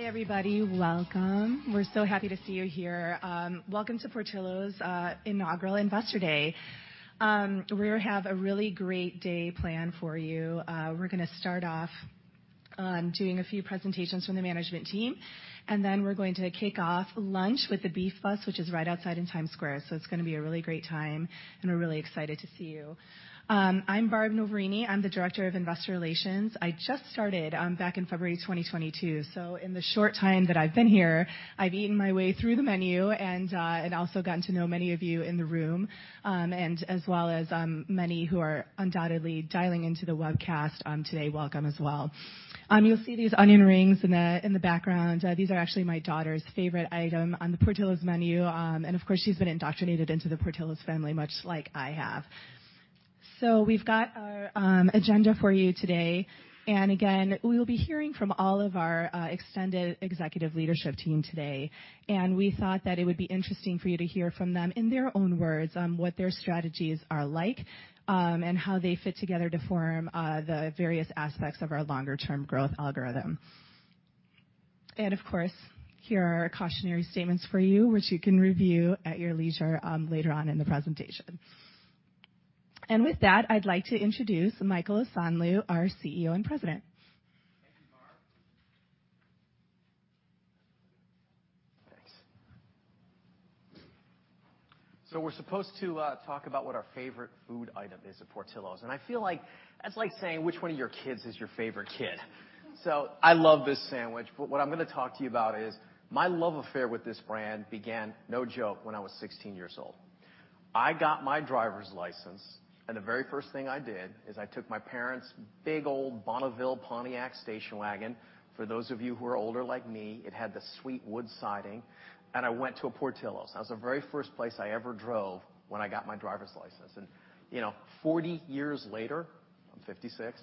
Hi, everybody. Welcome. We're so happy to see you here. Welcome to Portillo's inaugural Investor Day. We have a really great day planned for you. We're gonna start off doing a few presentations from the management team, and then we're going to kick off lunch with the Beef Bus, which is right outside in Times Square. It's gonna be a really great time, and we're really excited to see you. I'm Barb Noverini, the Director of Investor Relations. I just started back in February 2022, so in the short time that I've been here, I've eaten my way through the menu, and also gotten to know many of you in the room, and as well as many who are undoubtedly dialing into the webcast today. Welcome as well. You'll see these onion rings in the background. These are actually my daughter's favorite item on the Portillo's menu, and of course, she's been indoctrinated into the Portillo's family, much like I have. We've got our agenda for you today. Again, we'll be hearing from all of our extended executive leadership team today. We thought that it would be interesting for you to hear from them in their own words on what their strategies are like, and how they fit together to form the various aspects of our longer term growth algorithm. Of course, here are our cautionary statements for you, which you can review at your leisure later on in the presentation. With that, I'd like to introduce Michael Osanloo, our CEO and President. Thank you, Barb. Thanks. We're supposed to talk about what our favorite food item is at Portillo's, and I feel like that's like saying which one of your kids is your favorite kid. I love this sandwich, but what I'm gonna talk to you about is my love affair with this brand began, no joke, when I was 16 years old. I got my driver's license, and the very first thing I did is I took my parents' big old Pontiac Bonneville station wagon. For those of you who are older like me, it had the sweet wood siding, and I went to a Portillo's. That was the very first place I ever drove when I got my driver's license. You know, 40 years later, I'm 56.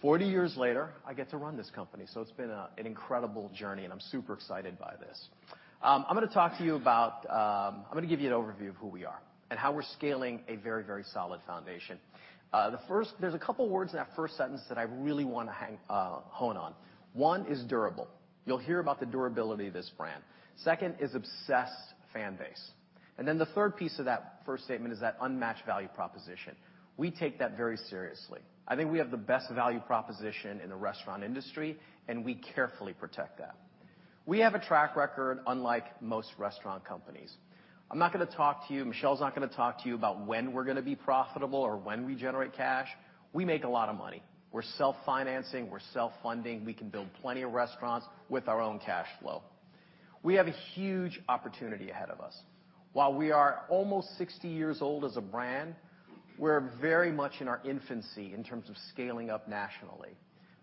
40 years later, I get to run this company. It's been an incredible journey, and I'm super excited by this. I'm gonna give you an overview of who we are and how we're scaling a very, very solid foundation. There's a couple words in that first sentence that I really wanna hone in on. One is durable. You'll hear about the durability of this brand. Second is obsessed fan base. Then the third piece of that first statement is that unmatched value proposition. We take that very seriously. I think we have the best value proposition in the restaurant industry, and we carefully protect that. We have a track record unlike most restaurant companies. I'm not gonna talk to you, Michelle's not gonna talk to you about when we're gonna be profitable or when we generate cash. We make a lot of money. We're self-financing, we're self-funding. We can build plenty of restaurants with our own cash flow. We have a huge opportunity ahead of us. While we are almost 60 years old as a brand, we're very much in our infancy in terms of scaling up nationally.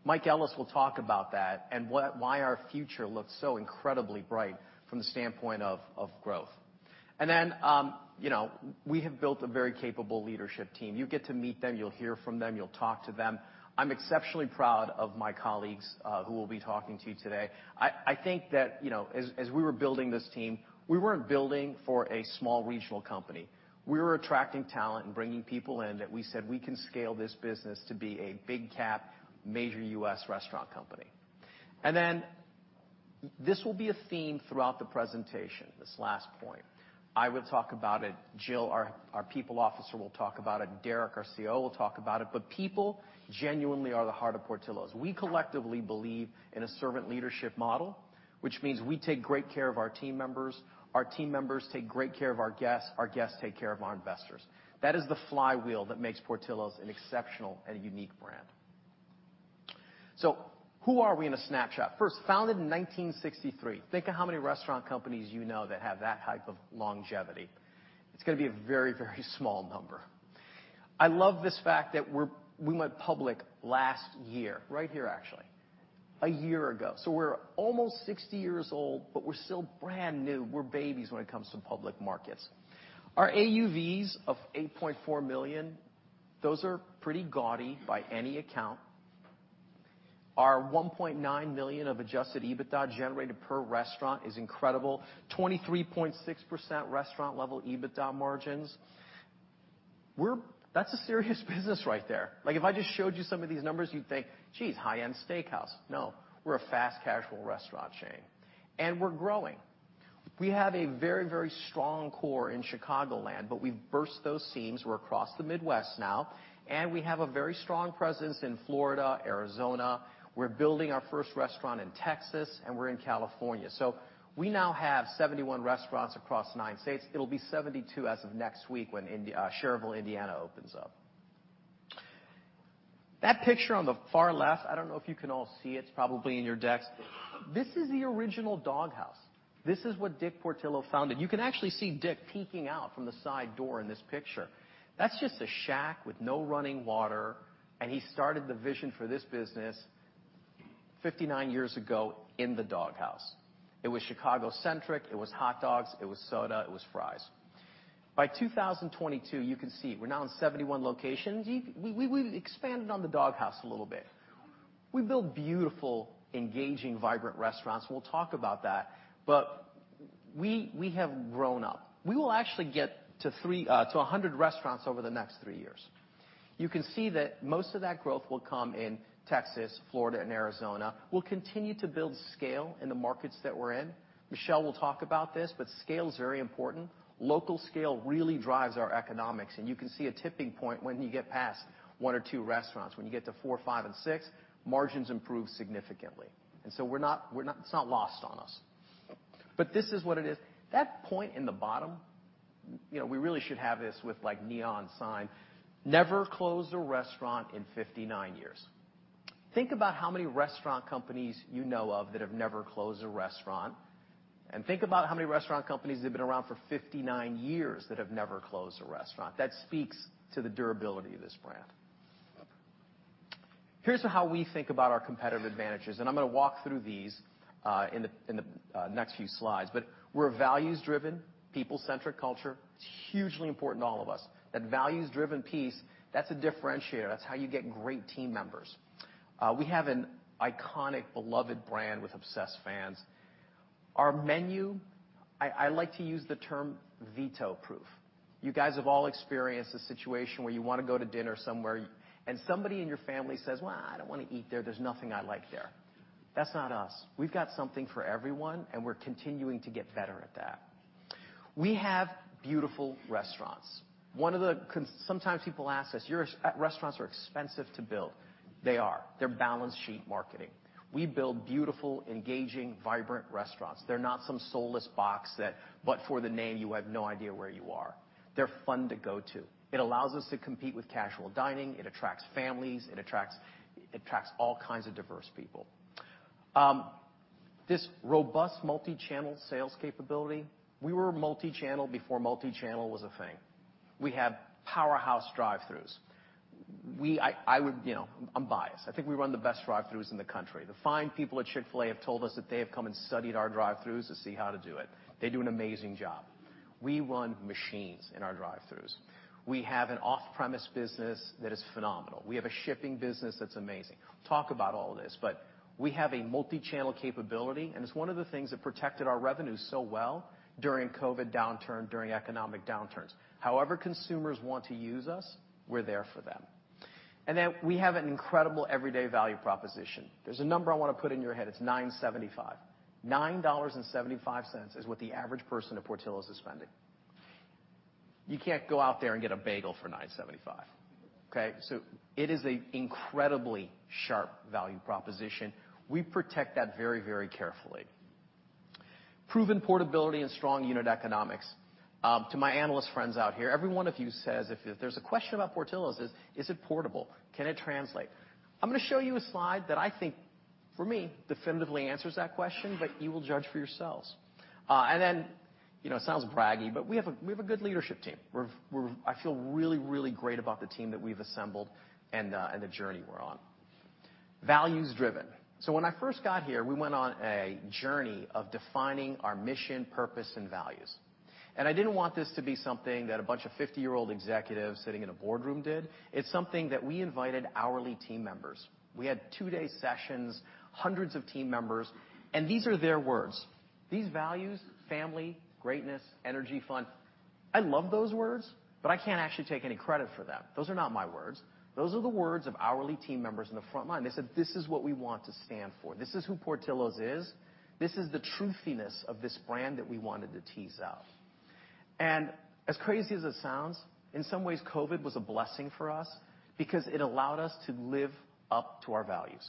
Mike Ellis will talk about that and why our future looks so incredibly bright from the standpoint of growth. You know, we have built a very capable leadership team. You get to meet them, you'll hear from them, you'll talk to them. I'm exceptionally proud of my colleagues who will be talking to you today. I think that, you know, as we were building this team, we weren't building for a small regional company. We were attracting talent and bringing people in that we said, "We can scale this business to be a big cap, major U.S. restaurant company." Then this will be a theme throughout the presentation, this last point. I will talk about it. Jill, our People Officer, will talk about it. Derek, our CEO, will talk about it. People genuinely are the heart of Portillo's. We collectively believe in a servant leadership model, which means we take great care of our team members, our team members take great care of our guests, our guests take care of our investors. That is the flywheel that makes Portillo's an exceptional and unique brand. Who are we in a snapshot? First, founded in 1963. Think of how many restaurant companies you know that have that type of longevity. It's gonna be a very, very small number. I love this fact that we went public last year, right here actually, a year ago. We're almost 60 years old, but we're still brand new. We're babies when it comes to public markets. Our AUVs of $8.4 million, those are pretty gaudy by any account. Our $1.9 million of adjusted EBITDA generated per restaurant is incredible. 23.6% restaurant-level EBITDA margins. That's a serious business right there. Like, if I just showed you some of these numbers, you'd think, "Geez, high-end steakhouse." No, we're a fast casual restaurant chain, and we're growing. We have a very, very strong core in Chicagoland, but we've burst those seams. We're across the Midwest now, and we have a very strong presence in Florida, Arizona. We're building our first restaurant in Texas, and we're in California. We now have 71 restaurants across 9 states. It'll be 72 as of next week when Schererville, Indiana opens up. That picture on the far left, I don't know if you can all see it's probably in your decks. This is the original doghouse. This is what Dick Portillo founded. You can actually see Dick peeking out from the side door in this picture. That's just a shack with no running water, and he started the vision for this business 59 years ago in the doghouse. It was Chicago centric. It was hot dogs. It was soda. It was fries. By 2022, you can see we're now in 71 locations. We've expanded on the doghouse a little bit. We build beautiful, engaging, vibrant restaurants. We'll talk about that. We have grown up. We will actually get to 3 to 100 restaurants over the next 3 years. You can see that most of that growth will come in Texas, Florida, and Arizona. We'll continue to build scale in the markets that we're in. Michelle will talk about this, but scale is very important. Local scale really drives our economics, and you can see a tipping point when you get past 1 or 2 restaurants. When you get to 4, 5, and 6, margins improve significantly. It's not lost on us. This is what it is. That point in the bottom, you know, we really should have this with, like, neon sign. Never closed a restaurant in 59 years. Think about how many restaurant companies you know of that have never closed a restaurant, and think about how many restaurant companies that have been around for 59 years that have never closed a restaurant. That speaks to the durability of this brand. Here's how we think about our competitive advantages, and I'm gonna walk through these in the next few slides. We're a values-driven, people-centric culture. It's hugely important to all of us. That values-driven piece, that's a differentiator. That's how you get great team members. We have an iconic, beloved brand with obsessed fans. Our menu, I like to use the term veto-proof. You guys have all experienced a situation where you wanna go to dinner somewhere, and somebody in your family says, "Well, I don't wanna eat there. There's nothing I like there." That's not us. We've got something for everyone, and we're continuing to get better at that. We have beautiful restaurants. Sometimes people ask us, "Your restaurants are expensive to build." They are. They're balance sheet marketing. We build beautiful, engaging, vibrant restaurants. They're not some soulless box that, but for the name, you have no idea where you are. They're fun to go to. It allows us to compete with casual dining. It attracts families. It attracts all kinds of diverse people. This robust multi-channel sales capability, we were multi-channel before multi-channel was a thing. We have powerhouse drive-throughs. I would, you know, I'm biased. I think we run the best drive-throughs in the country. The fine people at Chick-fil-A have told us that they have come and studied our drive-throughs to see how to do it. They do an amazing job. We run machines in our drive-throughs. We have an off-premise business that is phenomenal. We have a shipping business that's amazing. Talk about all this, but we have a multi-channel capability, and it's one of the things that protected our revenue so well during COVID downturn, during economic downturns. However consumers want to use us, we're there for them. We have an incredible everyday value proposition. There's a number I wanna put in your head. It's $9.75. $9.75 is what the average person at Portillo's is spending. You can't go out there and get a bagel for $9.75, okay? It is an incredibly sharp value proposition. We protect that very, very carefully. Proven portability and strong unit economics. To my analyst friends out here, every one of you says if there's a question about Portillo's, is it portable? Can it translate? I'm gonna show you a slide that I think, for me, definitively answers that question, but you will judge for yourselves. Then, it sounds braggy, but we have a good leadership team. I feel really, really great about the team that we've assembled and the journey we're on. Values-driven. When I first got here, we went on a journey of defining our mission, purpose, and values. I didn't want this to be something that a bunch of fifty-year-old executives sitting in a boardroom did. It's something that we invited hourly team members. We had two-day sessions, hundreds of team members, and these are their words. These values, family, greatness, energy, fun, I love those words, but I can't actually take any credit for them. Those are not my words. Those are the words of hourly team members in the front line. They said, "This is what we want to stand for. This is who Portillo's is. This is the truthiness of this brand that we wanted to tease out." As crazy as it sounds, in some ways, COVID was a blessing for us because it allowed us to live up to our values.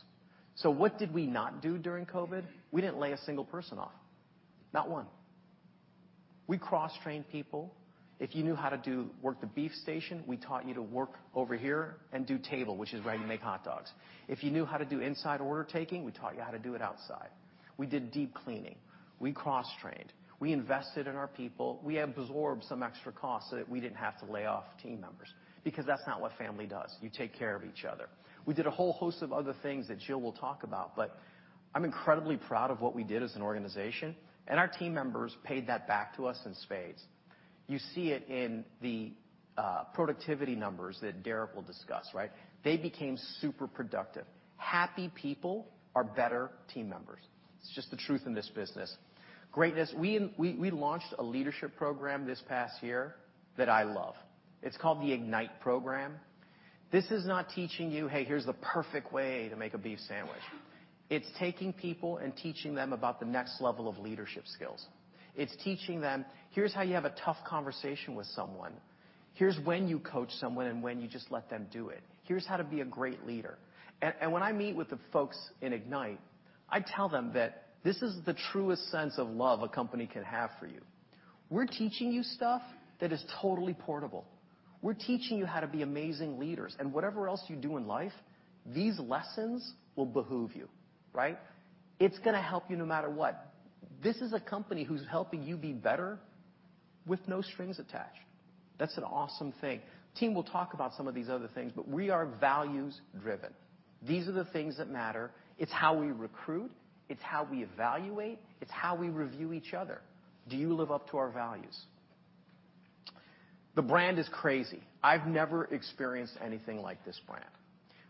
What did we not do during COVID? We didn't lay a single person off. Not one. We cross-trained people. If you knew how to do the beef station, we taught you to work over here and do table, which is where you make hot dogs. If you knew how to do inside order taking, we taught you how to do it outside. We did deep cleaning. We cross-trained. We invested in our people. We absorbed some extra costs, so that we didn't have to lay off team members because that's not what family does. You take care of each other. We did a whole host of other things that Jill will talk about, but I'm incredibly proud of what we did as an organization, and our team members paid that back to us in spades. You see it in the productivity numbers that Derek will discuss, right? They became super productive. Happy people are better team members. It's just the truth in this business. Greatness. We launched a leadership program this past year that I love. It's called the Ignite program. This is not teaching you, hey, here's the perfect way to make a beef sandwich. It's taking people and teaching them about the next level of leadership skills. It's teaching them, here's how you have a tough conversation with someone. Here's when you coach someone and when you just let them do it. Here's how to be a great leader. When I meet with the folks in Ignite, I tell them that this is the truest sense of love a company can have for you. We're teaching you stuff that is totally portable. We're teaching you how to be amazing leaders, and whatever else you do in life, these lessons will behoove you, right? It's gonna help you no matter what. This is a company who's helping you be better with no strings attached. That's an awesome thing. Team will talk about some of these other things, but we are values-driven. These are the things that matter. It's how we recruit. It's how we evaluate. It's how we review each other. Do you live up to our values? The brand is crazy. I've never experienced anything like this brand.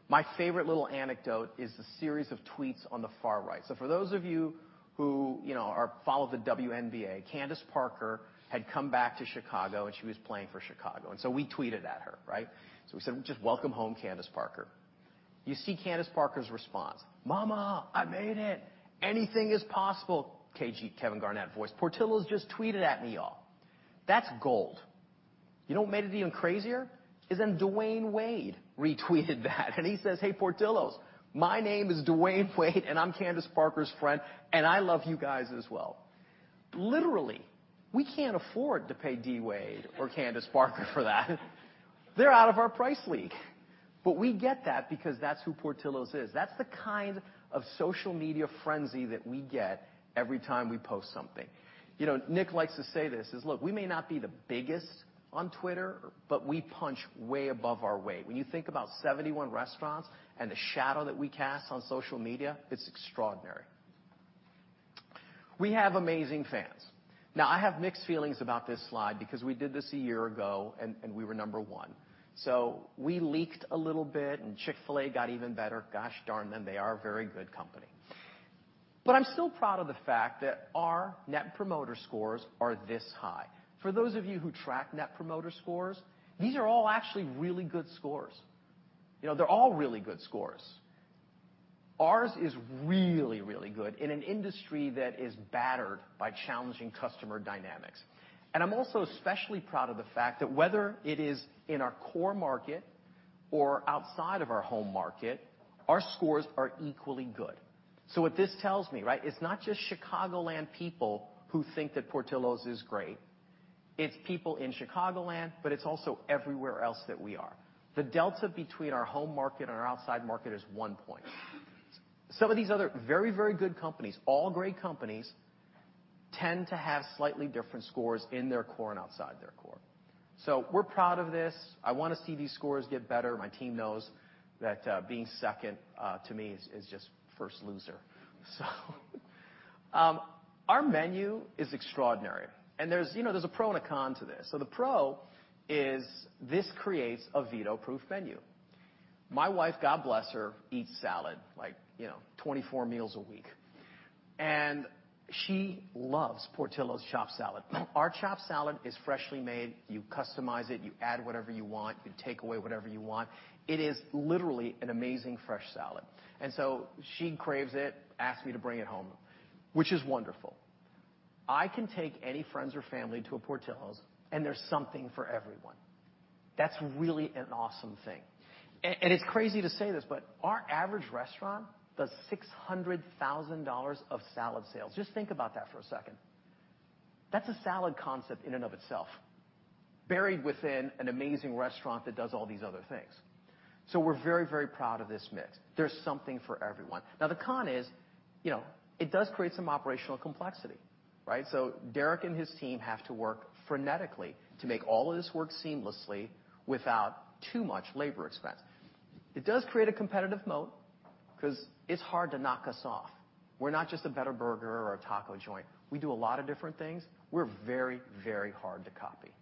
My favorite little anecdote is the series of tweets on the far right. For those of you who, you know, follow the WNBA, Candace Parker had come back to Chicago, and she was playing for Chicago, and so we tweeted at her, right? We said, "Just welcome home, Candace Parker." You see Candace Parker's response. "Mama, I made it. Anything is possible." KG, Kevin Garnett voice. "Portillo's just tweeted at me, y'all." That's gold. You know what made it even crazier? Is then Dwyane Wade retweeted that, and he says, "Hey, Portillo's, my name is Dwyane Wade, and I'm Candace Parker's friend, and I love you guys as well." Literally, we can't afford to pay D. Wade or Candace Parker for that. They're out of our price league. We get that because that's who Portillo's is. That's the kind of social media frenzy that we get every time we post something. You know, Nick likes to say this, is, "Look, we may not be the biggest on Twitter, but we punch way above our weight." When you think about 71 restaurants and the shadow that we cast on social media, it's extraordinary. We have amazing fans. Now, I have mixed feelings about this slide because we did this a year ago and we were number one. We leaked a little bit, and Chick-fil-A got even better. Gosh darn them. They are a very good company. I'm still proud of the fact that our Net Promoter Scores are this high. For those of you who track Net Promoter Scores, these are all actually really good scores. You know, they're all really good scores. Ours is really, really good in an industry that is battered by challenging customer dynamics. I'm also especially proud of the fact that whether it is in our core market or outside of our home market, our scores are equally good. What this tells me, right, it's not just Chicagoland people who think that Portillo's is great. It's people in Chicagoland, but it's also everywhere else that we are. The delta between our home market and our outside market is one point. Some of these other very, very good companies, all great companies, tend to have slightly different scores in their core and outside their core. We're proud of this. I wanna see these scores get better. My team knows that being second to me is just first loser. Our menu is extraordinary. There's, you know, there's a pro and a con to this. The pro is this creates a veto-proof menu. My wife, God bless her, eats salad like, you know, 24 meals a week, and she loves Portillo's Chopped Salad. Our Chopped Salad is freshly made. You customize it. You add whatever you want. You take away whatever you want. It is literally an amazing fresh salad. She craves it, asks me to bring it home, which is wonderful. I can take any friends or family to a Portillo's, and there's something for everyone. That's really an awesome thing. It's crazy to say this, but our average restaurant does $600,000 of salad sales. Just think about that for a second. That's a salad concept in and of itself, buried within an amazing restaurant that does all these other things. We're very, very proud of this mix. There's something for everyone. Now, the con is, you know, it does create some operational complexity, right? Derek and his team have to work frenetically to make all of this work seamlessly without too much labor expense. It does create a competitive moat 'cause it's hard to knock us off. We're not just a better burger or a taco joint. We do a lot of different things. We're very, very hard to copy.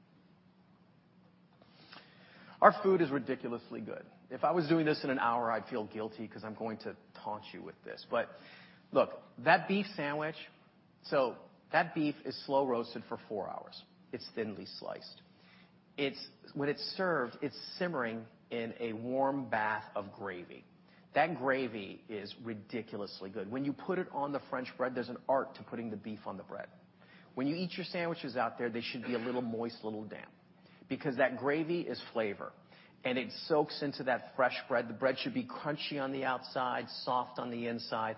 Our food is ridiculously good. If I was doing this in an hour, I'd feel guilty 'cause I'm going to taunt you with this. Look, that beef sandwich. So that beef is slow-roasted for four hours. It's thinly sliced. When it's served, it's simmering in a warm bath of gravy. That gravy is ridiculously good. When you put it on the French bread, there's an art to putting the beef on the bread. When you eat your sandwiches out there, they should be a little moist, a little damp because that gravy is flavor, and it soaks into that fresh bread. The bread should be crunchy on the outside, soft on the inside.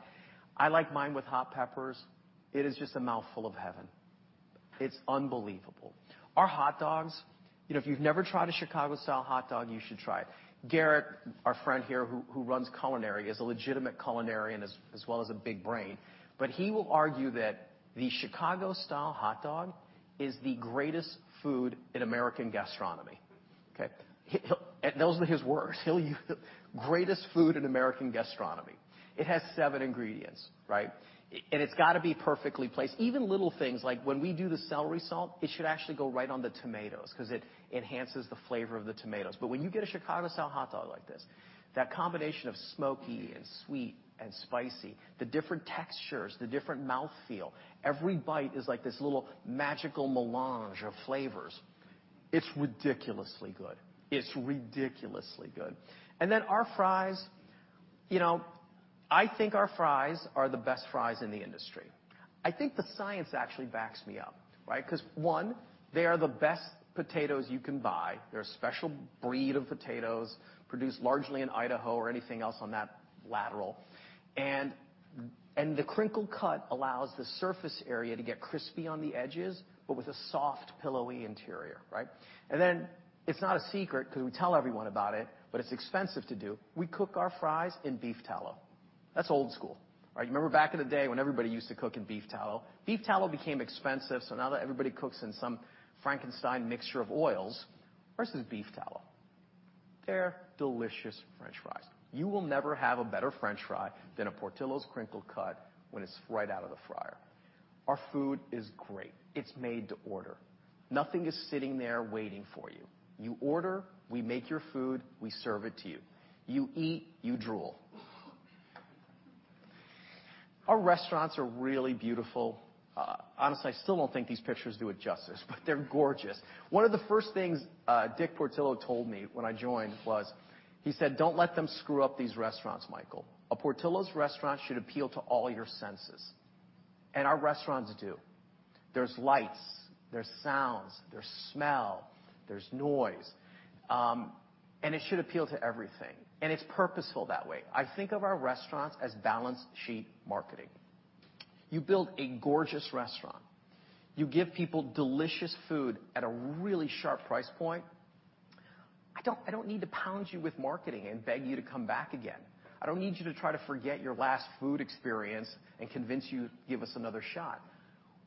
I like mine with hot peppers. It is just a mouthful of heaven. It's unbelievable. Our hot dogs, you know, if you've never tried a Chicago-style hot dog, you should try it. Garrett, our friend here who runs culinary, is a legitimate culinarian as well as a big brain, but he will argue that the Chicago-style hot dog is the greatest food in American gastronomy. Okay. Those are his words. He'll use the greatest food in American gastronomy. It has seven ingredients, right? It's gotta be perfectly placed. Even little things like when we do the celery salt, it should actually go right on the tomatoes 'cause it enhances the flavor of the tomatoes. But when you get a Chicago-style hot dog like this, that combination of smoky and sweet and spicy, the different textures, the different mouthfeel, every bite is like this little magical melange of flavors. It's ridiculously good. Our fries, you know, I think our fries are the best fries in the industry. I think the science actually backs me up, right? 'Cause one, they are the best potatoes you can buy. They're a special breed of potatoes produced largely in Idaho or anything else on that lateral. The crinkle cut allows the surface area to get crispy on the edges but with a soft pillowy interior, right? It's not a secret 'cause we tell everyone about it, but it's expensive to do. We cook our fries in beef tallow. That's old school. Right? You remember back in the day when everybody used to cook in beef tallow? Beef tallow became expensive, so now that everybody cooks in some Frankenstein mixture of oils versus beef tallow. They're delicious French fries. You will never have a better French fry than a Portillo's crinkle cut when it's right out of the fryer. Our food is great. It's made to order. Nothing is sitting there waiting for you. You order, we make your food, we serve it to you. You eat, you drool. Our restaurants are really beautiful. Honestly, I still don't think these pictures do it justice, but they're gorgeous. One of the first things, Dick Portillo told me when I joined was, he said, "Don't let them screw up these restaurants, Michael. A Portillo's restaurant should appeal to all your senses." Our restaurants do. There's lights, there's sounds, there's smell, there's noise, and it should appeal to everything. It's purposeful that way. I think of our restaurants as balance sheet marketing. You build a gorgeous restaurant. You give people delicious food at a really sharp price point. I don't need to pound you with marketing and beg you to come back again. I don't need you to try to forget your last food experience and convince you to give us another shot.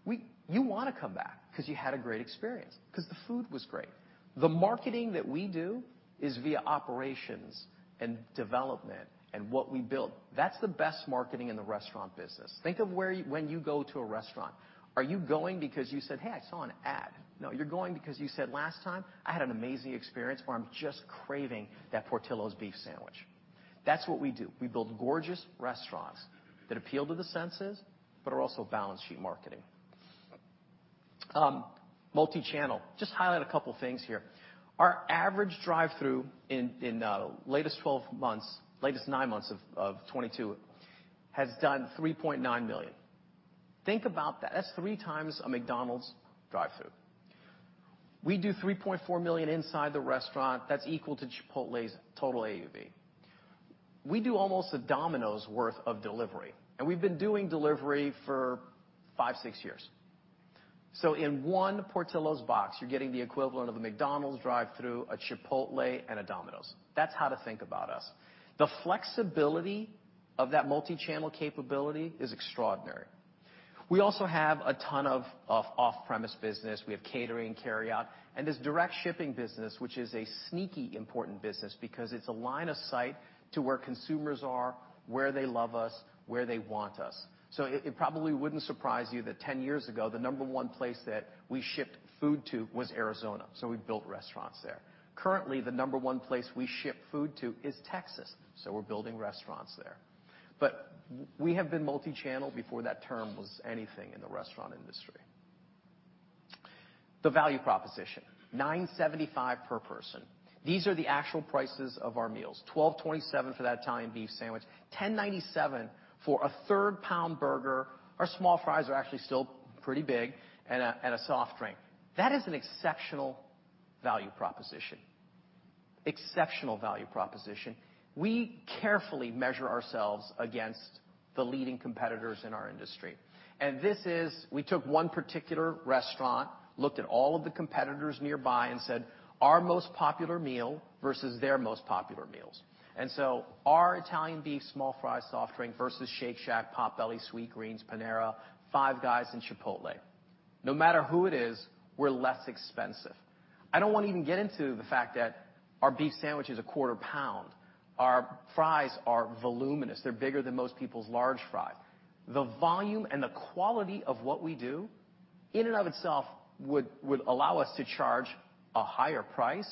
You wanna come back 'cause you had a great experience, 'cause the food was great. The marketing that we do is via operations and development and what we build. That's the best marketing in the restaurant business. Think of when you go to a restaurant, are you going because you said, "Hey, I saw an ad"? No, you're going because you said, "Last time, I had an amazing experience," or, "I'm just craving that Portillo's beef sandwich." That's what we do. We build gorgeous restaurants that appeal to the senses but are also balance sheet marketing. Multi-channel. Just highlight a couple things here. Our average drive-through in the latest nine months of 2022 has done $3.9 million. Think about that. That's three times a McDonald's drive-through. We do $3.4 million inside the restaurant. That's equal to Chipotle's total AUV. We do almost a Domino's worth of delivery, and we've been doing delivery for five, six years. In one Portillo's box, you're getting the equivalent of a McDonald's drive-through, a Chipotle, and a Domino's. That's how to think about us. The flexibility of that multi-channel capability is extraordinary. We also have a ton of off-premise business. We have catering, carryout, and this direct shipping business, which is a sneaky important business because it's a line of sight to where consumers are, where they love us, where they want us. It probably wouldn't surprise you that 10 years ago, the number one place that we shipped food to was Arizona. We built restaurants there. Currently, the number one place we ship food to is Texas, so we're building restaurants there. We have been multi-channel before that term was anything in the restaurant industry. The value proposition, $9.75 per person. These are the actual prices of our meals. $12.27 for that Italian beef sandwich, $10.97 for a third-pound burger. Our small fries are actually still pretty big, and a soft drink. That is an exceptional value proposition. Exceptional value proposition. We carefully measure ourselves against the leading competitors in our industry. This is. We took one particular restaurant, looked at all of the competitors nearby, and said, "Our most popular meal versus their most popular meals." Our Italian beef, small fries, soft drink versus Shake Shack, Potbelly, Sweetgreen, Panera, Five Guys and Chipotle. No matter who it is, we're less expensive. I don't wanna even get into the fact that our beef sandwich is a quarter pound. Our fries are voluminous. They're bigger than most people's large fry. The volume and the quality of what we do in and of itself would allow us to charge a higher price,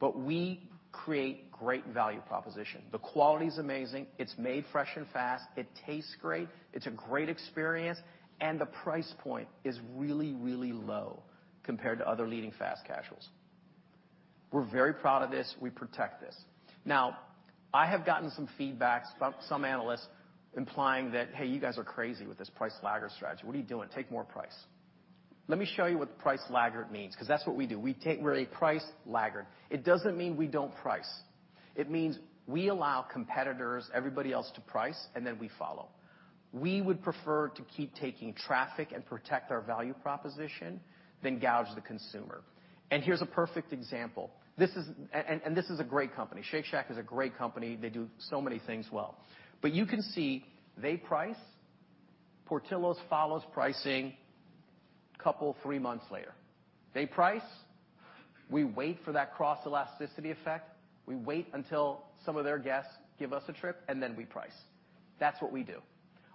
but we create great value proposition. The quality's amazing. It's made fresh and fast. It tastes great. It's a great experience, and the price point is really, really low compared to other leading fast casuals. We're very proud of this. We protect this. Now, I have gotten some feedback from some analysts implying that, "Hey, you guys are crazy with this price lagger strategy. What are you doing? Take more price." Let me show you what the price lagger means, 'cause that's what we do. We're a price lagger. It doesn't mean we don't price. It means we allow competitors, everybody else to price, and then we follow. We would prefer to keep taking traffic and protect our value proposition than gouge the consumer. Here's a perfect example. This is a great company. Shake Shack is a great company. They do so many things well. You can see they price. Portillo's follows pricing couple, three months later. They price, we wait for that cross-elasticity effect, we wait until some of their guests give us a try, and then we price. That's what we do.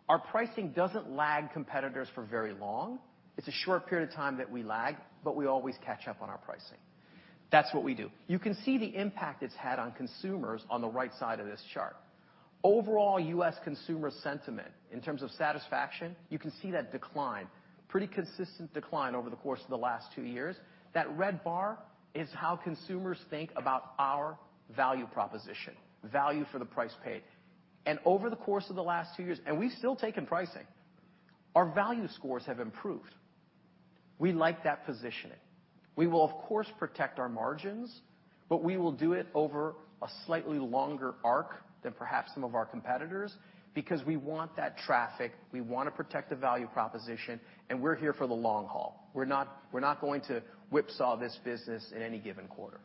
Our pricing doesn't lag competitors for very long. It's a short period of time that we lag, but we always catch up on our pricing. That's what we do. You can see the impact it's had on consumers on the right side of this chart. Overall, U.S. consumer sentiment in terms of satisfaction, you can see that decline. Pretty consistent decline over the course of the last two years. That red bar is how consumers think about our value proposition, value for the price paid. Over the course of the last two years we've still taken pricing. Our value scores have improved. We like that positioning. We will, of course, protect our margins, but we will do it over a slightly longer arc than perhaps some of our competitors because we want that traffic, we wanna protect the value proposition, and we're here for the long haul. We're not going to whipsaw this business in any given quarter.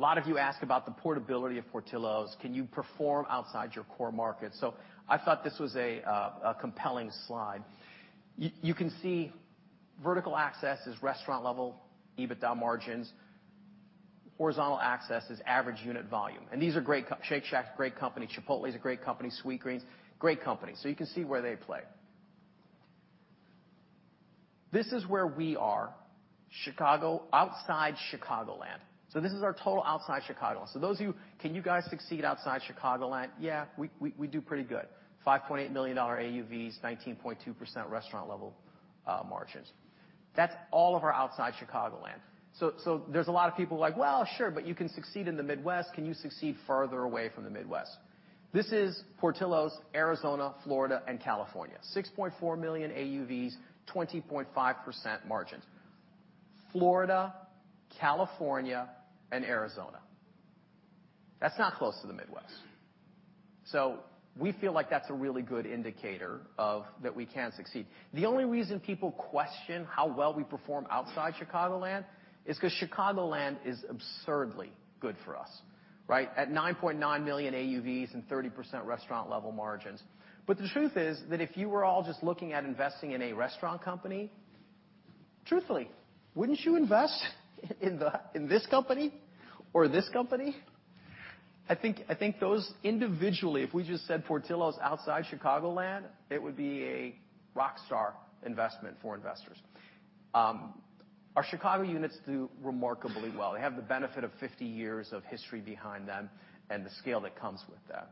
A lot of you ask about the portability of Portillo's. Can you perform outside your core market? I thought this was a compelling slide. You can see vertical axis is restaurant-level EBITDA margins. Horizontal axis is average unit volume. These are great. Shake Shack is a great company. Chipotle is a great company. Sweetgreen, great company. You can see where they play. This is where we are. Chicago, outside Chicagoland. This is our total outside Chicago. Those of you, "Can you guys succeed outside Chicagoland?" Yeah. We do pretty good. $5.8 million AUVs, 19.2% restaurant-level margins. That's all of our outside Chicagoland. There's a lot of people who are like, "Well, sure, but you can succeed in the Midwest. Can you succeed further away from the Midwest?" This is Portillo's Arizona, Florida, and California. $6.4 million AUVs, 20.5% margins. Florida, California, and Arizona. That's not close to the Midwest. We feel like that's a really good indicator of that we can succeed. The only reason people question how well we perform outside Chicagoland is 'cause Chicagoland is absurdly good for us, right? At $9.9 million AUVs and 30% restaurant-level margins. The truth is that if you were all just looking at investing in a restaurant company, truthfully, wouldn't you invest in the in this company or this company? I think those individually, if we just said Portillo's outside Chicagoland, it would be a rockstar investment for investors. Our Chicago units do remarkably well. They have the benefit of 50 years of history behind them and the scale that comes with that.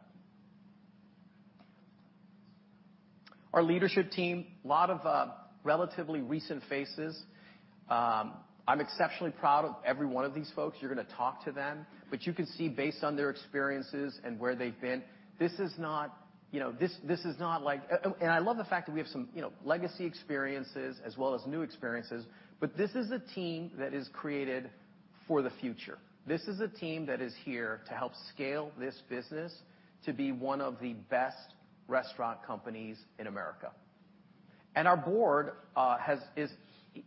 Our leadership team, lot of, relatively recent faces. I'm exceptionally proud of every one of these folks. You're gonna talk to them, but you can see based on their experiences and where they've been, this is not, you know, this is not like and I love the fact that we have some, you know, legacy experiences as well as new experiences, but this is a team that is created for the future. This is a team that is here to help scale this business to be one of the best restaurant companies in America. Our board is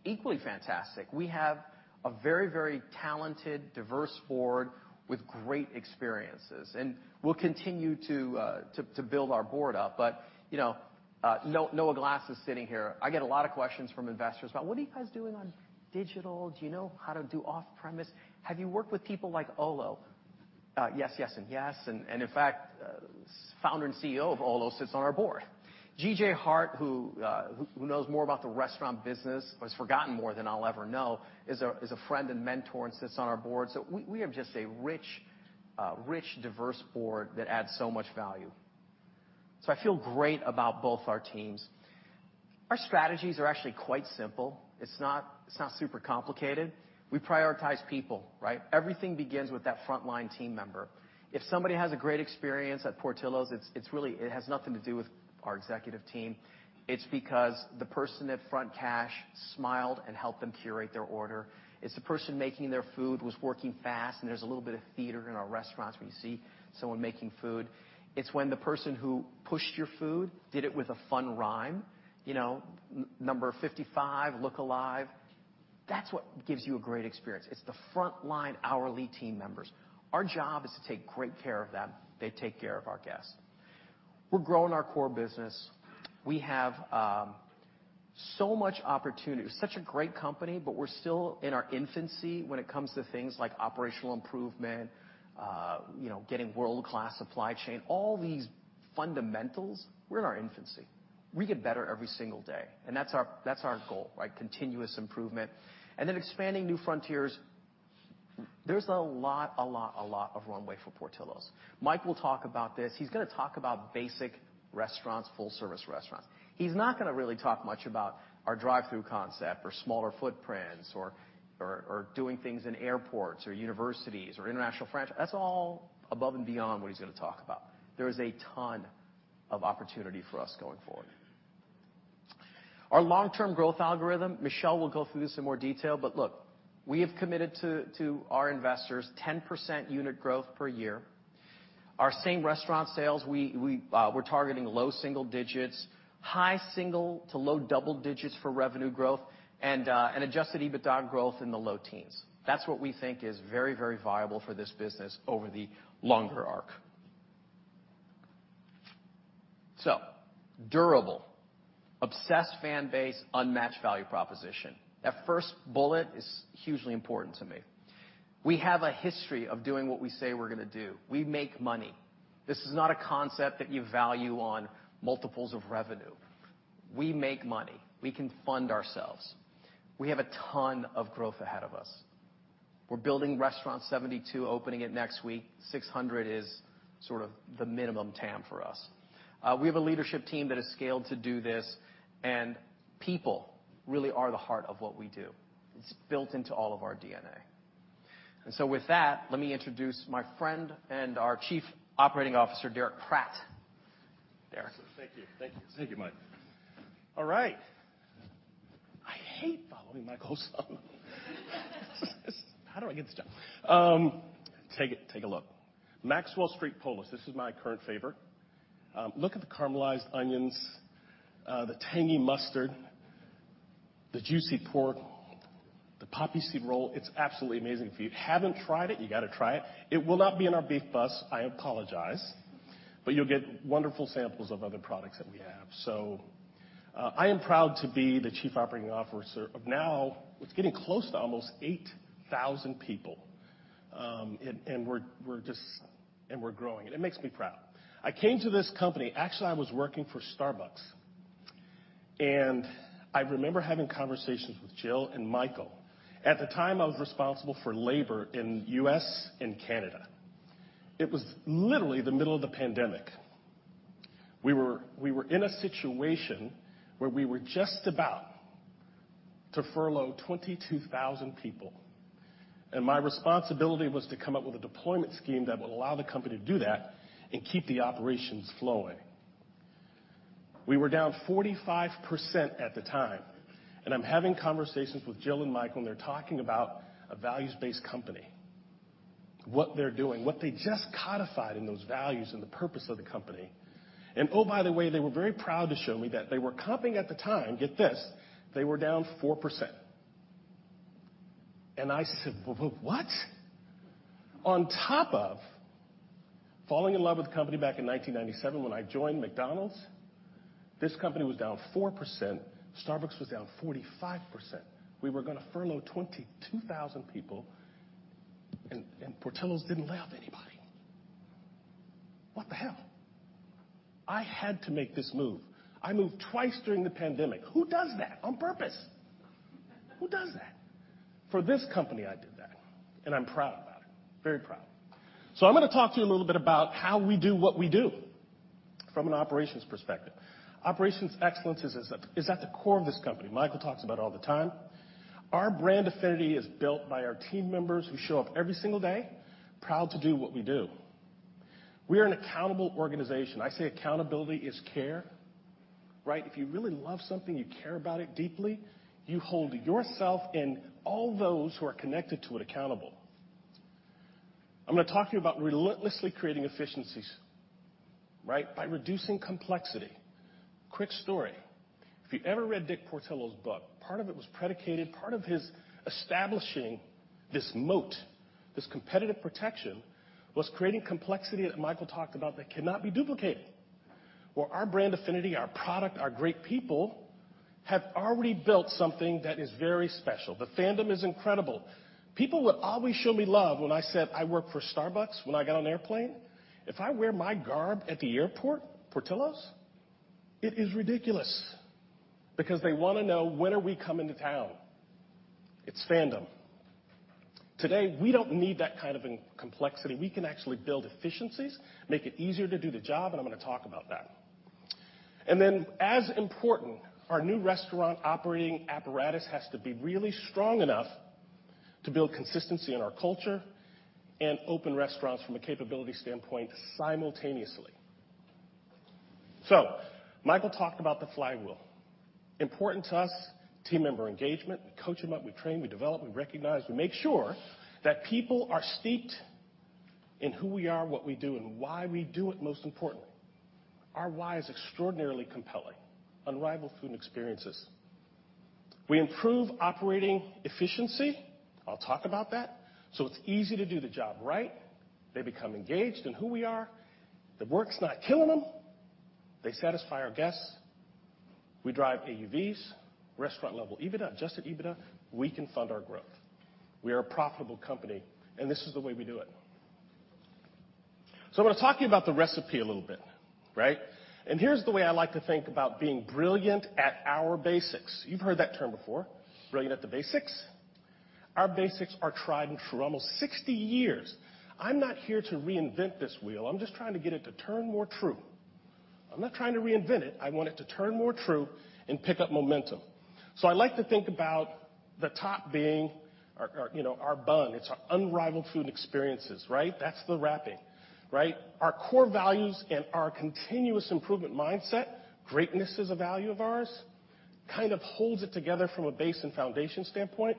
equally fantastic. We have a very, very talented, diverse board with great experiences. We'll continue to build our board up. You know, Noah Glass is sitting here. I get a lot of questions from investors about, "What are you guys doing on digital? Do you know how to do off-premise? Have you worked with people like Olo?" Yes, yes, and yes, and in fact, founder and CEO of Olo sits on our board. G.J. Hart, who knows more about the restaurant business, or has forgotten more than I'll ever know, is a friend and mentor and sits on our board. We have just a rich, diverse board that adds so much value. I feel great about both our teams. Our strategies are actually quite simple. It's not super complicated. We prioritize people, right? Everything begins with that frontline team member. If somebody has a great experience at Portillo's, it's really. It has nothing to do with our executive team. It's because the person at front cash smiled and helped them curate their order. It's the person making their food was working fast, and there's a little bit of theater in our restaurants where you see someone making food. It's when the person who pushed your food did it with a fun rhyme. You know, "Number 55, look alive." That's what gives you a great experience. It's the frontline hourly team members. Our job is to take great care of them. They take care of our guests. We're growing our core business. We have so much opportunity. Such a great company, but we're still in our infancy when it comes to things like operational improvement, getting world-class supply chain. All these fundamentals, we're in our infancy. We get better every single day, and that's our goal, right? Continuous improvement. Expanding new frontiers. There's a lot of runway for Portillo's. Mike will talk about this. He's gonna talk about basic restaurants, full-service restaurants. He's not gonna really talk much about our drive-through concept or smaller footprints or doing things in airports or universities. That's all above and beyond what he's gonna talk about. There is a ton of opportunity for us going forward. Our long-term growth algorithm, Michelle will go through this in more detail, but look, we have committed to our investors 10% unit growth per year. Our same-restaurant sales, we're targeting low single digits, high single- to low double-digit % for revenue growth, and an adjusted EBITDA growth in the low teens. That's what we think is very, very viable for this business over the longer arc. Durable, obsessed fan base, unmatched value proposition. That first bullet is hugely important to me. We have a history of doing what we say we're gonna do. We make money. This is not a concept that you value on multiples of revenue. We make money. We can fund ourselves. We have a ton of growth ahead of us. We're building restaurant 72, opening it next week. 600 is sort of the minimum TAM for us. We have a leadership team that is scaled to do this, and people really are the heart of what we do. It's built into all of our DNA. With that, let me introduce my friend and our Chief Operating Officer, Derrick Pratt. Derek. Thank you, Mike. All right. I hate following Michael Osanloo. How did I get this job? Take a look. Maxwell Street Polish. This is my current favorite. Look at the caramelized onions, the tangy mustard. The juicy pork, the poppy seed roll, it's absolutely amazing. If you haven't tried it, you gotta try it. It will not be in our Beef Bus, I apologize, but you'll get wonderful samples of other products that we have. I am proud to be the Chief Operating Officer of now, it's getting close to almost 8,000 people. We're growing, and it makes me proud. I came to this company. Actually, I was working for Starbucks, and I remember having conversations with Jill and Michael. At the time, I was responsible for labor in U.S. and Canada. It was literally the middle of the pandemic. We were in a situation where we were just about to furlough 22,000 people, and my responsibility was to come up with a deployment scheme that would allow the company to do that and keep the operations flowing. We were down 45% at the time, and I'm having conversations with Jill and Michael, and they're talking about a values-based company. What they're doing, what they just codified in those values and the purpose of the company. Oh, by the way, they were very proud to show me that they were comping at the time, get this, they were down 4%. I said, "Whoa, whoa, what?" On top of falling in love with the company back in 1997 when I joined McDonald's, this company was down 4%, Starbucks was down 45%. We were gonna furlough 22,000 people, and Portillo's didn't lay off anybody. What the hell? I had to make this move. I moved twice during the pandemic. Who does that on purpose? Who does that? For this company, I did that, and I'm proud about it. Very proud. I'm gonna talk to you a little bit about how we do what we do from an operations perspective. Operations excellence is at the core of this company. Michael talks about it all the time. Our brand affinity is built by our team members who show up every single day, proud to do what we do. We are an accountable organization. I say accountability is care, right? If you really love something, you care about it deeply, you hold yourself and all those who are connected to it accountable. I'm gonna talk to you about relentlessly creating efficiencies, right? By reducing complexity. Quick story. If you ever read Dick Portillo's book, part of it was predicated, part of his establishing this moat, this competitive protection was creating complexity that Michael talked about that cannot be duplicated. Well, our brand affinity, our product, our great people, have already built something that is very special. The fandom is incredible. People would always show me love when I said I worked for Starbucks when I got on an airplane. If I wear my garb at the airport, Portillo's, it is ridiculous because they wanna know when are we coming to town. It's fandom. Today, we don't need that kind of complexity. We can actually build efficiencies, make it easier to do the job, and I'm gonna talk about that. As important, our new restaurant operating apparatus has to be really strong enough to build consistency in our culture and open restaurants from a capability standpoint simultaneously. Michael talked about the flywheel. Important to us, team member engagement. We coach them up, we train, we develop, we recognize, we make sure that people are steeped in who we are, what we do, and why we do it, most importantly. Our why is extraordinarily compelling. Unrivaled food and experiences. We improve operating efficiency, I'll talk about that, so it's easy to do the job right. They become engaged in who we are. The work's not killing them. They satisfy our guests. We drive AUVs, restaurant-level EBITDA, adjusted EBITDA. We can fund our growth. We are a profitable company, and this is the way we do it. I wanna talk to you about the recipe a little bit, right? And here's the way I like to think about being brilliant at our basics. You've heard that term before, brilliant at the basics. Our basics are tried and true, almost 60 years. I'm not here to reinvent this wheel. I'm just trying to get it to turn more true. I'm not trying to reinvent it. I want it to turn more true and pick up momentum. I like to think about the top being our you know our bun. It's our unrivaled food experiences, right? That's the wrapping, right? Our core values and our continuous improvement mindset, greatness is a value of ours, kind of holds it together from a base and foundation standpoint,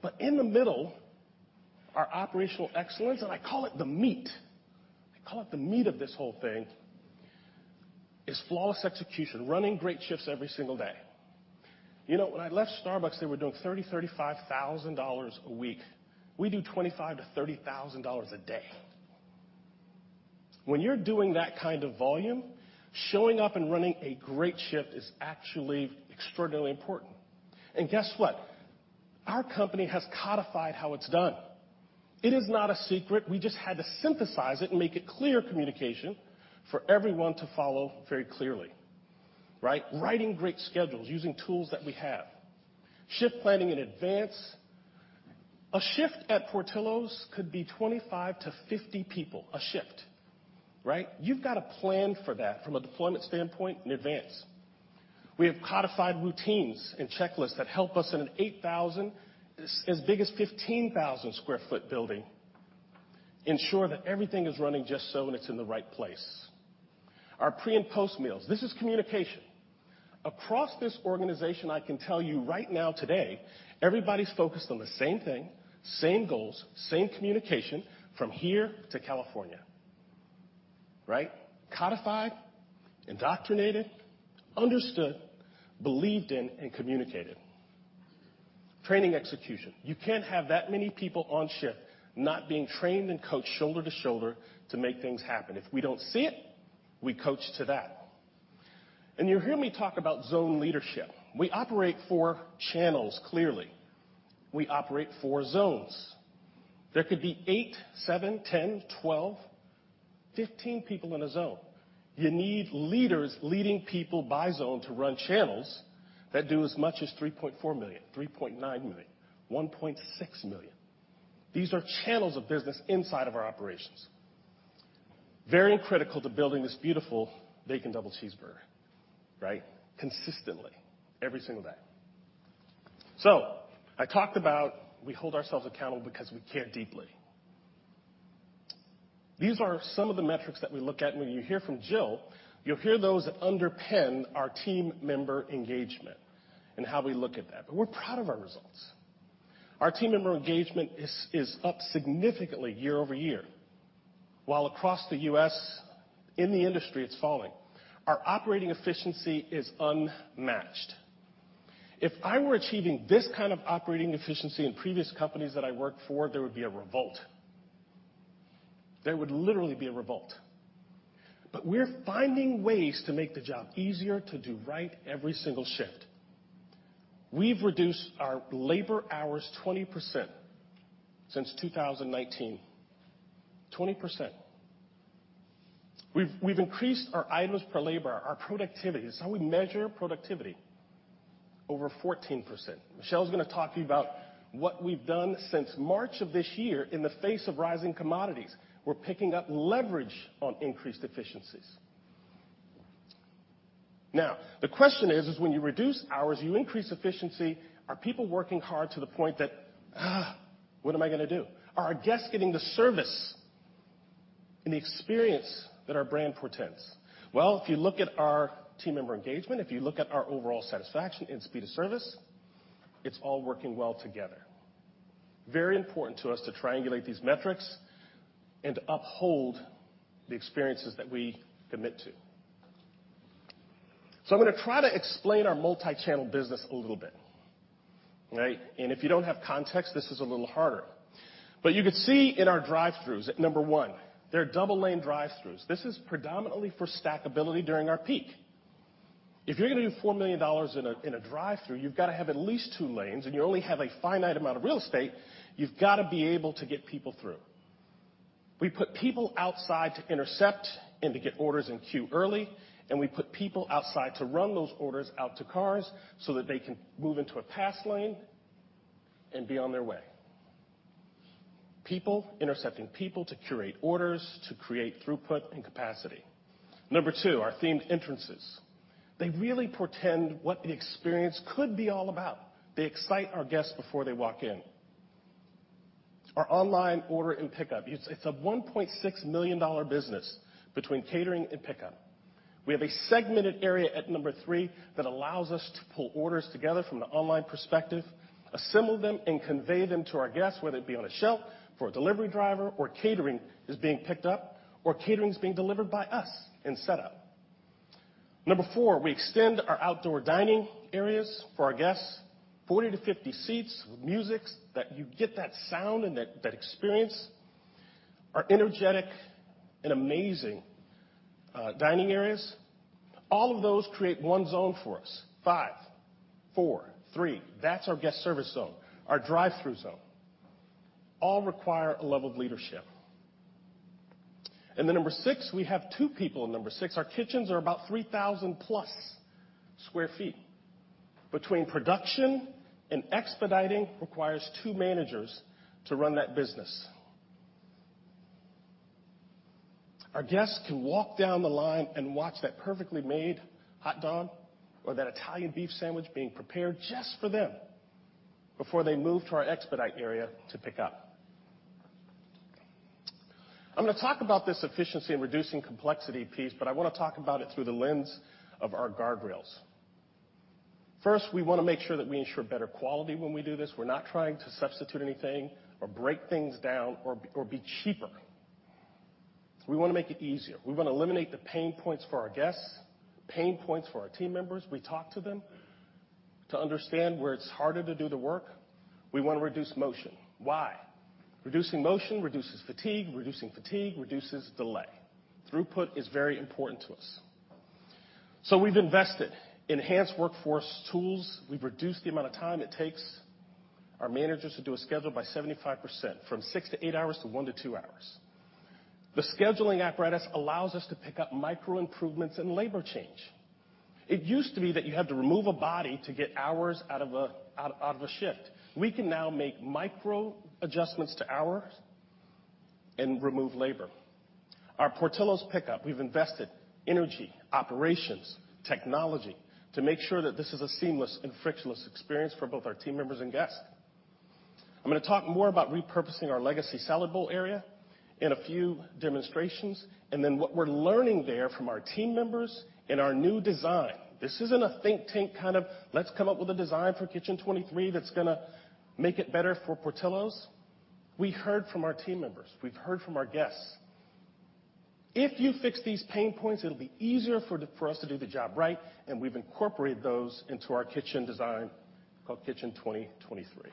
but in the middle, our operational excellence, and I call it the meat. I call it the meat of this whole thing, is flawless execution, running great shifts every single day. You know, when I left Starbucks, they were doing $30,000-$35,000 a week. We do $25,000-$30,000 a day. When you're doing that kind of volume, showing up and running a great shift is actually extraordinarily important. Guess what? Our company has codified how it's done. It is not a secret. We just had to synthesize it and make it clear communication for everyone to follow very clearly, right? Writing great schedules using tools that we have. Shift planning in advance. A shift at Portillo's could be 25-50 people a shift, right? You've gotta plan for that from a deployment standpoint in advance. We have codified routines and checklists that help us in an 8,000- as big as 15,000 sq ft building, ensure that everything is running just so, and it's in the right place. Our pre and post meals. This is communication. Across this organization, I can tell you right now, today, everybody's focused on the same thing, same goals, same communication from here to California. Right? Codified, indoctrinated, understood, believed in, and communicated. Training execution. You can't have that many people on shift not being trained and coached shoulder to shoulder to make things happen. If we don't see it, we coach to that. You'll hear me talk about zone leadership. We operate four channels clearly. We operate four zones. There could be 8, 7, 10, 12, 15 people in a zone. You need leaders leading people by zone to run channels that do as much as $3.4 million, $3.9 million, $1.6 million. These are channels of business inside of our operations. Very critical to building this beautiful bacon double cheeseburger, right? Consistently, every single day. I talked about we hold ourselves accountable because we care deeply. These are some of the metrics that we look at. When you hear from Jill, you'll hear those that underpin our team member engagement and how we look at that, but we're proud of our results. Our team member engagement is up significantly year-over-year, while across the U.S. in the industry, it's falling. Our operating efficiency is unmatched. If I were achieving this kind of operating efficiency in previous companies that I worked for, there would be a revolt. There would literally be a revolt. We're finding ways to make the job easier to do right every single shift. We've reduced our labor hours 20% since 2019. 20%. We've increased our items per labor hour, our productivity. This is how we measure productivity, over 14%. Michelle's gonna talk to you about what we've done since March of this year in the face of rising commodities. We're picking up leverage on increased efficiencies. Now, the question is, when you reduce hours, you increase efficiency. Are people working hard to the point that, "Ugh, what am I gonna do?" Are our guests getting the service and the experience that our brand portends? Well, if you look at our team member engagement, if you look at our overall satisfaction and speed of service, it's all working well together. Very important to us to triangulate these metrics and to uphold the experiences that we commit to. I'm gonna try to explain our multi-channel business a little bit. Right? If you don't have context, this is a little harder. You could see in our drive-throughs at number one, there are double-lane drive-throughs. This is predominantly for stackability during our peak. If you're gonna do $4 million in a drive-through, you've gotta have at least 2 lanes, and you only have a finite amount of real estate, you've gotta be able to get people through. We put people outside to intercept and to get orders in queue early, and we put people outside to run those orders out to cars so that they can move into a pass lane and be on their way. People intercepting people to curate orders, to create throughput and capacity. Number 2, our themed entrances. They really portend what the experience could be all about. They excite our guests before they walk in. Our online order and pickup, it's a $1.6 million business between catering and pickup. We have a segmented area at number 3 that allows us to pull orders together from the online perspective, assemble them, and convey them to our guests, whether it be on a shelf for a delivery driver, or catering is being picked up, or catering is being delivered by us and set up. Number 4, we extend our outdoor dining areas for our guests, 40-50 seats with music that you get that sound and that experience. Our energetic and amazing dining areas, all of those create one zone for us. 5, 4, 3, that's our guest service zone. Our drive-through zone. All require a level of leadership. Number six, we have two people in number six. Our kitchens are about 3,000-plus sq ft. Between production and expediting requires two managers to run that business. Our guests can walk down the line and watch that perfectly made hot dog or that Italian Beef sandwich being prepared just for them before they move to our expedite area to pick up. I'm gonna talk about this efficiency and reducing complexity piece, but I wanna talk about it through the lens of our guardrails. First, we wanna make sure that we ensure better quality when we do this. We're not trying to substitute anything or break things down or be cheaper. We wanna make it easier. We wanna eliminate the pain points for our guests, pain points for our team members. We talk to them to understand where it's harder to do the work. We wanna reduce motion. Why? Reducing motion reduces fatigue. Reducing fatigue reduces delay. Throughput is very important to us. We've invested in enhanced workforce tools. We've reduced the amount of time it takes our managers to do a schedule by 75% from 6-8 hours to 1-2 hours. The scheduling apparatus allows us to pick up micro improvements and labor change. It used to be that you had to remove a body to get hours out of a shift. We can now make micro adjustments to hours and remove labor. Our Portillo's pickup, we've invested energy, operations, technology to make sure that this is a seamless and frictionless experience for both our team members and guests. I'm gonna talk more about repurposing our legacy salad bowl area in a few demonstrations, and then what we're learning there from our team members in our new design. This isn't a think tank, kind of, let's come up with a design for Kitchen 23 that's gonna make it better for Portillo's. We heard from our team members. We've heard from our guests. If you fix these pain points, it'll be easier for us to do the job right, and we've incorporated those into our kitchen design called Kitchen 2023.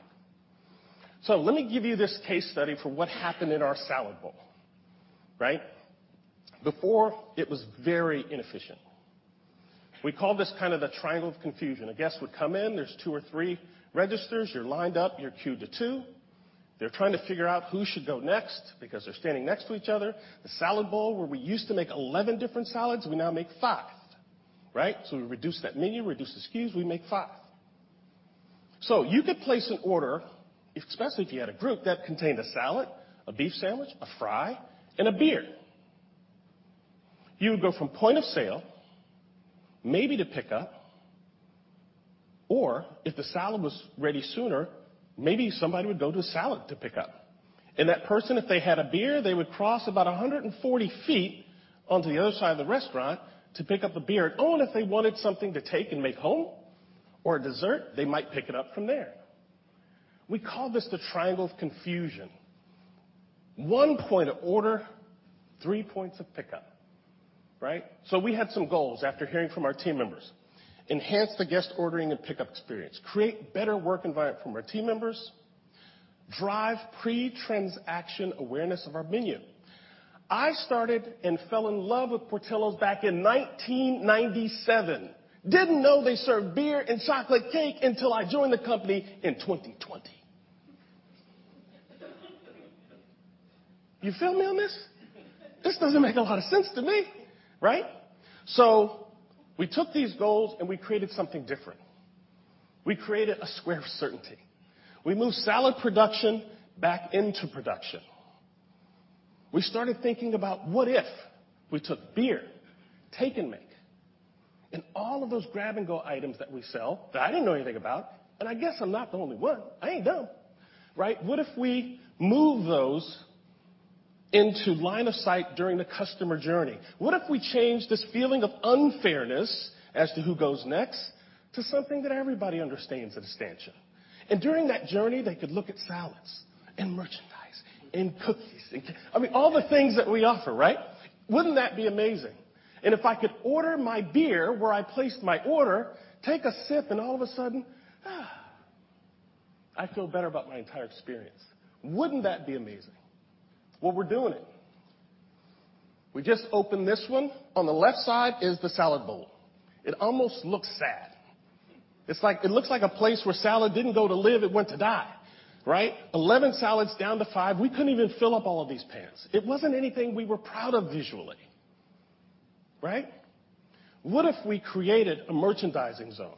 Let me give you this case study for what happened in our salad bowl, right? Before, it was very inefficient. We call this kind of the triangle of confusion. A guest would come in, there's two or three registers. You're lined up, you're queued to two. They're trying to figure out who should go next because they're standing next to each other. The salad bowl, where we used to make 11 different salads, we now make five, right? We reduced that menu, reduced the SKUs, we make five. You could place an order, especially if you had a group, that contained a salad, a beef sandwich, a fry, and a beer. You would go from point of sale, maybe to pickup, or if the salad was ready sooner, maybe somebody would go to a salad to pick up. That person, if they had a beer, they would cross about 140 feet onto the other side of the restaurant to pick up the beer. Oh, and if they wanted something to take and make home or a dessert, they might pick it up from there. We call this the triangle of confusion. One point of order, three points of pickup, right? We had some goals after hearing from our team members. Enhance the guest ordering and pickup experience. Create better work environment for our team members. Drive pre-transaction awareness of our menu. I started and fell in love with Portillo's back in 1997. Didn't know they served beer and chocolate cake until I joined the company in 2020. You feel me on this? This doesn't make a lot of sense to me, right? We took these goals, and we created something different. We created a square of certainty. We moved salad production back into production. We started thinking about what if we took beer, take and make, and all of those grab-and-go items that we sell that I didn't know anything about, and I guess I'm not the only one. I ain't dumb, right? What if we move those into line of sight during the customer journey? What if we change this feeling of unfairness as to who goes next to something that everybody understands instinctually? During that journey, they could look at salads and merchandise and cookies. I mean, all the things that we offer, right? Wouldn't that be amazing? If I could order my beer where I placed my order, take a sip, and all of a sudden, I feel better about my entire experience. Wouldn't that be amazing? Well, we're doing it. We just opened this one. On the left side is the salad bowl. It almost looks sad. It's like, it looks like a place where salad didn't go to live. It went to die, right? 11 salads down to five. We couldn't even fill up all of these pans. It wasn't anything we were proud of visually, right? What if we created a merchandising zone,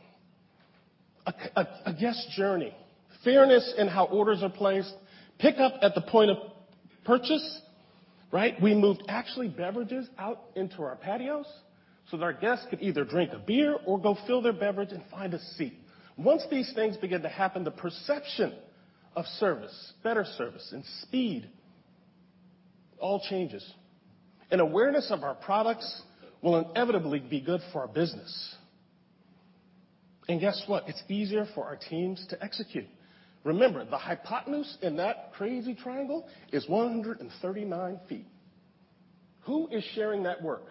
a guest journey, fairness in how orders are placed, pick up at the point of purchase, right? We moved actually beverages out into our patios so that our guests could either drink a beer or go fill their beverage and find a seat. Once these things begin to happen, the perception of service, better service and speed all changes, and awareness of our products will inevitably be good for our business. Guess what? It's easier for our teams to execute. Remember, the hypotenuse in that crazy triangle is 139 feet. Who is sharing that work?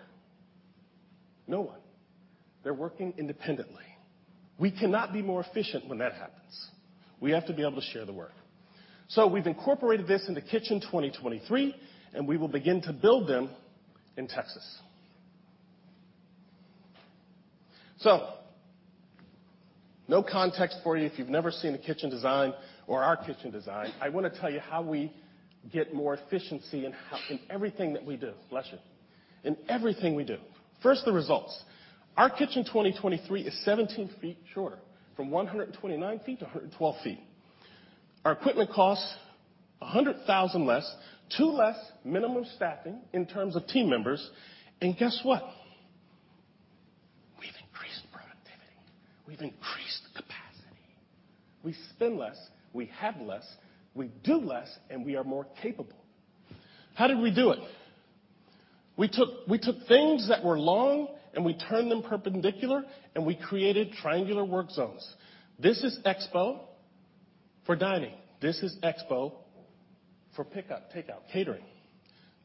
No one. They're working independently. We cannot be more efficient when that happens. We have to be able to share the work. We've incorporated this into Kitchen 2023, and we will begin to build them in Texas. No context for you if you've never seen a kitchen design or our kitchen design. I wanna tell you how we get more efficiency in everything that we do. Bless you. In everything we do. First, the results. Our Kitchen 2023 is 17 feet shorter, from 129 feet to 112 feet. Our equipment costs $100,000 less, 2 less minimum staffing in terms of team members, and guess what? We've increased productivity. We've increased capacity. We spend less, we have less, we do less, and we are more capable. How did we do it? We took things that were long, and we turned them perpendicular, and we created triangular work zones. This is expo for dining. This is expo for pickup, takeout, catering.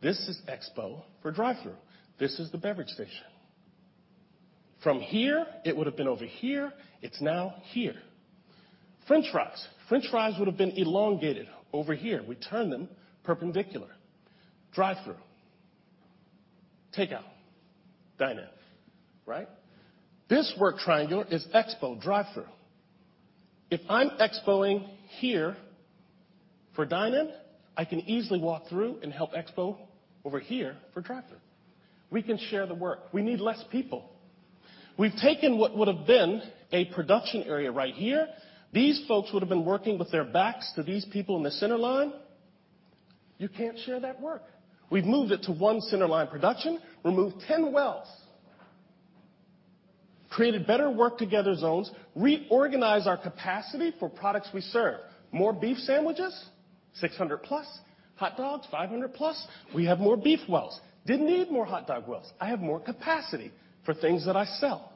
This is expo for drive-thru. This is the beverage station. From here, it would've been over here. It's now here. French fries. French fries would've been elongated over here. We turned them perpendicular. Drive-thru, takeout, dine-in, right? This work triangle is expo drive-thru. If I'm expo-ing here for dine-in, I can easily walk through and help expo over here for drive-thru. We can share the work. We need less people. We've taken what would've been a production area right here. These folks would've been working with their backs to these people in the center line. You can't share that work. We've moved it to one center line production, removed 10 wells, created better work together zones, reorganized our capacity for products we serve. More beef sandwiches, 600+. Hot dogs, 500+. We have more beef wells. Didn't need more hot dog wells. I have more capacity for things that I sell.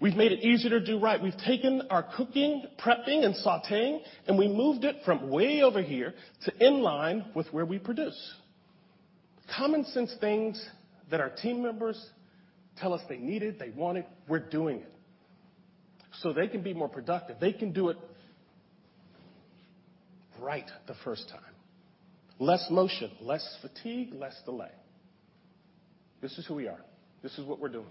We've made it easier to do right. We've taken our cooking, prepping, and sautéing, and we moved it from way over here to in line with where we produce. Common sense things that our team members tell us they needed, they wanted, we're doing it so they can be more productive. They can do it right the first time. Less motion, less fatigue, less delay. This is who we are. This is what we're doing.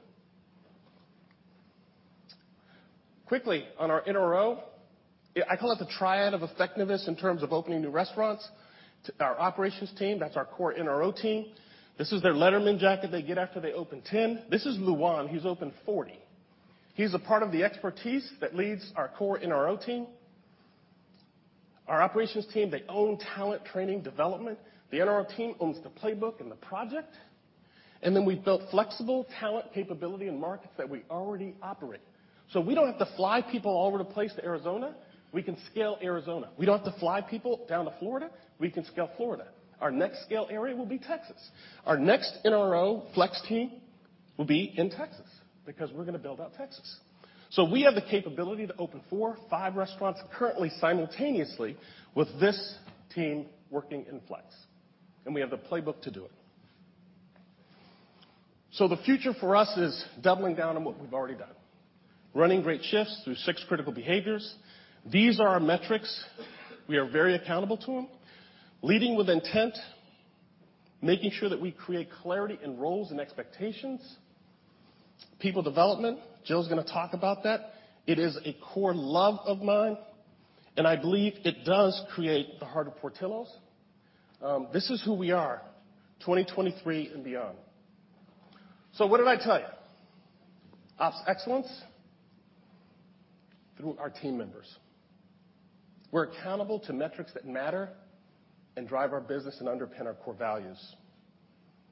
Quickly on our NRO, I call it the triad of effectiveness in terms of opening new restaurants. Our operations team, that's our core NRO team. This is their letterman jacket they get after they open 10. This is Luan, he's opened 40. He's a part of the expertise that leads our core NRO team. Our operations team, they own talent training development. The NRO team owns the playbook and the project. We built flexible talent capability in markets that we already operate. We don't have to fly people all over the place to Arizona, we can scale Arizona. We don't have to fly people down to Florida, we can scale Florida. Our next scale area will be Texas. Our next NRO flex team will be in Texas because we're gonna build out Texas. We have the capability to open 4, 5 restaurants currently, simultaneously with this team working in flex, and we have the playbook to do it. The future for us is doubling down on what we've already done, running great shifts through 6 critical behaviors. These are our metrics. We are very accountable to them. Leading with intent, making sure that we create clarity in roles and expectations. People development, Jill's gonna talk about that. It is a core love of mine, and I believe it does create the heart of Portillo's. This is who we are, 2023 and beyond. What did I tell you? Ops excellence through our team members. We're accountable to metrics that matter and drive our business and underpin our core values.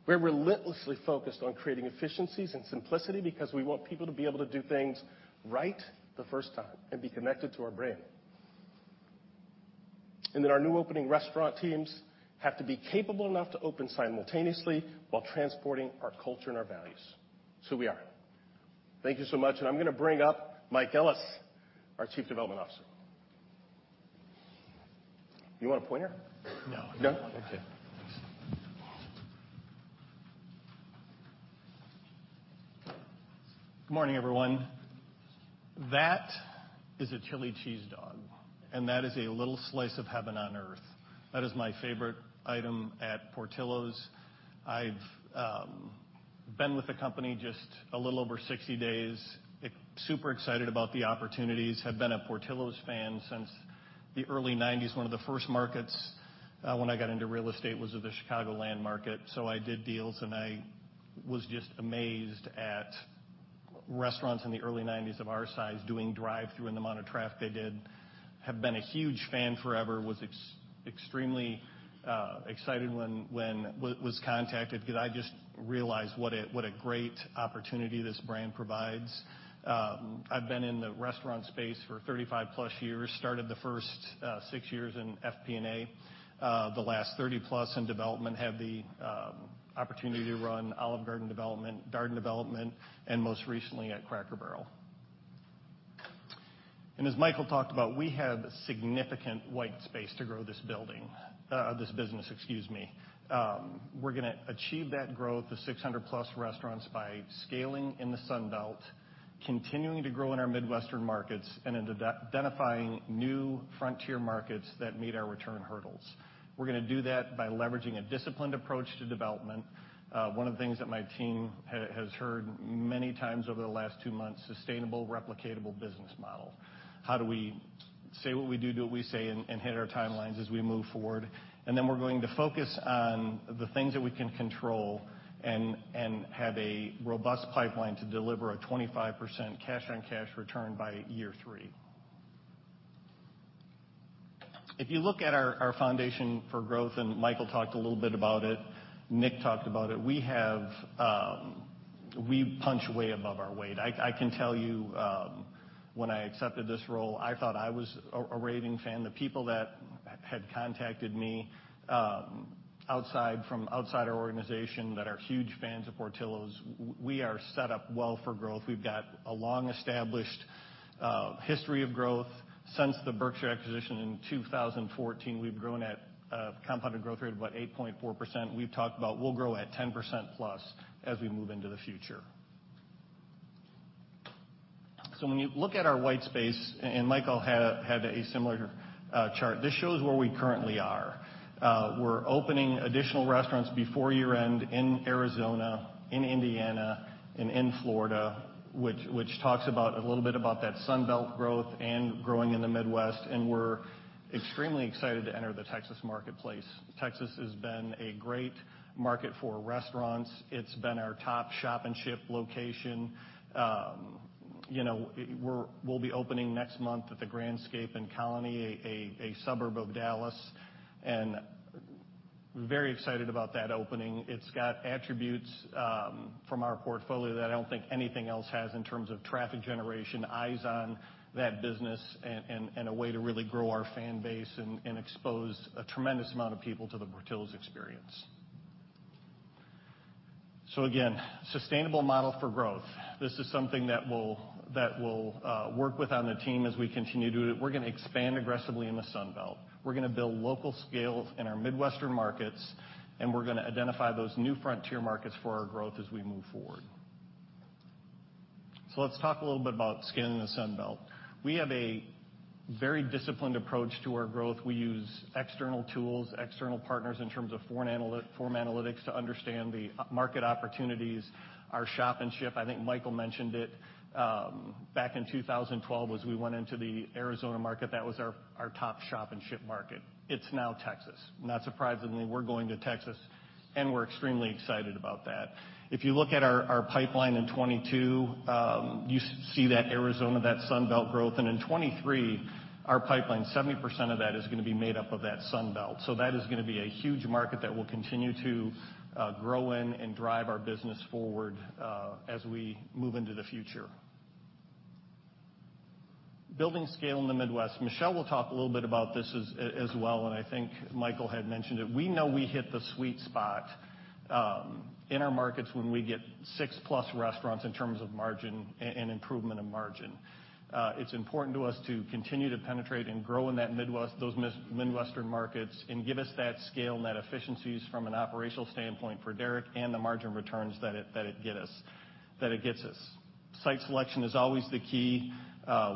We're relentlessly focused on creating efficiencies and simplicity because we want people to be able to do things right the first time and be connected to our brand. Our new opening restaurant teams have to be capable enough to open simultaneously while transporting our culture and our values. It's who we are. Thank you so much. I'm gonna bring up Mike Ellis, our Chief Development Officer. You want a pointer? No. No? Okay. Good morning, everyone. That is a chili cheese dog, and that is a little slice of heaven on Earth. That is my favorite item at Portillo's. I've been with the company just a little over 60 days. Super excited about the opportunities. Have been a Portillo's fan since the early 1990s. One of the first markets when I got into real estate was of the Chicagoland market. I did deals, and I was just amazed at restaurants in the early 1990s of our size doing drive-thru and the amount of traffic they did. Have been a huge fan forever, was extremely excited when contacted 'cause I just realized what a great opportunity this brand provides. I've been in the restaurant space for 35+ years. Started the first 6 years in FP&A. The last 30+ in development, had the opportunity to run Olive Garden development, Darden development, and most recently at Cracker Barrel. As Michael talked about, we have significant white space to grow this business, excuse me. We're gonna achieve that growth to 600+ restaurants by scaling in the Sun Belt, continuing to grow in our Midwestern markets, and identifying new frontier markets that meet our return hurdles. We're gonna do that by leveraging a disciplined approach to development. One of the things that my team has heard many times over the last two months, sustainable replicatable business model. How do we say what we do what we say, and hit our timelines as we move forward? We're going to focus on the things that we can control and have a robust pipeline to deliver a 25% cash-on-cash return by year three. If you look at our foundation for growth, Michael talked a little bit about it, Nick talked about it, we have. We punch way above our weight. I can tell you, when I accepted this role, I thought I was a raving fan. The people that had contacted me from outside our organization that are huge fans of Portillo's, we are set up well for growth. We've got a long established history of growth. Since the Berkshire acquisition in 2014, we've grown at a compounded growth rate of about 8.4%. We've talked about we'll grow at 10%+ as we move into the future. When you look at our white space, and Michael had a similar chart. This shows where we currently are. We're opening additional restaurants before year-end in Arizona, in Indiana, and in Florida, which talks about a little bit about that Sun Belt growth and growing in the Midwest, and we're extremely excited to enter the Texas marketplace. Texas has been a great market for restaurants. It's been our top Shop and Ship location. You know, we'll be opening next month at the Grandscape in Colony, a suburb of Dallas, and very excited about that opening. It's got attributes from our portfolio that I don't think anything else has in terms of traffic generation, eyes on that business, and a way to really grow our fan base and expose a tremendous amount of people to the Portillo's experience. Again, sustainable model for growth. This is something that we'll work with on the team as we continue to do it. We're gonna expand aggressively in the Sun Belt. We're gonna build local scale in our Midwestern markets, and we're gonna identify those new frontier markets for our growth as we move forward. Let's talk a little bit about scaling the Sun Belt. We have a very disciplined approach to our growth. We use external tools, external partners in terms of Foursquare Analytics to understand the market opportunities. Our Shop and Ship, I think Michael mentioned it, back in 2012, was we went into the Arizona market. That was our top Shop and Ship market. It's now Texas. Not surprisingly, we're going to Texas, and we're extremely excited about that. If you look at our pipeline in 2022, you see that Arizona, that Sun Belt growth. In 2023, our pipeline, 70% of that is gonna be made up of that Sun Belt. That is gonna be a huge market that we'll continue to grow in and drive our business forward, as we move into the future. Building scale in the Midwest. Michelle will talk a little bit about this as well, and I think Michael had mentioned it. We know we hit the sweet spot in our markets when we get 6-plus restaurants in terms of margin and improvement in margin. It's important to us to continue to penetrate and grow in that Midwest, those Midwestern markets and give us that scale and those efficiencies from an operational standpoint for Derek and the margin returns that it gets us. Site selection is always the key.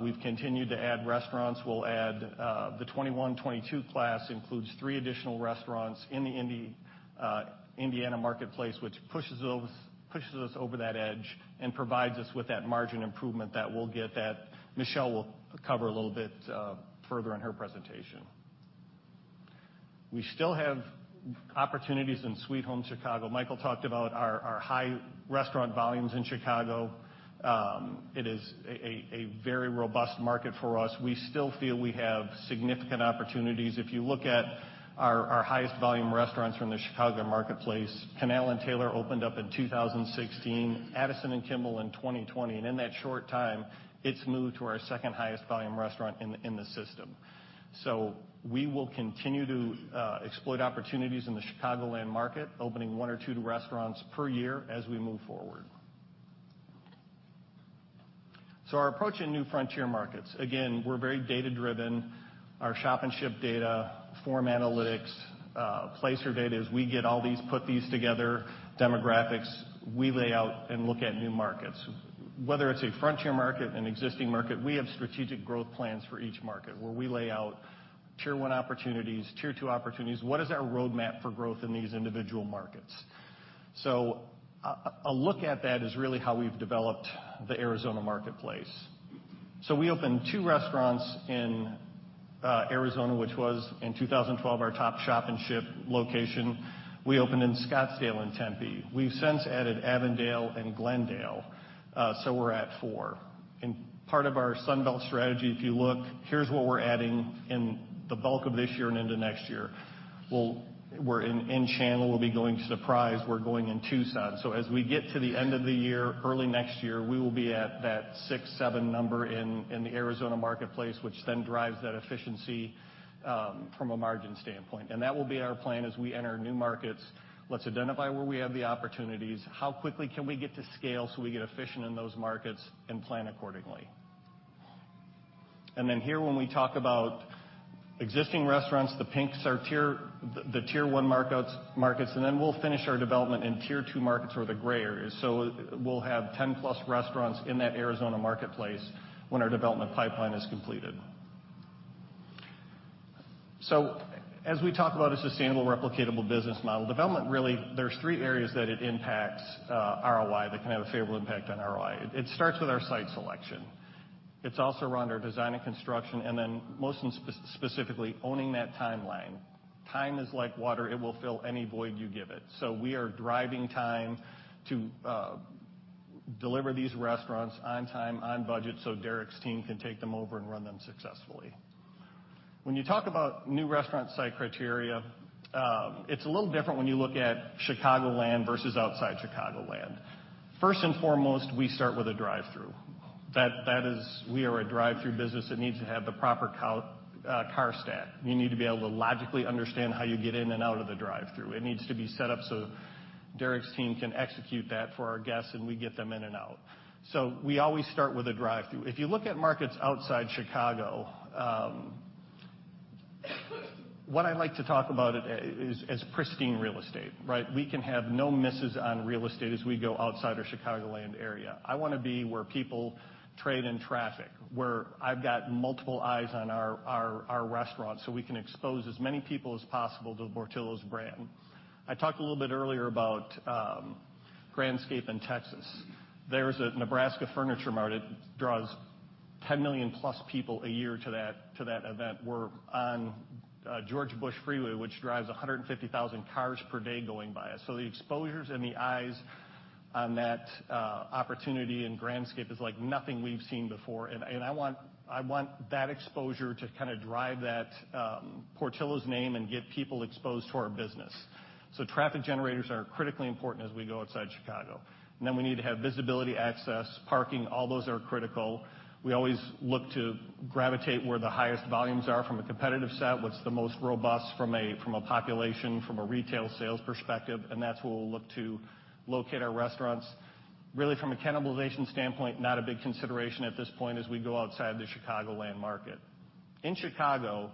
We've continued to add restaurants. The 2021, 2022 class includes 3 additional restaurants in the Indiana marketplace, which pushes us over that edge and provides us with that margin improvement that we'll get that Michelle will cover a little bit further in her presentation. We still have opportunities in Sweet Home Chicago. Michael talked about our high restaurant volumes in Chicago. It is a very robust market for us. We still feel we have significant opportunities. If you look at our highest volume restaurants from the Chicagoland marketplace, Canal & Taylor opened up in 2016, Addison and Kimball in 2020, and in that short time, it's moved to our second highest volume restaurant in the system. We will continue to exploit opportunities in the Chicagoland market, opening one or two restaurants per year as we move forward. Our approach in new frontier markets. Again, we're very data-driven. Our Shop and Ship data, Foursquare Analytics, Placer.ai data, as we get all these, put these together, demographics, we lay out and look at new markets. Whether it's a frontier market, an existing market, we have strategic growth plans for each market where we lay out tier one opportunities, tier two opportunities. What is our roadmap for growth in these individual markets? A look at that is really how we've developed the Arizona marketplace. We opened two restaurants in Arizona, which was in 2012, our top Shop and Ship location. We opened in Scottsdale and Tempe. We've since added Avondale and Glendale, so we're at four. Part of our Sun Belt strategy, if you look, here's what we're adding in the bulk of this year and into next year. We're in Chandler, we'll be going to Surprise, we're going in Tucson. As we get to the end of the year, early next year, we will be at that 6, 7 number in the Arizona marketplace, which then drives that efficiency from a margin standpoint. That will be our plan as we enter new markets. Let's identify where we have the opportunities, how quickly can we get to scale so we get efficient in those markets and plan accordingly. Here when we talk about existing restaurants, the pinks are tier one markets, and then we'll finish our development in tier two markets or the gray areas. We'll have 10+ restaurants in that Arizona marketplace when our development pipeline is completed. As we talk about a sustainable replicable business model, development really, there's 3 areas that it impacts, ROI, that can have a favorable impact on ROI. It starts with our site selection. It's also around our design and construction, and then most specifically owning that timeline. Time is like water, it will fill any void you give it. We are driving time to deliver these restaurants on time, on budget, so Derek's team can take them over and run them successfully. When you talk about new restaurant site criteria, it's a little different when you look at Chicagoland versus outside Chicagoland. First and foremost, we start with a drive-through. That is we are a drive-through business that needs to have the proper car stack. You need to be able to logically understand how you get in and out of the drive-through. It needs to be set up so Derek's team can execute that for our guests, and we get them in and out. We always start with a drive-through. If you look at markets outside Chicago, what I like to talk about it as pristine real estate, right? We can have no misses on real estate as we go outside our Chicagoland area. I wanna be where people trade in traffic, where I've got multiple eyes on our restaurant, so we can expose as many people as possible to Portillo's brand. I talked a little bit earlier about Grandscape in Texas. There's a Nebraska Furniture Mart that draws 10 million plus people a year to that event. We're on George Bush Freeway, which drives 150,000 cars per day going by us. The exposures and the eyes on that opportunity in Grandscape is like nothing we've seen before. I want that exposure to kind of drive that Portillo's name and get people exposed to our business. Traffic generators are critically important as we go outside Chicago. We need to have visibility, access, parking, all those are critical. We always look to gravitate where the highest volumes are from a competitive set, what's the most robust from a population, from a retail sales perspective, and that's where we'll look to locate our restaurants. Really from a cannibalization standpoint, not a big consideration at this point as we go outside the Chicagoland market. In Chicago,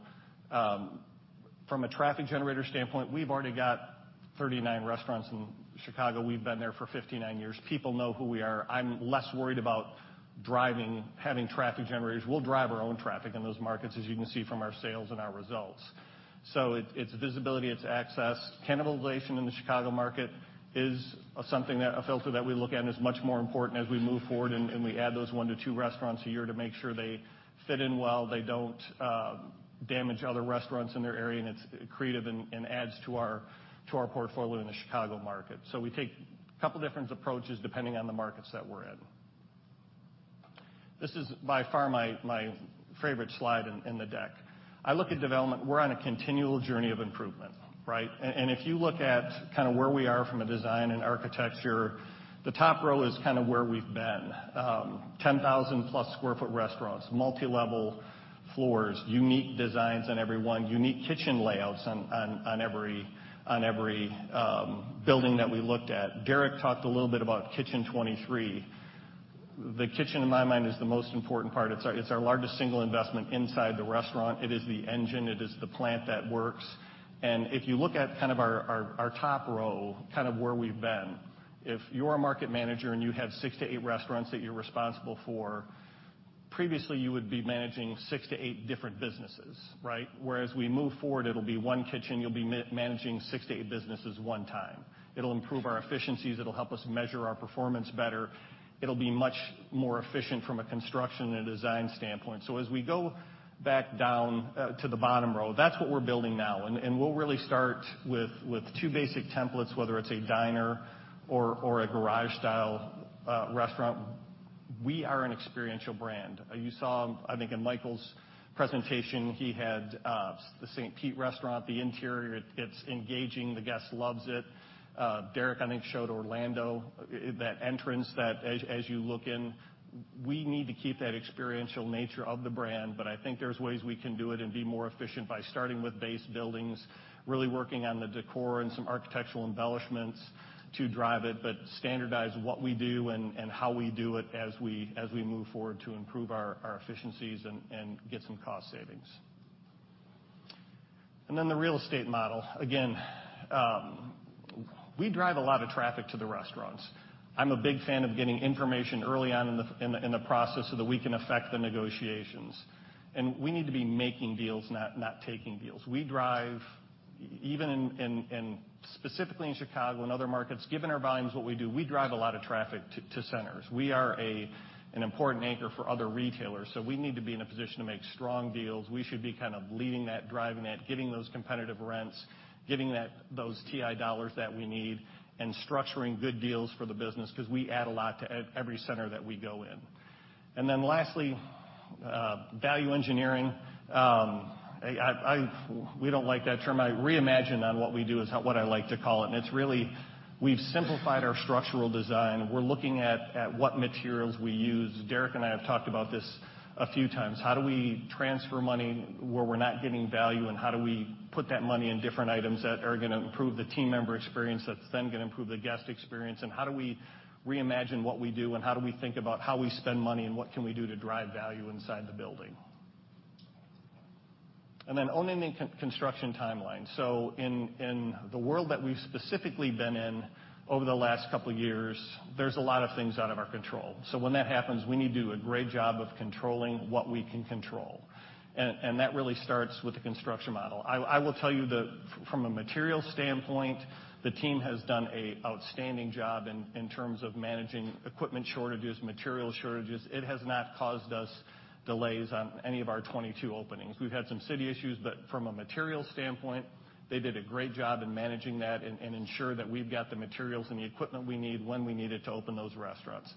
from a traffic generator standpoint, we've already got 39 restaurants in Chicago. We've been there for 59 years. People know who we are. I'm less worried about driving, having traffic generators. We'll drive our own traffic in those markets, as you can see from our sales and our results. It, it's visibility, it's access. Cannibalization in the Chicago market is a filter that we look at and is much more important as we move forward and we add those 1-2 restaurants a year to make sure they fit in well, they don't damage other restaurants in their area, and it's creative and adds to our portfolio in the Chicago market. We take a couple different approaches depending on the markets that we're in. This is by far my favorite slide in the deck. I look at development, we're on a continual journey of improvement, right? If you look at kind of where we are from a design and architecture, the top row is kind of where we've been. 10,000+ sq ft restaurants, multi-level floors, unique designs on every one, unique kitchen layouts on every building that we looked at. Derek talked a little bit about Kitchen 23. The kitchen, in my mind, is the most important part. It's our largest single investment inside the restaurant. It is the engine, it is the plant that works. If you look at kind of our top row, kind of where we've been, if you're a market manager and you have six to eight restaurants that you're responsible for, previously you would be managing six to eight different businesses, right? Whereas we move forward, it'll be one kitchen, you'll be managing six to eight businesses one time. It'll improve our efficiencies, it'll help us measure our performance better. It'll be much more efficient from a construction and design standpoint. As we go back down to the bottom row, that's what we're building now. We'll really start with two basic templates, whether it's a diner or a garage style restaurant. We are an experiential brand. You saw, I think in Michael's presentation, he had the St. Pete restaurant, the interior, it's engaging, the guest loves it. Derek, I think, showed Orlando, that entrance that as you look in, we need to keep that experiential nature of the brand, but I think there's ways we can do it and be more efficient by starting with base buildings, really working on the decor and some architectural embellishments to drive it, but standardize what we do and how we do it as we move forward to improve our efficiencies and get some cost savings. The real estate model. Again, we drive a lot of traffic to the restaurants. I'm a big fan of getting information early on in the process so that we can affect the negotiations. We need to be making deals, not taking deals. We drive, even in specifically in Chicago and other markets, given our volumes, what we do, we drive a lot of traffic to centers. We are an important anchor for other retailers, so we need to be in a position to make strong deals. We should be kind of leading that, driving that, getting those competitive rents, getting those TI dollars that we need, and structuring good deals for the business 'cause we add a lot to every center that we go in. Lastly, value engineering. We don't like that term. Reimagine on what we do is what I like to call it. It's really, we've simplified our structural design. We're looking at what materials we use. Derek and I have talked about this a few times. How do we transfer money where we're not getting value, and how do we put that money in different items that are gonna improve the team member experience that's then gonna improve the guest experience? How do we reimagine what we do, and how do we think about how we spend money, and what can we do to drive value inside the building? Then owning the construction timeline. In the world that we've specifically been in over the last couple years, there's a lot of things out of our control. When that happens, we need to do a great job of controlling what we can control. That really starts with the construction model. I will tell you. From a materials standpoint, the team has done an outstanding job in terms of managing equipment shortages, material shortages. It has not caused us delays on any of our 22 openings. We've had some city issues, but from a materials standpoint, they did a great job in managing that and ensure that we've got the materials and the equipment we need when we need it to open those restaurants.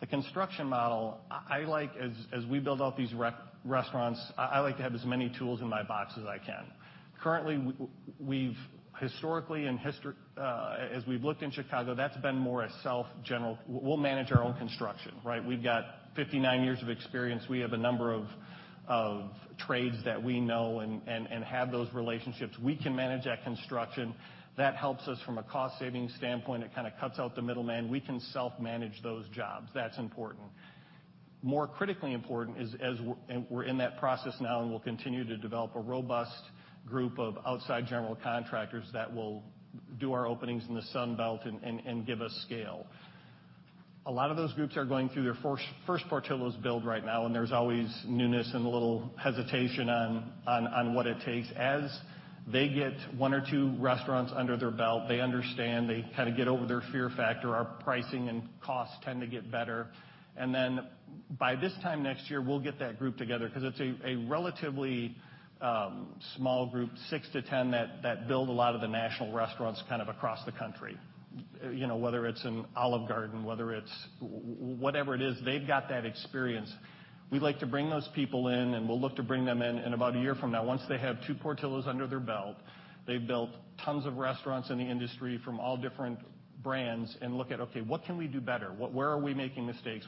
The construction model, I like as we build out these restaurants, I like to have as many tools in my box as I can. Currently, we've historically as we've looked in Chicago, that's been more a self-GC. We'll manage our own construction, right? We've got 59 years of experience. We have a number of trades that we know and have those relationships. We can manage that construction. That helps us from a cost-saving standpoint. It kind of cuts out the middleman. We can self-manage those jobs. That's important. More critically important is, and we're in that process now, and we'll continue to develop a robust group of outside general contractors that will do our openings in the Sun Belt and give us scale. A lot of those groups are going through their first Portillo's build right now, and there's always newness and a little hesitation on what it takes. As they get one or two restaurants under their belt, they understand, they kind of get over their fear factor, our pricing and costs tend to get better. By this time next year, we'll get that group together 'cause it's a relatively small group, 6-10, that build a lot of the national restaurants kind of across the country. You know, whether it's an Olive Garden, whether it's whatever it is, they've got that experience. We'd like to bring those people in, and we'll look to bring them in in about a year from now. Once they have two Portillo's under their belt, they've built tons of restaurants in the industry from all different brands and look at, okay, what can we do better. Where are we making mistakes.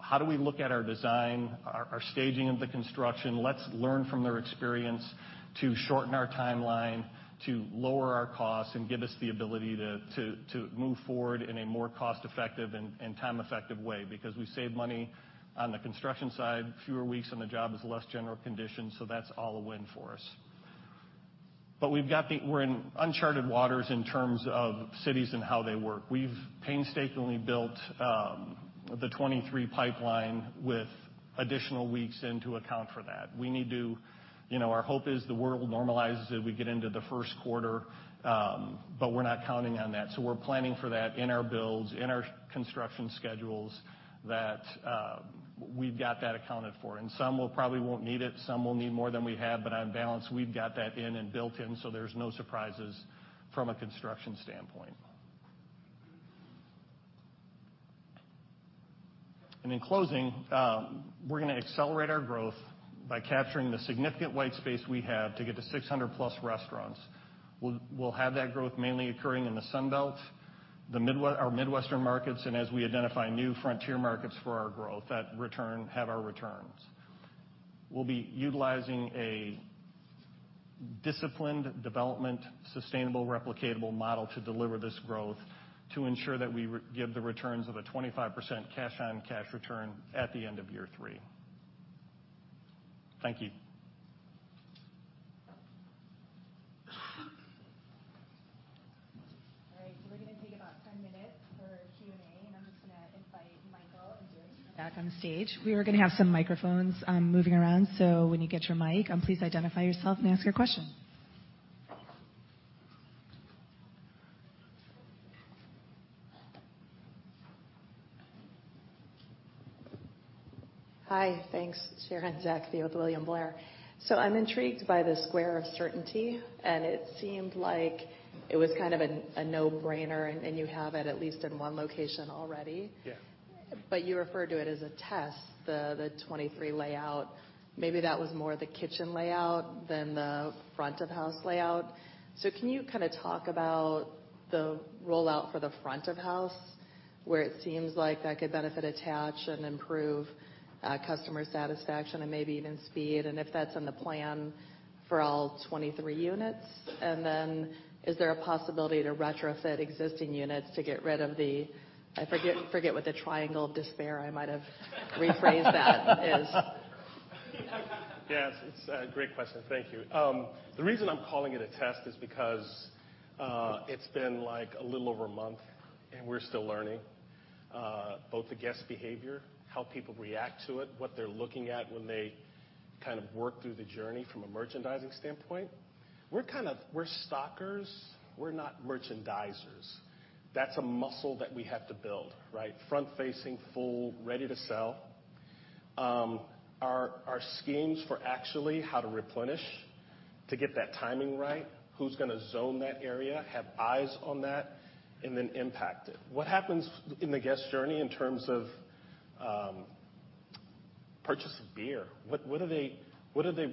How do we look at our design, our staging of the construction. Let's learn from their experience to shorten our timeline, to lower our costs, and give us the ability to move forward in a more cost-effective and time-effective way because we save money on the construction side, fewer weeks on the job is less general conditions, so that's all a win for us. We're in uncharted waters in terms of cities and how they work. We've painstakingly built the 23 pipeline with additional weeks in to account for that. We need to, our hope is the world normalizes as we get into the first quarter, but we're not counting on that. We're planning for that in our builds, in our construction schedules that we've got that accounted for. Some will probably won't need it, some will need more than we have. On balance, we've got that in and built in, so there's no surprises from a construction standpoint. In closing, we're gonna accelerate our growth by capturing the significant white space we have to get to 600+ restaurants. We'll have that growth mainly occurring in the Sun Belt, our Midwestern markets, and as we identify new frontier markets for our growth that have our returns. We'll be utilizing a disciplined development, sustainable, replicatable model to deliver this growth to ensure that we give the returns of a 25% cash-on-cash return at the end of year three. Thank you. All right. We're gonna take about 10 minutes for Q&A, and I'm just gonna invite Michael and James back on stage. We are gonna have some microphones, moving around, so when you get your mic, please identify yourself and ask your question. Hi. Thanks. Sharon Zackfia with William Blair. I'm intrigued by the square of certainty, and it seemed like it was kind of a no-brainer, and you have it at least in one location already. Yeah. You refer to it as a test, the 23 layout. Maybe that was more the kitchen layout than the front of house layout. Can you kinda talk about the rollout for the front of house, where it seems like that could benefit attach and improve customer satisfaction and maybe even speed, and if that's in the plan for all 23 units. Is there a possibility to retrofit existing units to get rid of the triangle of confusion. Yes, it's a great question. Thank you. The reason I'm calling it a test is because it's been like a little over a month, and we're still learning both the guest behavior, how people react to it, what they're looking at when they kind of work through the journey from a merchandising standpoint. We're stockers, we're not merchandisers. That's a muscle that we have to build, right? Front-facing, full, ready to sell. Our schemes for actually how to replenish to get that timing right, who's gonna zone that area, have eyes on that, and then impact it. What happens in the guest journey in terms of purchase of beer? What do they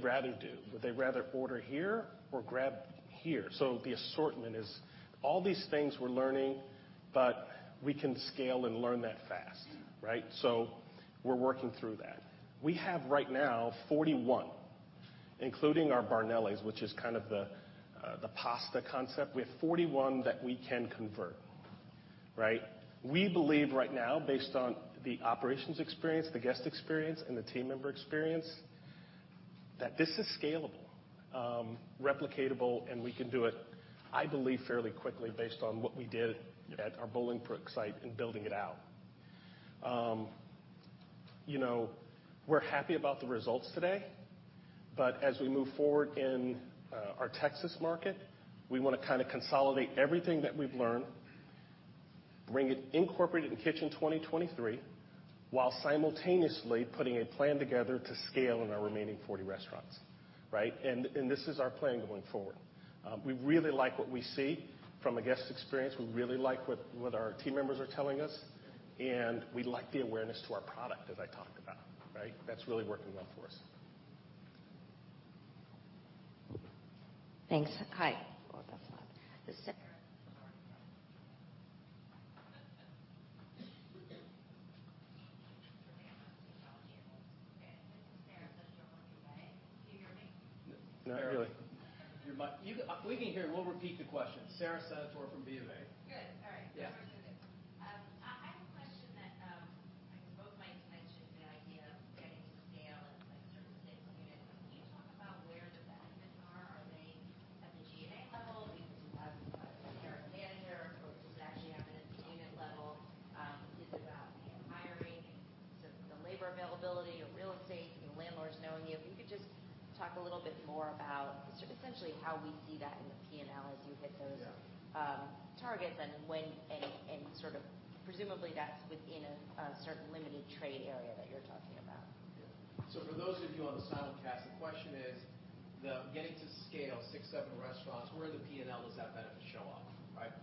rather do? Would they rather order here or grab here? The assortment is all these things we're learning, but we can scale and learn that fast, right? We're working through that. We have right now 41, including our Barnelli's, which is kind of the pasta concept. We have 41 that we can convert, right? We believe right now, based on the operations experience, the guest experience, and the team member experience, that this is scalable, replicatable, and we can do it, I believe, fairly quickly based on what we did at our Bolingbrook site in building it out. You know, we're happy about the results today, but as we move forward in our Texas market, we wanna kinda consolidate everything that we've learned, incorporate it in Kitchen 2023, while simultaneously putting a plan together to scale in our remaining 40 restaurants, right? This is our plan going forward. We really like what we see from a guest experience. We really like what our team members are telling us, and we like the awareness to our product as I talked about, right? That's really working well for us. Thanks. Hi. This is Sara Senatore from Bank of America. Do you hear me? Not really. You, we can hear. We'll repeat the question. Sara Senatore from Bank of America. Good. All right. Yeah. I have a question that you both might have mentioned the idea of getting to scale at, like, certain states. Can you talk about where the benefits are? Are they at the GA level? Is it at the store manager or is this actually at the unit level? Is it about hiring, the labor availability, your real estate, your landlords knowing you? If you could just talk a little bit more about essentially how we see that in the P&L as you hit those. Yeah. targets and sort of presumably that's within a certain limited trade area that you're talking about. Yeah. For those of you on the simulcast, the question is, the getting to scale, 6, 7 restaurants, where in the P&L does that benefit show up? Right.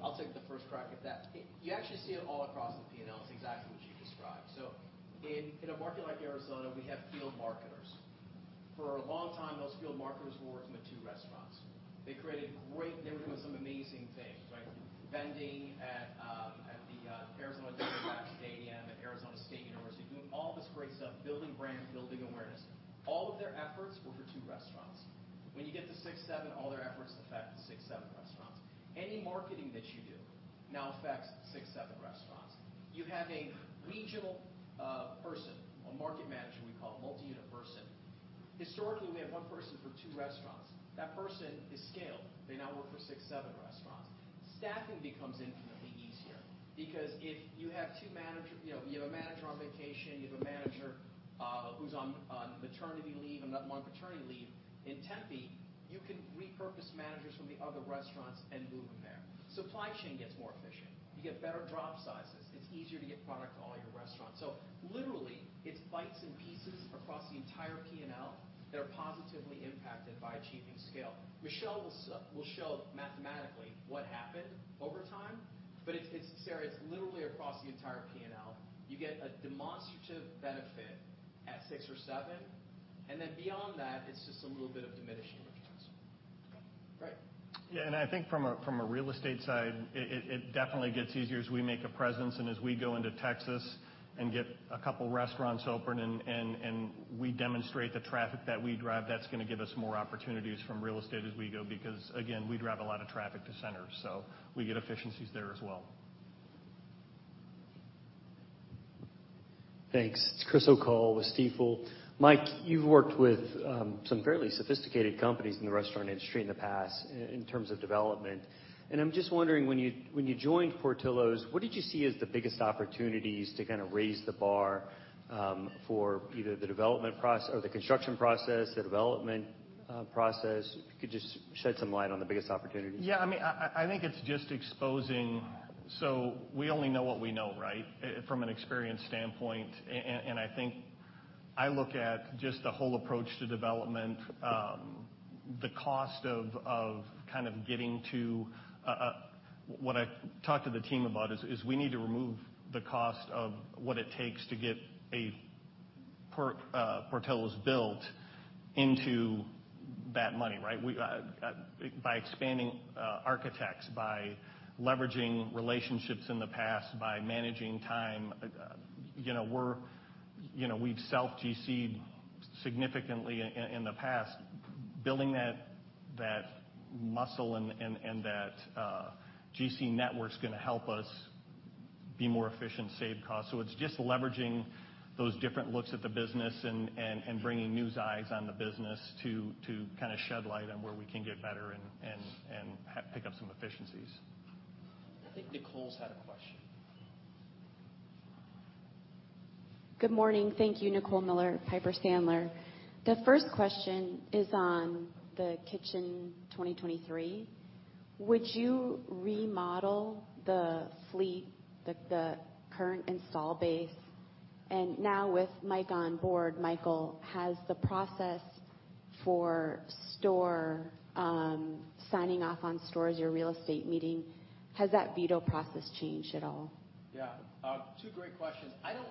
I'll take the first crack at that. You actually see it all across the P&L. It's exactly what you described. In a market like Arizona, we have field marketers. For a long time, those field marketers were working with 2 restaurants. They were doing some amazing things, like vending at the Arizona Diamondbacks Stadium at Arizona State University, doing all this great stuff, building brands, building awareness. All of their efforts were for 2 restaurants. When you get to 6, 7, all their efforts six, 7 restaurants. Any marketing that you do now affects 6, 7 restaurants. You have a regional person, a market manager we call multi-unit person. Historically, we had one person for 2 restaurants. That person is scaled. They now work for six, seven restaurants. Staffing becomes infinitely easier because if you have two managers, you know, you have a manager on vacation, you have a manager who's on maternity leave, another one paternity leave, in Tempe, you can repurpose managers from the other restaurants and move them there. Supply chain gets more efficient. You get better drop sizes. It's easier to get product to all your restaurants. Literally, it's bits and pieces across the entire P&L that are positively impacted by achieving scale. Michelle will show mathematically what happened over time, but it's Sara, it's literally across the entire P&L. You get a demonstrative benefit at six or seven, and then beyond that, it's just a little bit of diminishing returns. Right. Yeah. I think from a real estate side, it definitely gets easier as we make a presence and as we go into Texas and get a couple of restaurants open, and we demonstrate the traffic that we drive, that's gonna give us more opportunities from real estate as we go, because, again, we drive a lot of traffic to centers, so we get efficiencies there as well. Thanks. It's Chris O'Cull with Stifel. Mike, you've worked with some fairly sophisticated companies in the restaurant industry in the past in terms of development. I'm just wondering, when you joined Portillo's, what did you see as the biggest opportunities to kind of raise the bar for either the development or the construction process, the development process? If you could just shed some light on the biggest opportunities. Yeah, I mean, I think it's just exposing. We only know what we know, right? From an experience standpoint. I think I look at just the whole approach to development, the cost of kind of getting to. What I talked to the team about is we need to remove the cost of what it takes to get a Portillo's built into that money, right? By expanding architects, by leveraging relationships in the past, by managing time. You know, you know, we've self GC'd significantly in the past. Building that muscle and that GC network is gonna help us be more efficient, save costs. It's just leveraging those different looks at the business and bringing new eyes on the business to kind of shed light on where we can get better and pick up some efficiencies. I think Nicole's had a question. Good morning. Thank you. Nicole Miller, Piper Sandler. The first question is on the Kitchen 23. Would you remodel the fleet, the current installed base? Now with Mike on board, Michael, has the process for store signing off on stores, your real estate meeting, has that veto process changed at all? Yeah. Two great questions. I don't...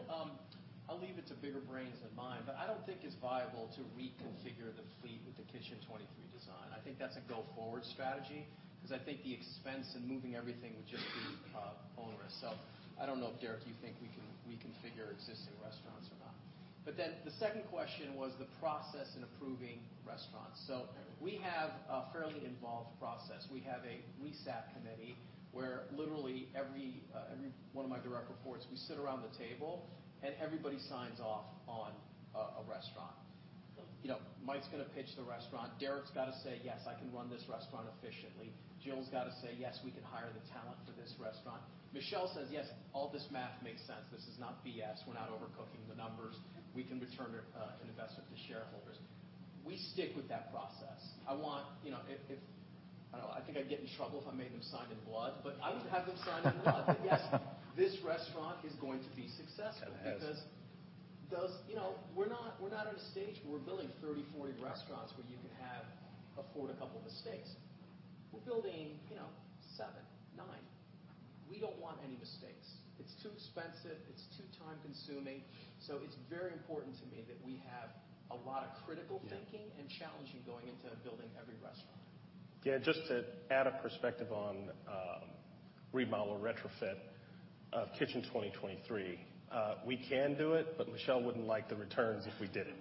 I'll leave it to bigger brains than mine, but I don't think it's viable to reconfigure the fleet with the Kitchen 23 design. I think that's a go-forward strategy because I think the expense in moving everything would just be onerous. I don't know if, Derek, you think we can reconfigure existing restaurants or not. The second question was the process in approving restaurants. We have a fairly involved process. We have a real estate committee where literally every one of my direct reports, we sit around the table and everybody signs off on a restaurant. You know, Mike's gonna pitch the restaurant. Derek's got to say, "Yes, I can run this restaurant efficiently." Jill's got to say, "Yes, we can hire the talent for this restaurant." Michelle says, "Yes, all this math makes sense. This is not BS. We're not overcooking the numbers. We can return an investment to shareholders. We stick with that process. I want, you know, if I don't know. I think I'd get in trouble if I made them sign in blood, but I would have them sign in blood that yes, this restaurant is going to be successful. It has. You know, we're not at a stage where we're building 30, 40 restaurants where you can afford a couple of mistakes. We're building, you know, 7, 9. We don't want any mistakes. It's too expensive. It's too time-consuming. It's very important to me that we have a lot of critical thinking. Yeah. Challenging going into building every restaurant. Yeah. Just to add a perspective on remodel or retrofit of Kitchen 23. We can do it, but Michelle wouldn't like the returns if we did it.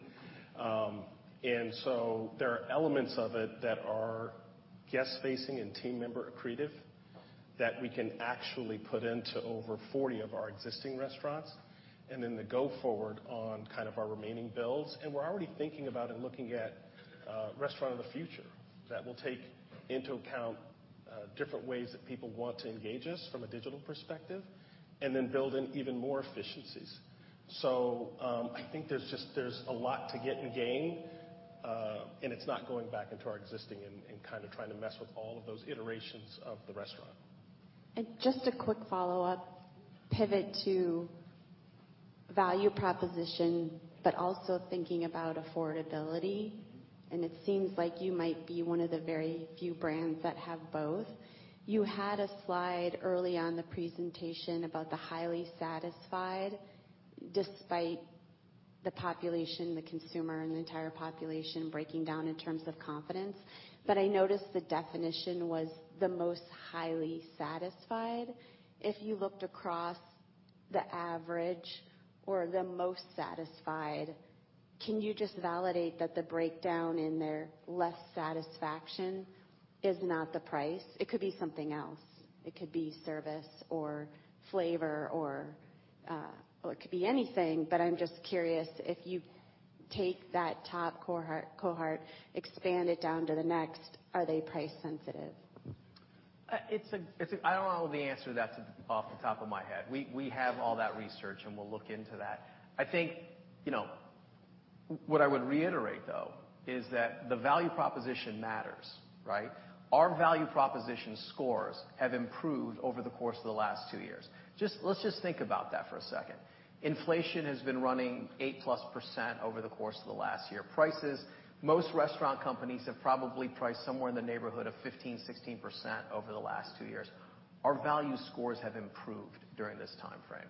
There are elements of it that are guest-facing and team member accretive that we can actually put into over 40 of our existing restaurants, and then the go forward on kind of our remaining builds. We're already thinking about and looking at restaurant of the future that will take into account different ways that people want to engage us from a digital perspective, and then build in even more efficiencies. I think there's just a lot to get and gain, and it's not going back into our existing and kind of trying to mess with all of those iterations of the restaurant. Just a quick follow-up pivot to value proposition, but also thinking about affordability, and it seems like you might be one of the very few brands that have both. You had a slide early on in the presentation about the highly satisfied, despite the population, the consumer, and the entire population breaking down in terms of confidence. But I noticed the definition was the most highly satisfied. If you looked across the average or the most satisfied, can you just validate that the breakdown in their less satisfaction is not the price? It could be something else. It could be service or flavor or, well, it could be anything, but I'm just curious if you take that top cohort, expand it down to the next, are they price-sensitive? I don't know the answer to that off the top of my head. We have all that research, and we'll look into that. I think, you know, what I would reiterate, though, is that the value proposition matters, right? Our value proposition scores have improved over the course of the last two years. Let's just think about that for a second. Inflation has been running 8%+ over the course of the last year. Prices, most restaurant companies have probably priced somewhere in the neighborhood of 15%-16% over the last two years. Our value scores have improved during this timeframe.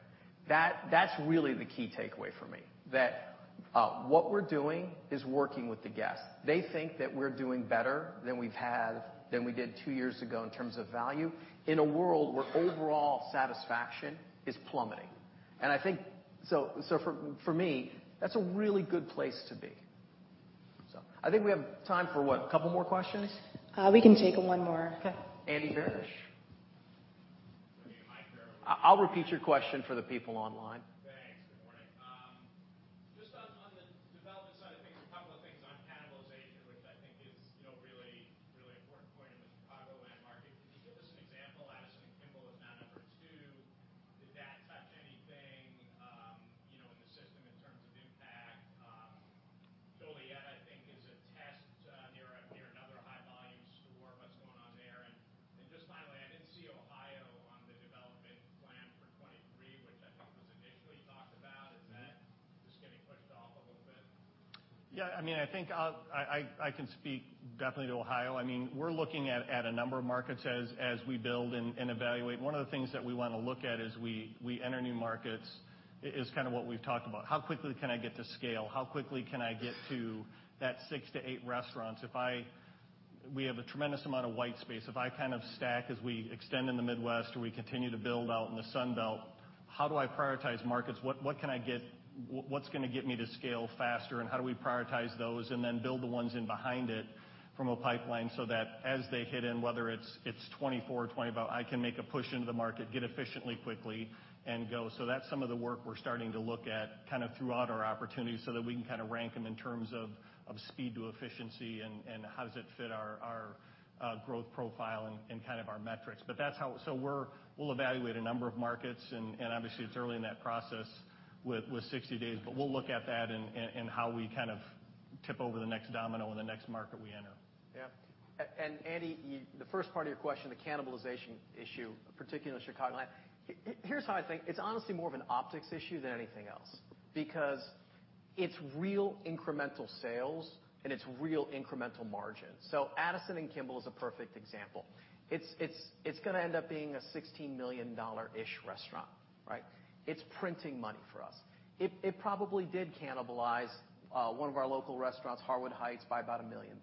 That's really the key takeaway for me, that what we're doing is working with the guests. They think that we're doing better than we did two years ago in terms of value in a world where overall satisfaction is plummeting. I think so for me, that's a really good place to be. I think we have time for what? A couple more questions. We can take one more. Okay. Andy Barish. There'll be a mic there. I'll repeat your question for the people online. What's gonna get me to scale faster, and how do we prioritize those and then build the ones in behind it from a pipeline so that as they hit in, whether it's 2024 or 2025, I can make a push into the market, get efficiently quickly and go. That's some of the work we're starting to look at kind of throughout our opportunities so that we can kinda rank them in terms of speed to efficiency and how does it fit our growth profile and kind of our metrics. We'll evaluate a number of markets and obviously it's early in that process with 60 days, but we'll look at that and how we kind of tip over the next domino in the next market we enter. Yeah. Andy, the first part of your question, the cannibalization issue, particularly in Chicagoland. Here's how I think. It's honestly more of an optics issue than anything else because it's real incremental sales and it's real incremental margin. Addison and Kimball is a perfect example. It's gonna end up being a $16 million-ish restaurant, right? It's printing money for us. It probably did cannibalize one of our local restaurants, Harwood Heights, by about $1 million.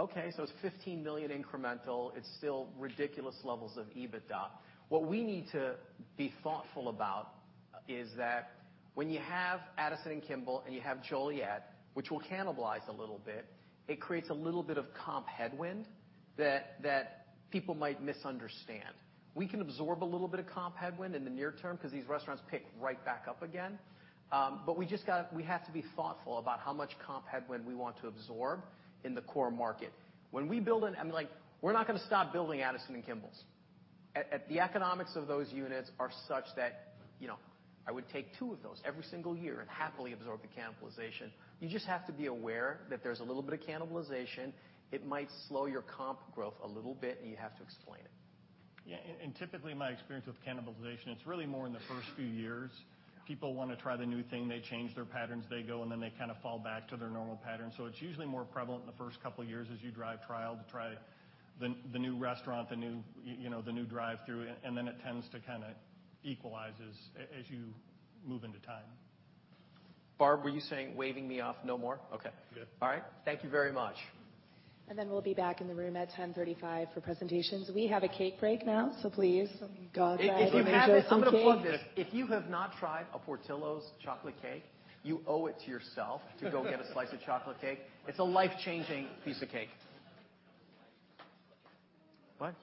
Okay, so it's $15 million incremental. It's still ridiculous levels of EBITDA. What we need to be thoughtful about is that when you have Addison and Kimball and you have Joliet, which will cannibalize a little bit, it creates a little bit of comp headwind that people might misunderstand. We can absorb a little bit of comp headwind in the near term because these restaurants pick right back up again. We have to be thoughtful about how much comp headwind we want to absorb in the core market. When we build I mean, like, we're not gonna stop building Addison and Kimballs. At the economics of those units are such that, you know, I would take two of those every single year and happily absorb the cannibalization. You just have to be aware that there's a little bit of cannibalization. It might slow your comp growth a little bit, and you have to explain it. Yeah. Typically, my experience with cannibalization, it's really more in the first few years. Yeah. People wanna try the new thing. They change their patterns. They go, and then they kinda fall back to their normal pattern. It's usually more prevalent in the first couple of years as you drive trial to try the new restaurant, the new, you know, the new drive-thru, and then it tends to kinda equalizes as you move into time. Barb, were you saying, waving me off, no more? Okay. Good. All right. Thank you very much. We'll be back in the room at 10:35 A.M. for presentations. We have a cake break now, so please go grab some cake. I'm gonna plug this. If you have not tried a Portillo's chocolate cake, you owe it to yourself to go get a slice of chocolate cake. It's a life-changing piece of cake. What? All right. Yeah. Dude. All the misery was emptiness everywhere. What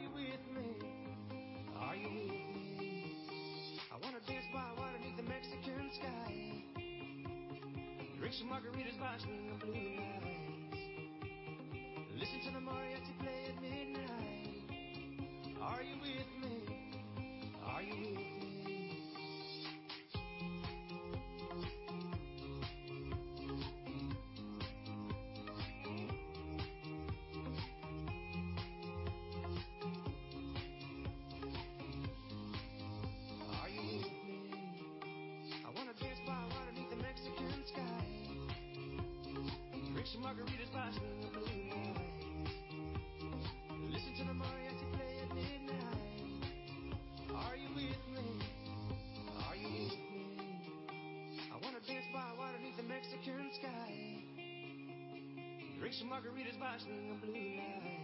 Are you with me? Are you with me? I wanna dance by water 'neath the Mexican sky. Drink some margaritas by neon blue lights. Listen to the mariachi play at midnight. Are you with me? Are you with me? I don't like walking around this old and empty house. Hold my hand, I'll walk with you, my dear. The stairs creak as you sleep, it's keeping me awake. It's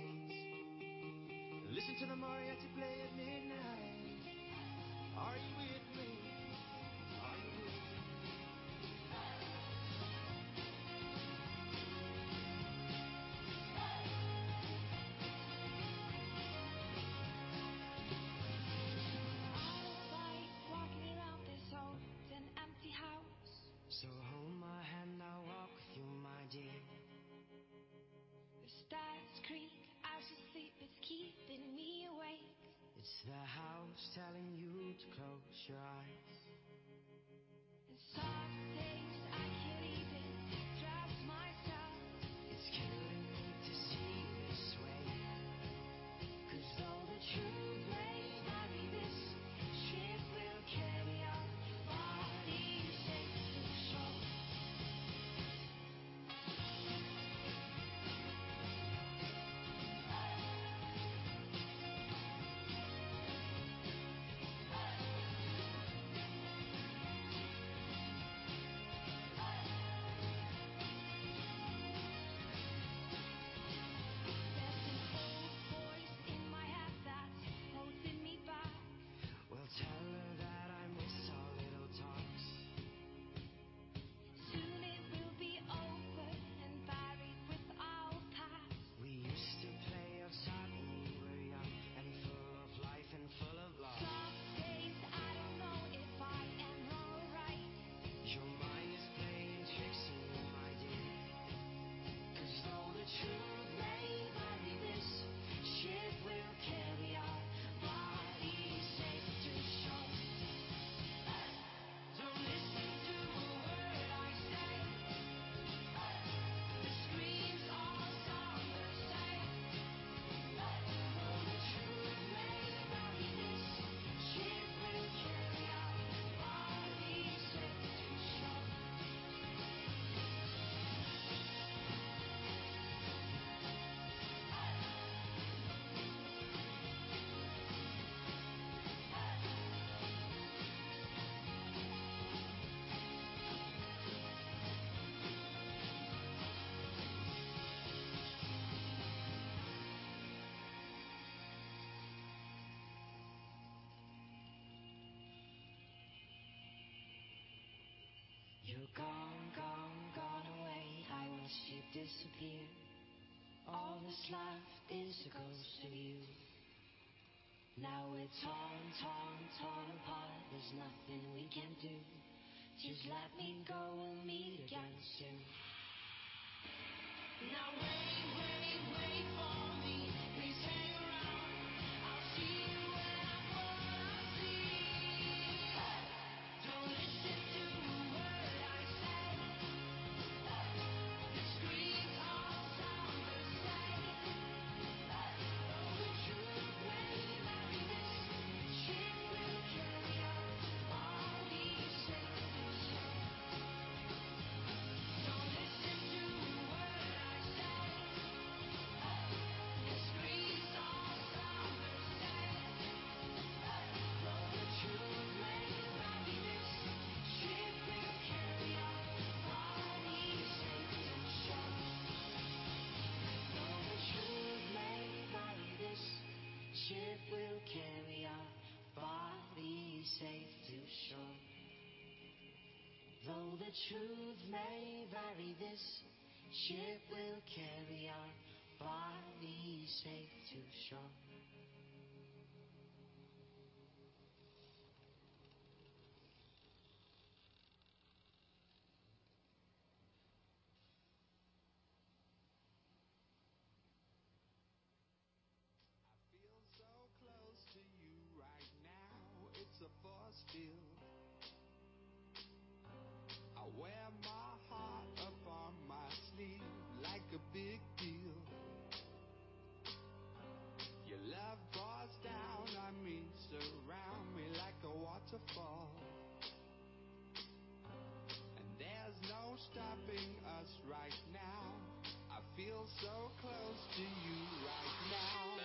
the house telling you to close your eyes. Though the truth may vary, this ship will carry our bodies safe to shore. I feel so close to you right now, it's a force field. I wear my heart upon my sleeve like a big deal. Your love pours down on me, surround me like a waterfall. There's no stopping us right now. I feel so close to you right now.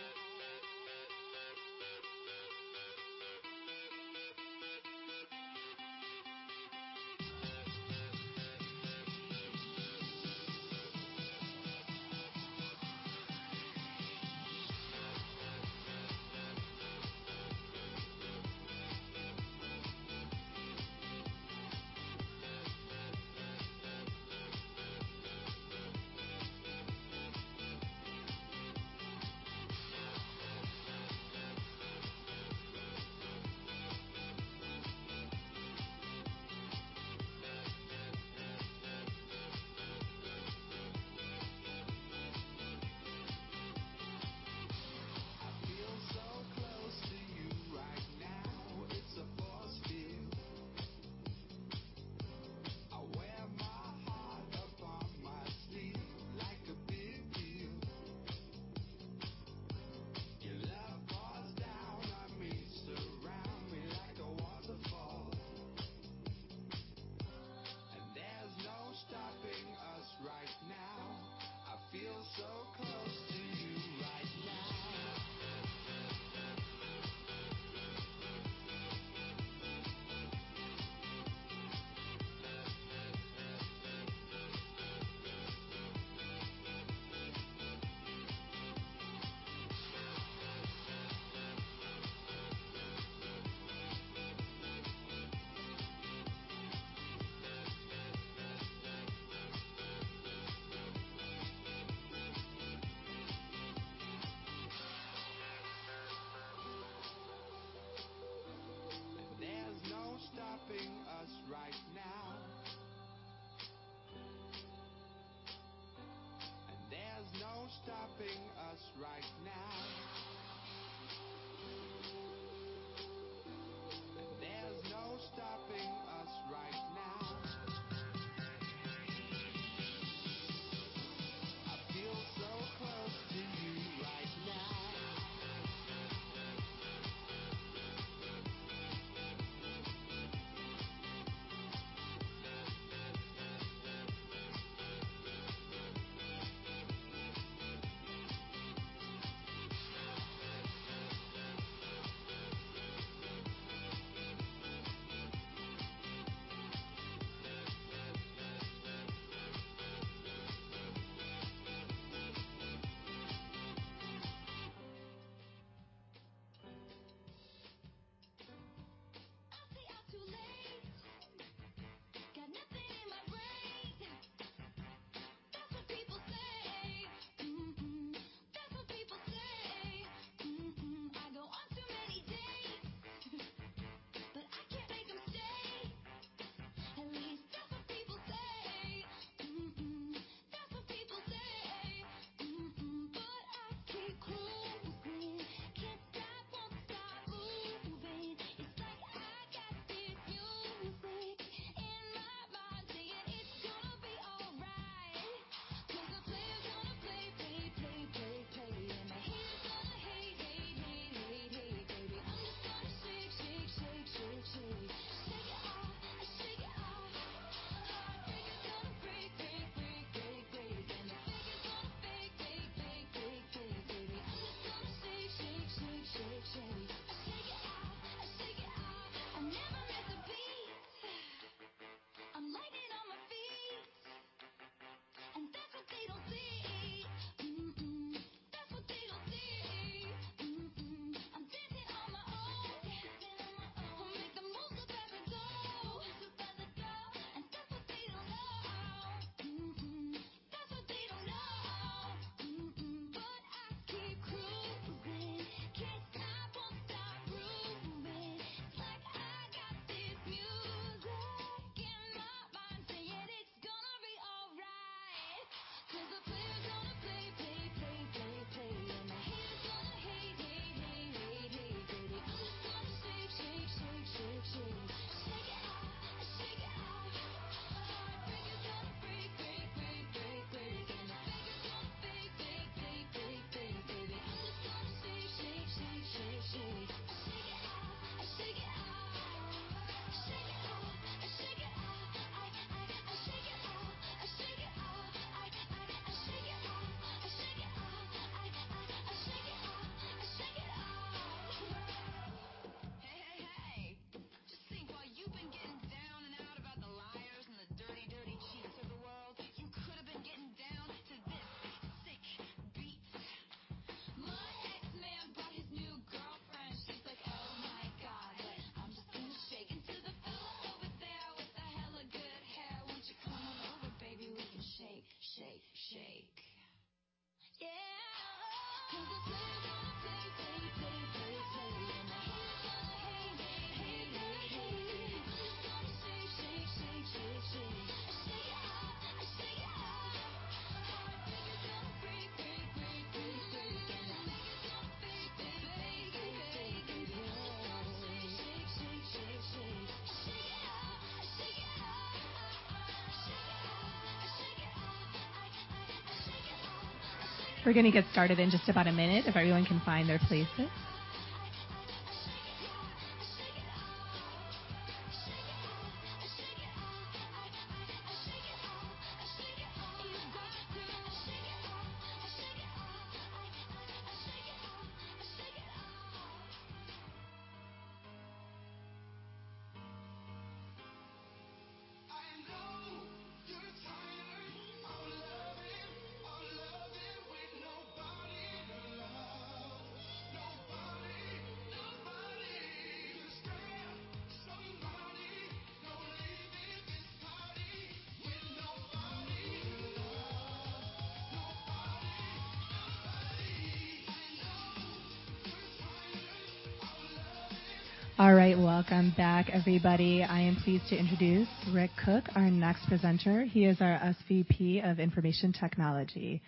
I shake it off, I shake it off. I, I, I shake it off, I shake it off. I, I, I shake it off, I shake it off. I, I, I shake it off, I shake it off. I know you're tired of loving with nobody to love. Nobody. You're scared somebody's gonna leave this party with nobody to love. Nobody. I know you're tired of loving All right, welcome back, everybody. I am pleased to introduce Rick Cook, our next presenter. He is our SVP of Information Technology.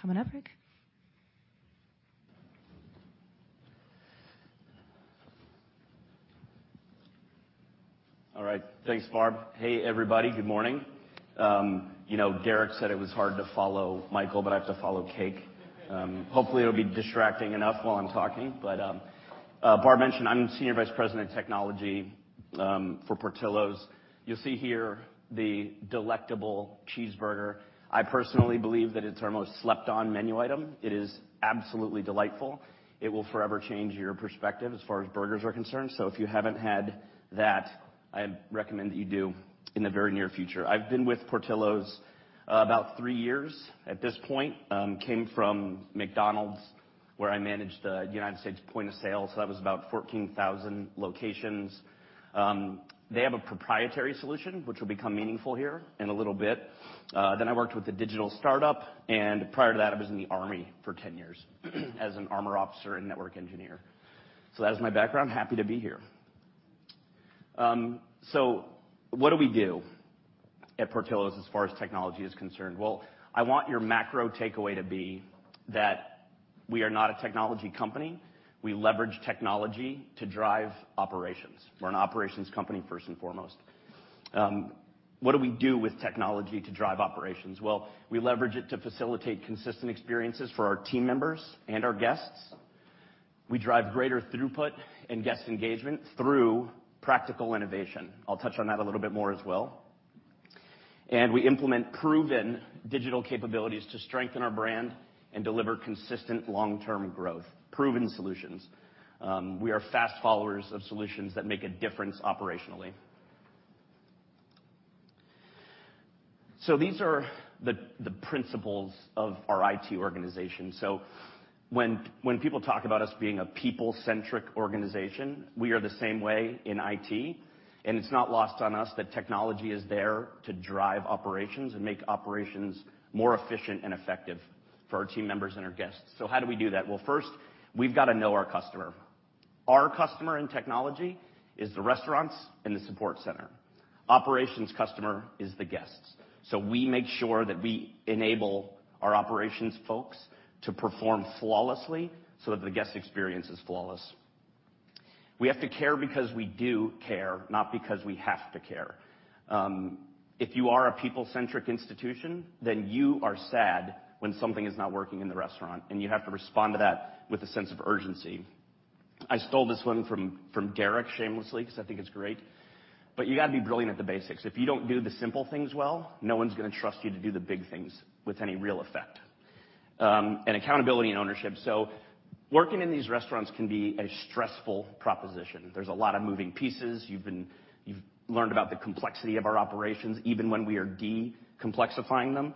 Come on up, Rick. All right. Thanks, Barb. Hey, everybody. Good morning. You know, Derek said it was hard to follow Michael, but I have to follow Cake. Hopefully it'll be distracting enough while I'm talking. Barb mentioned I'm Senior Vice President of Technology for Portillo's. You'll see here the delectable cheeseburger. I personally believe that it's our most slept-on menu item. It is absolutely delightful. It will forever change your perspective as far as burgers are concerned. So if you haven't had that, I recommend that you do in the very near future. I've been with Portillo's about three years at this point. Came from McDonald's, where I managed the United States point of sale, so that was about 14,000 locations. They have a proprietary solution which will become meaningful here in a little bit. I worked with a digital startup, and prior to that, I was in the Army for 10 years as an armor officer and network engineer. That is my background. Happy to be here. What do we do at Portillo's as far as technology is concerned? Well, I want your macro takeaway to be that we are not a technology company. We leverage technology to drive operations. We're an operations company first and foremost. What do we do with technology to drive operations? Well, we leverage it to facilitate consistent experiences for our team members and our guests. We drive greater throughput and guest engagement through practical innovation. I'll touch on that a little bit more as well. We implement proven digital capabilities to strengthen our brand and deliver consistent long-term growth, proven solutions. We are fast followers of solutions that make a difference operationally. These are the principles of our IT organization. When people talk about us being a people-centric organization, we are the same way in IT, and it's not lost on us that technology is there to drive operations and make operations more efficient and effective for our team members and our guests. How do we do that? Well, first, we've gotta know our customer. Our customer in technology is the restaurants and the support center. Operations customer is the guests. We make sure that we enable our operations folks to perform flawlessly so that the guest experience is flawless. We have to care because we do care, not because we have to care. If you are a people-centric institution, then you are sad when something is not working in the restaurant, and you have to respond to that with a sense of urgency. I stole this one from Derek shamelessly, 'cause I think it's great. You gotta be brilliant at the basics. If you don't do the simple things well, no one's gonna trust you to do the big things with any real effect. Accountability and ownership. Working in these restaurants can be a stressful proposition. There's a lot of moving pieces. You've learned about the complexity of our operations, even when we are de-complexifying them.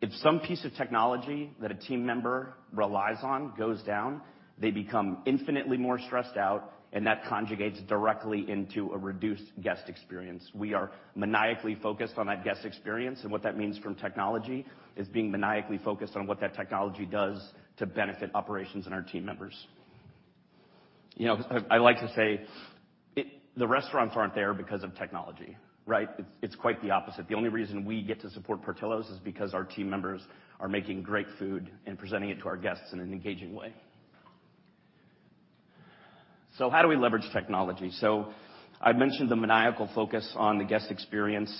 If some piece of technology that a team member relies on goes down, they become infinitely more stressed out, and that translates directly into a reduced guest experience. We are maniacally focused on that guest experience, and what that means from technology is being maniacally focused on what that technology does to benefit operations and our team members. You know, I like to say it, the restaurants aren't there because of technology, right? It's quite the opposite. The only reason we get to support Portillo's is because our team members are making great food and presenting it to our guests in an engaging way. How do we leverage technology? I mentioned the maniacal focus on the guest experience.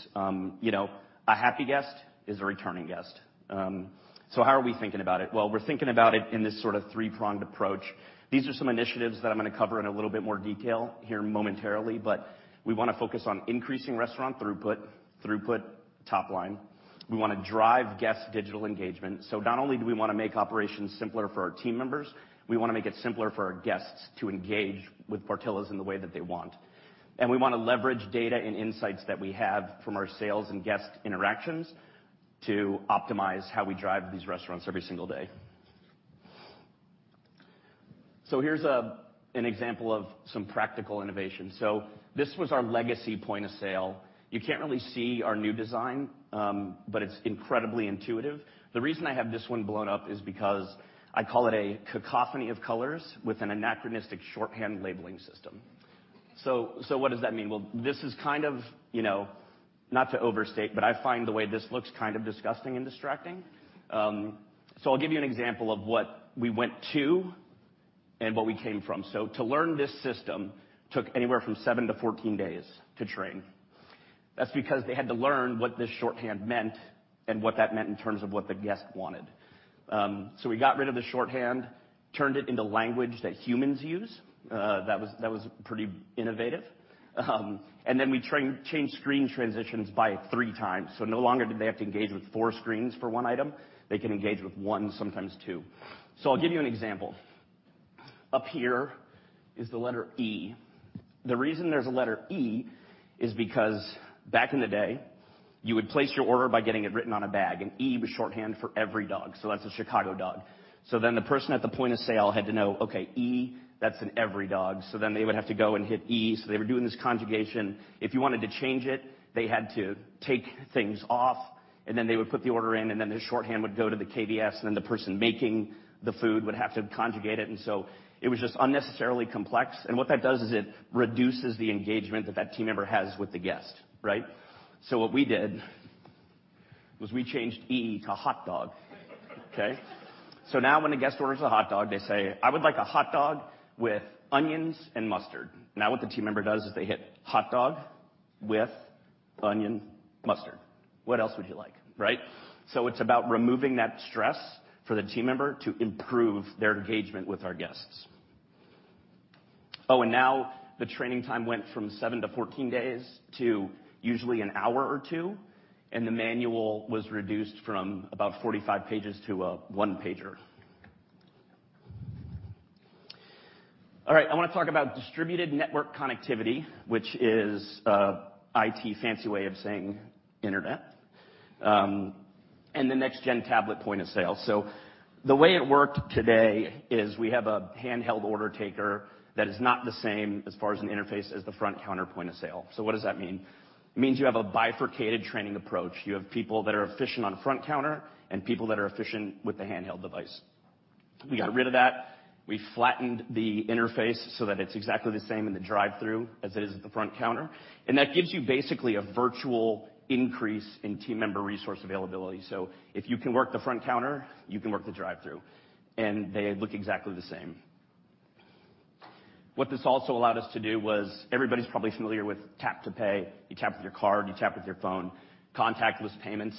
You know, a happy guest is a returning guest. How are we thinking about it? Well, we're thinking about it in this sort of three-pronged approach. These are some initiatives that I'm gonna cover in a little bit more detail here momentarily, but we wanna focus on increasing restaurant throughput, top line. We wanna drive guest digital engagement. Not only do we wanna make operations simpler for our team members, we wanna make it simpler for our guests to engage with Portillo's in the way that they want. We wanna leverage data and insights that we have from our sales and guest interactions to optimize how we drive these restaurants every single day. Here's an example of some practical innovation. This was our legacy point of sale. You can't really see our new design, but it's incredibly intuitive. The reason I have this one blown up is because I call it a cacophony of colors with an anachronistic shorthand labeling system. What does that mean? Well, this is kind of, you know, not to overstate, but I find the way this looks kind of disgusting and distracting. I'll give you an example of what we went to and what we came from. To learn this system took anywhere from 7 to 14 days to train. That's because they had to learn what this shorthand meant and what that meant in terms of what the guest wanted. We got rid of the shorthand, turned it into language that humans use. That was pretty innovative. We changed screen transitions by 3 times. No longer did they have to engage with 4 screens for one item. They can engage with 1, sometimes 2. I'll give you an example. Up here is the letter E. The reason there's a letter E is because back in the day, you would place your order by getting it written on a bag, and E was shorthand for Every Dog. That's a Chicago Dog. The person at the point of sale had to know, "Okay, E, that's an Every Dog." They would have to go and hit E. They were doing this conjugation. If you wanted to change it, they had to take things off, and then they would put the order in, and then the shorthand would go to the KDS, and then the person making the food would have to conjugate it. It was just unnecessarily complex. What that does is it reduces the engagement that that team member has with the guest, right? What we did was we changed E to hot dog. Okay? Now when a guest orders a hot dog, they say, "I would like a hot dog with onions and mustard." Now, what the team member does is they hit hot dog with onion, mustard. "What else would you like?" Right? It's about removing that stress for the team member to improve their engagement with our guests. Oh, and now the training time went from 7 to 14 days to usually an hour or two, and the manual was reduced from about 45 pages to one-pager. All right, I wanna talk about distributed network connectivity, which is IT fancy way of saying internet and the next-gen tablet point of sale. The way it worked today is we have a handheld order taker that is not the same as far as an interface as the front counter point of sale. What does that mean? It means you have a bifurcated training approach. You have people that are efficient on front counter and people that are efficient with the handheld device. We got rid of that. We flattened the interface so that it's exactly the same in the drive-thru as it is at the front counter. That gives you basically a virtual increase in team member resource availability. If you can work the front counter, you can work the drive-thru, and they look exactly the same. What this also allowed us to do was everybody's probably familiar with tap-to-pay. You tap with your card, you tap with your phone, contactless payments.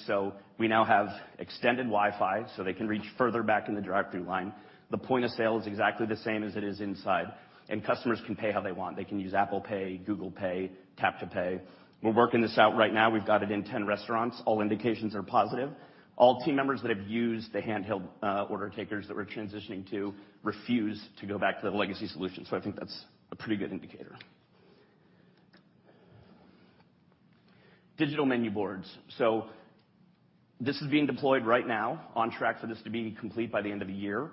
We now have extended Wi-Fi, so they can reach further back in the drive-thru line. The point of sale is exactly the same as it is inside, and customers can pay how they want. They can use Apple Pay, Google Pay, tap-to-pay. We're working this out right now. We've got it in 10 restaurants. All indications are positive. All team members that have used the handheld order takers that we're transitioning to refuse to go back to the legacy solution. I think that's a pretty good indicator. Digital menu boards. This is being deployed right now on track for this to be complete by the end of the year.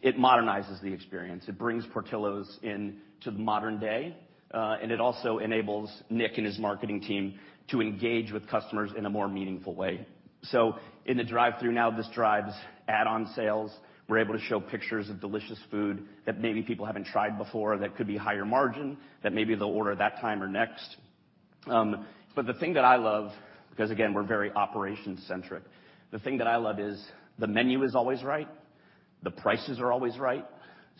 It modernizes the experience. It brings Portillo's into the modern day, and it also enables Nick and his marketing team to engage with customers in a more meaningful way. In the drive-thru now, this drives add-on sales. We're able to show pictures of delicious food that maybe people haven't tried before that could be higher margin, that maybe they'll order that time or next. The thing that I love, because again, we're very operations centric, the thing that I love is the menu is always right. The prices are always right.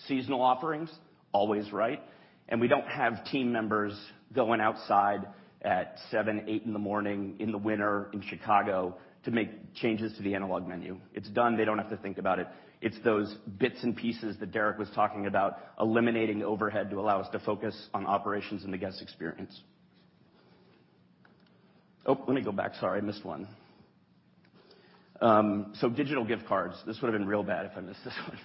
Seasonal offerings, always right. We don't have team members going outside at 7, 8 in the morning in the winter in Chicago to make changes to the analog menu. It's done. They don't have to think about it. It's those bits and pieces that Derrick was talking about, eliminating overhead to allow us to focus on operations and the guest experience. Oh, let me go back. Sorry, I missed one. Digital gift cards. This would have been real bad if I missed this one.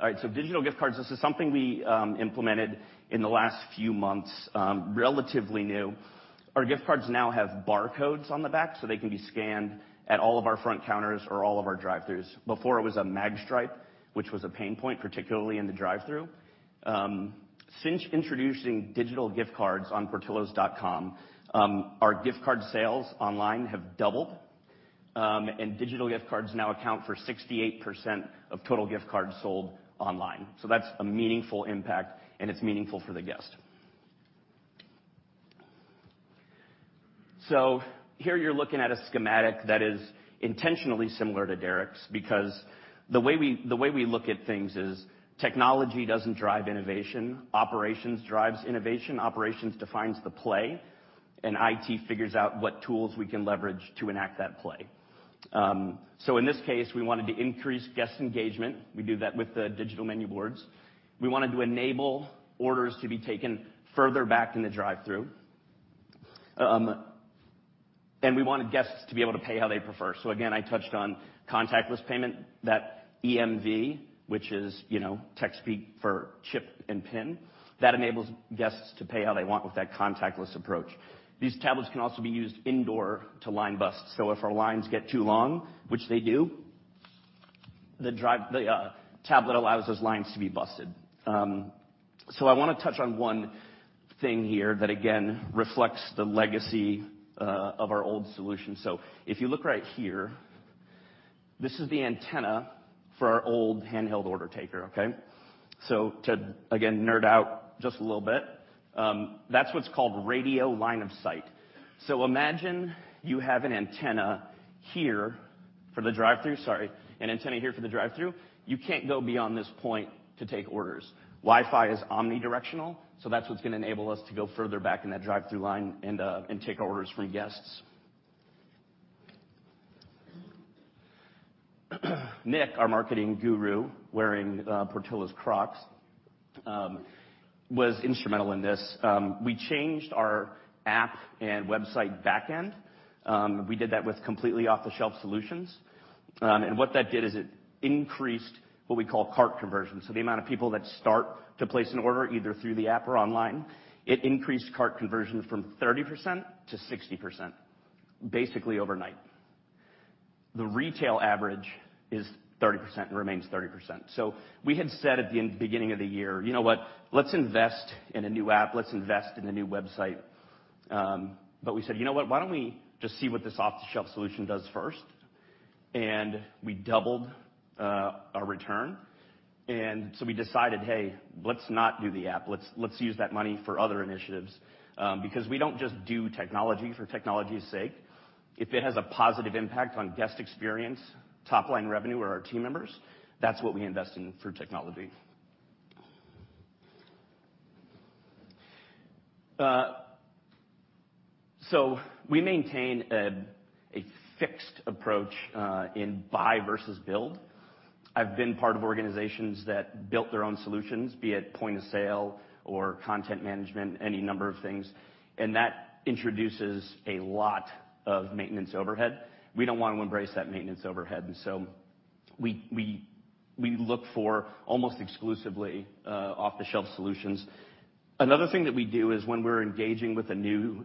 All right, so digital gift cards, this is something we implemented in the last few months, relatively new. Our gift cards now have barcodes on the back, so they can be scanned at all of our front counters or all of our drive-thrus. Before it was a mag stripe, which was a pain point, particularly in the drive-thru. Since introducing digital gift cards on portillos.com, our gift card sales online have doubled, and digital gift cards now account for 68% of total gift cards sold online. That's a meaningful impact, and it's meaningful for the guest. Here you're looking at a schematic that is intentionally similar to Derek's because the way we look at things is technology doesn't drive innovation. Operations drives innovation. Operations defines the play, and IT figures out what tools we can leverage to enact that play. In this case, we wanted to increase guest engagement. We do that with the digital menu boards. We wanted to enable orders to be taken further back in the drive-thru. We wanted guests to be able to pay how they prefer. I touched on contactless payment, that EMV, which is, you know, tech speak for chip and PIN, that enables guests to pay how they want with that contactless approach. These tablets can also be used indoors to line bust. If our lines get too long, which they do, the tablet allows those lines to be busted. I wanna touch on one thing here that again reflects the legacy of our old solution. If you look right here, this is the antenna for our old handheld order taker, okay? To, again, nerd out just a little bit, that's what's called radio line of sight. Imagine you have an antenna here for the drive-thru. Sorry, an antenna here for the drive-thru. You can't go beyond this point to take orders. Wi-Fi is omnidirectional, so that's what's gonna enable us to go further back in that drive-thru line and take orders from guests. Nick, our marketing guru, wearing Portillo's Crocs, was instrumental in this. We changed our app and website back end. We did that with completely off-the-shelf solutions. What that did is it increased what we call cart conversion. The amount of people that start to place an order, either through the app or online, it increased cart conversion from 30% to 60% basically overnight. The retail average is 30% and remains 30%. We had said at the beginning of the year, "You know what? Let's invest in a new app. Let's invest in a new website." But we said, "You know what? Why don't we just see what this off-the-shelf solution does first?" We doubled our return. We decided, "Hey, let's not do the app. Let's use that money for other initiatives." Because we don't just do technology for technology's sake. If it has a positive impact on guest experience, top-line revenue, or our team members, that's what we invest in for technology. We maintain a fixed approach in buy versus build. I've been part of organizations that built their own solutions, be it point of sale or content management, any number of things, and that introduces a lot of maintenance overhead. We don't wanna embrace that maintenance overhead, and we look for almost exclusively off-the-shelf solutions. Another thing that we do is when we're engaging with a new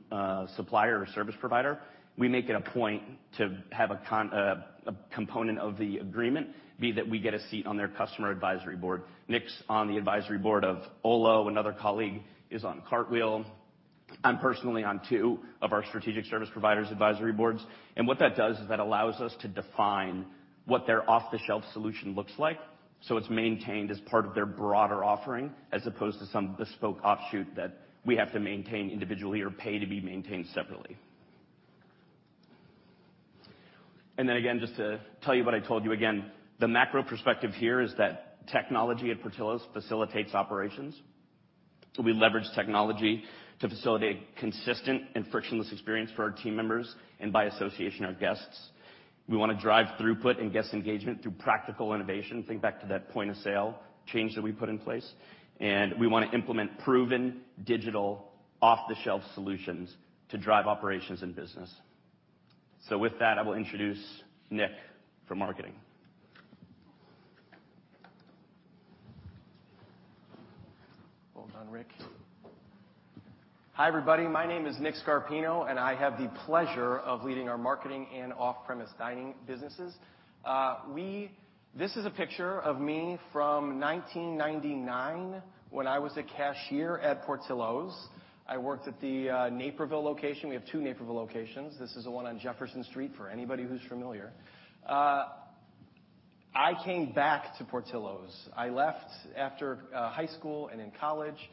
supplier or service provider, we make it a point to have a component of the agreement be that we get a seat on their customer advisory board. Nick's on the advisory board of Olo. Another colleague is on Cartwheel. I'm personally on two of our strategic service providers' advisory boards. What that does is that allows us to define what their off-the-shelf solution looks like, so it's maintained as part of their broader offering as opposed to some bespoke offshoot that we have to maintain individually or pay to be maintained separately. Again, just to tell you what I told you again, the macro perspective here is that technology at Portillo's facilitates operations. We leverage technology to facilitate consistent and frictionless experience for our team members and, by association, our guests. We wanna drive throughput and guest engagement through practical innovation. Think back to that point of sale change that we put in place. We wanna implement proven digital off-the-shelf solutions to drive operations and business. With that, I will introduce Nick from marketing. Well done, Rick. Hi, everybody. My name is Nick Scarpino, and I have the pleasure of leading our marketing and off-premise dining businesses. This is a picture of me from 1999 when I was a cashier at Portillo's. I worked at the Naperville location. We have two Naperville locations. This is the one on Jefferson Street for anybody who's familiar. I came back to Portillo's. I left after high school and in college.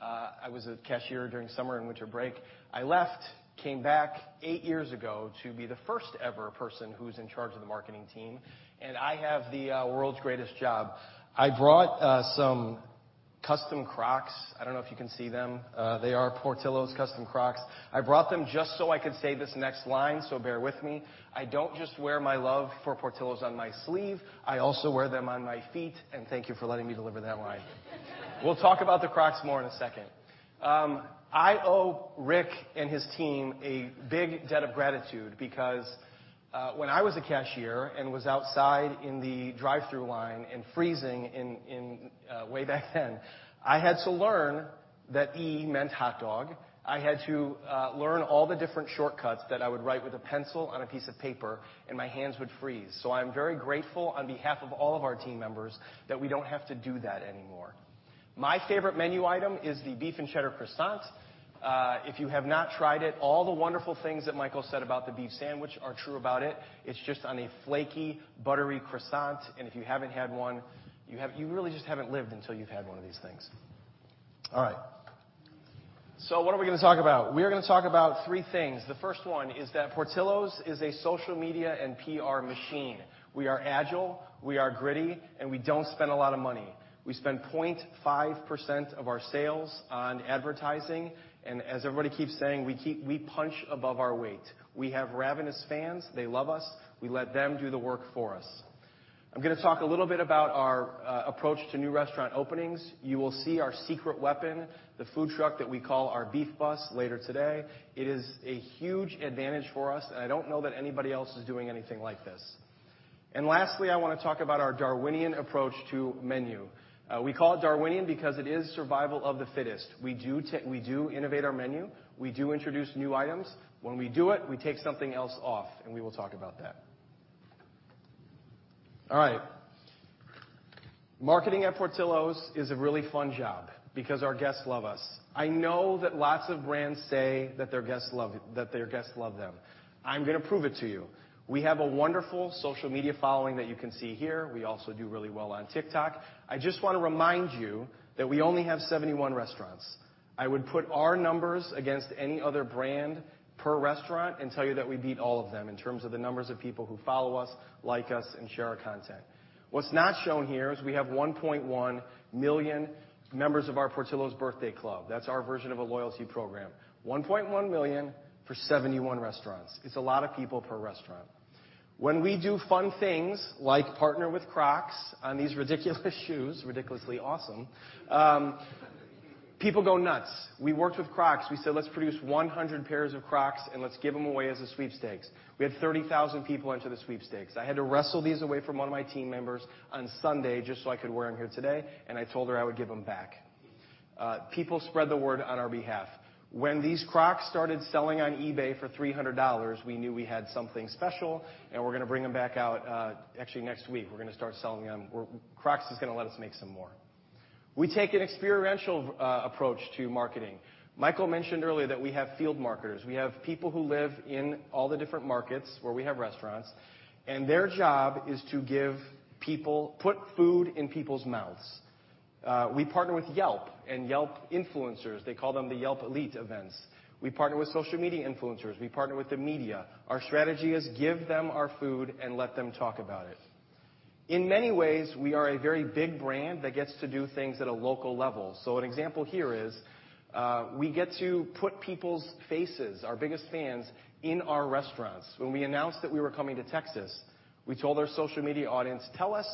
I was a cashier during summer and winter break. I left, came back eight years ago to be the first ever person who's in charge of the marketing team, and I have the world's greatest job. I brought some custom Crocs. I don't know if you can see them. They are Portillo's custom Crocs. I brought them just so I could say this next line, so bear with me. I don't just wear my love for Portillo's on my sleeve, I also wear them on my feet, and thank you for letting me deliver that line. We'll talk about the Crocs more in a second. I owe Rick and his team a big debt of gratitude because, when I was a cashier and was outside in the drive-thru line and freezing in way back then, I had to learn that E meant hot dog. I had to learn all the different shortcuts that I would write with a pencil on a piece of paper, and my hands would freeze. I'm very grateful on behalf of all of our team members that we don't have to do that anymore. My favorite menu item is the Beef & Cheddar Croissant. If you have not tried it, all the wonderful things that Michael said about the beef sandwich are true about it. It's just on a flaky, buttery croissant, and if you haven't had one, you really just haven't lived until you've had one of these things. All right. What are we gonna talk about? We are gonna talk about three things. The first one is that Portillo's is a social media and PR machine. We are agile, we are gritty, and we don't spend a lot of money. We spend 0.5% of our sales on advertising, and as everybody keeps saying, we punch above our weight. We have ravenous fans. They love us. We let them do the work for us. I'm gonna talk a little bit about our approach to new restaurant openings. You will see our secret weapon, the food truck that we call our Beef Bus, later today. It is a huge advantage for us, and I don't know that anybody else is doing anything like this. Lastly, I wanna talk about our Darwinian approach to menu. We call it Darwinian because it is survival of the fittest. We do innovate our menu. We do introduce new items. When we do it, we take something else off, and we will talk about that. All right. Marketing at Portillo's is a really fun job because our guests love us. I know that lots of brands say that their guests love, that their guests love them. I'm gonna prove it to you. We have a wonderful social media following that you can see here. We also do really well on TikTok. I just wanna remind you that we only have 71 restaurants. I would put our numbers against any other brand per restaurant and tell you that we beat all of them in terms of the numbers of people who follow us, like us, and share our content. What's not shown here is we have 1.1 million members of our Portillo's Birthday Club. That's our version of a loyalty program. 1.1 million for 71 restaurants. It's a lot of people per restaurant. When we do fun things, like partner with Crocs on these ridiculous shoes, ridiculously awesome, people go nuts. We worked with Crocs. We said, "Let's produce 100 pairs of Crocs and let's give them away as a sweepstakes." We had 30,000 people enter the sweepstakes. I had to wrestle these away from one of my team members on Sunday just so I could wear them here today, and I told her I would give them back. People spread the word on our behalf. When these Crocs started selling on eBay for $300, we knew we had something special, and we're gonna bring them back out, actually next week. We're gonna start selling them. Crocs is gonna let us make some more. We take an experiential approach to marketing. Michael mentioned earlier that we have field marketers. We have people who live in all the different markets where we have restaurants, and their job is to put food in people's mouths. We partner with Yelp and Yelp influencers. They call them the Yelp Elite events. We partner with social media influencers. We partner with the media. Our strategy is give them our food and let them talk about it. In many ways, we are a very big brand that gets to do things at a local level. An example here is, we get to put people's faces, our biggest fans, in our restaurants. When we announced that we were coming to Texas, we told our social media audience, "Tell us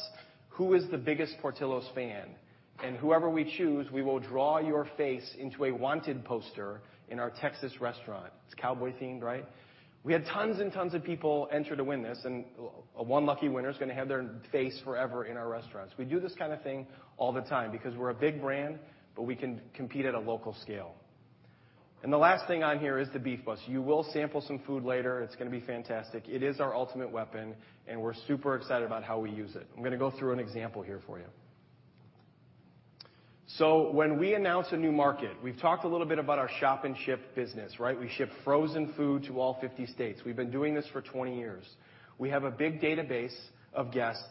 who is the biggest Portillo's fan, and whoever we choose, we will draw your face into a wanted poster in our Texas restaurant." It's cowboy-themed, right? We had tons and tons of people enter to win this, and one lucky winner is gonna have their face forever in our restaurants. We do this kinda thing all the time because we're a big brand, but we can compete at a local scale. The last thing on here is the Beef Bus. You will sample some food later. It's gonna be fantastic. It is our ultimate weapon, and we're super excited about how we use it. I'm gonna go through an example here for you. When we announce a new market, we've talked a little bit about our Shop and Ship business, right? We ship frozen food to all 50 states. We've been doing this for 20 years. We have a big database of guests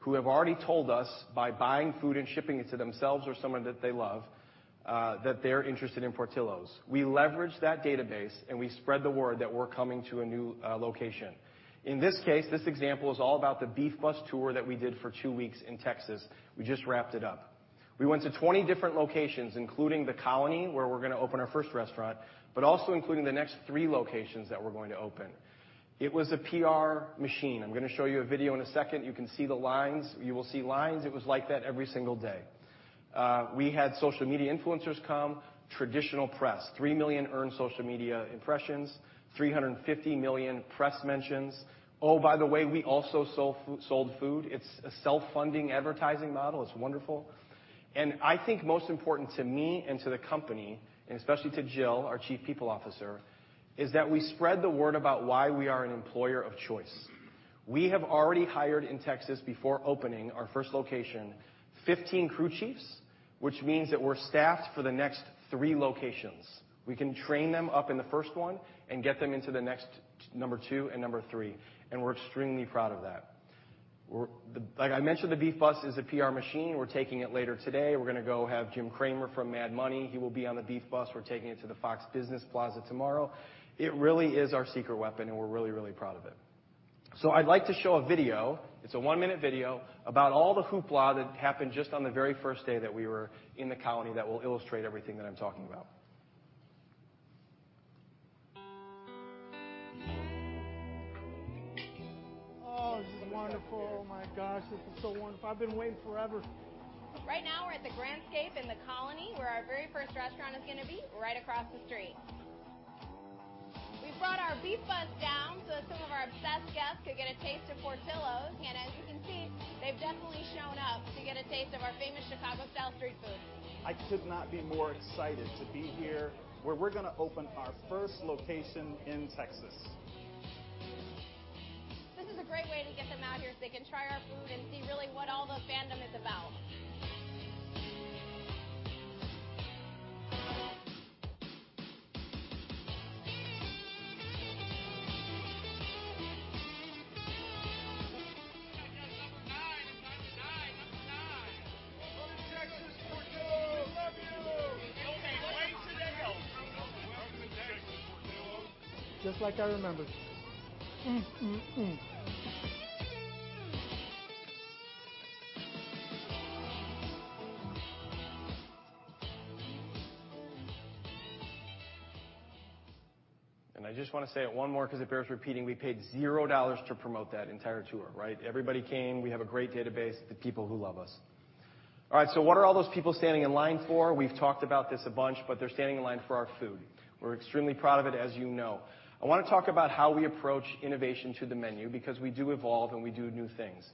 who have already told us by buying food and shipping it to themselves or someone that they love that they're interested in Portillo's. We leverage that database, and we spread the word that we're coming to a new location. In this case, this example is all about the Beef Bus tour that we did for 2 weeks in Texas. We just wrapped it up. We went to 20 different locations, including The Colony, where we're gonna open our first restaurant, but also including the next three locations that we're going to open. It was a PR machine. I'm gonna show you a video in a second. You can see the lines. You will see lines. It was like that every single day. We had social media influencers come, traditional press, 3 million earned social media impressions, 350 million press mentions. Oh, by the way, we also sold food. It's a self-funding advertising model. It's wonderful. I think most important to me and to the company, and especially to Jill, our Chief People Officer, is that we spread the word about why we are an employer of choice. We have already hired in Texas before opening our first location 15 crew chiefs, which means that we're staffed for the next three locations. We can train them up in the first one and get them into the next number two and number three, and we're extremely proud of that. Like I mentioned, the Beef Bus is a PR machine. We're taking it later today. We're gonna go have Jim Cramer from Mad Money. He will be on the Beef Bus. We're taking it to the Fox Business Plaza tomorrow. It really is our secret weapon, and we're really, really proud of it. I'd like to show a video, it's a 1-minute video, about all the hoopla that happened just on the very first day that we were in The Colony that will illustrate everything that I'm talking about. Oh, this is wonderful. Oh my gosh, this is so wonderful. I've been waiting forever. Right now we're at The Grandscape in The Colony, where our very first restaurant is gonna be right across the street. We brought our Beef Bus down so that some of our obsessed guests could get a taste of Portillo's. As you can see, they've definitely shown up to get a taste of our famous Chicago-style street food. I could not be more excited to be here, where we're gonna open our first location in Texas. Out here so they can try our food and see really what all the fandom is about. I got number 9. Number 9. Come to Texas, Portillo's. We love you. Okay. Way to Dale. Welcome to Texas, Portillo's. Just like I remembered. I just wanna say it one more 'cause it bears repeating. We paid $0 to promote that entire tour, right? Everybody came. We have a great database, the people who love us. All right, so what are all those people standing in line for? We've talked about this a bunch, but they're standing in line for our food. We're extremely proud of it, as you know. I wanna talk about how we approach innovation to the menu because we do evolve, and we do new things.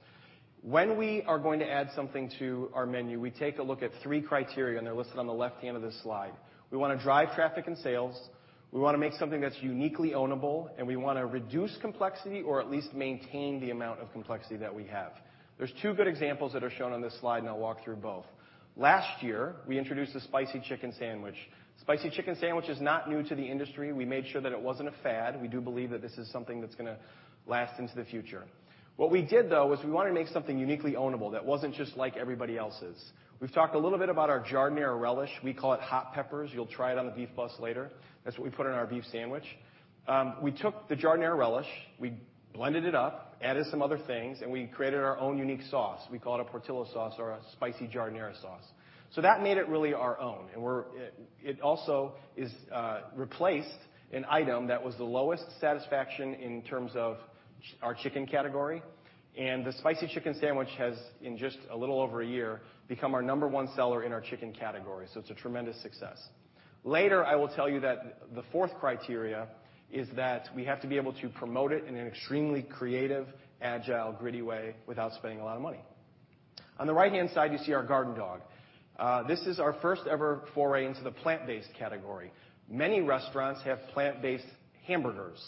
When we are going to add something to our menu, we take a look at 3 criteria, and they're listed on the left-hand of this slide. We wanna drive traffic and sales, we wanna make something that's uniquely ownable, and we wanna reduce complexity or at least maintain the amount of complexity that we have. There's two good examples that are shown on this slide, and I'll walk through both. Last year, we introduced a Spicy Chicken Sandwich. Spicy Chicken Sandwich is not new to the industry. We made sure that it wasn't a fad. We do believe that this is something that's gonna last into the future. What we did, though, is we wanna make something uniquely ownable that wasn't just like everybody else's. We've talked a little bit about our giardiniera relish. We call it hot peppers. You'll try it on the Beef Bus later. That's what we put in our beef sandwich. We took the giardiniera relish, we blended it up, added some other things, and we created our own unique sauce. We call it a Portillo sauce or a spicy giardiniera sauce. That made it really our own. It also replaced an item that was the lowest satisfaction in terms of our chicken category. The Spicy Chicken Sandwich has, in just a little over a year, become our number one seller in our chicken category, so it's a tremendous success. Later, I will tell you that the fourth criteria is that we have to be able to promote it in an extremely creative, agile, gritty way without spending a lot of money. On the right-hand side, you see our Garden Dog. This is our first ever foray into the plant-based category. Many restaurants have plant-based hamburgers.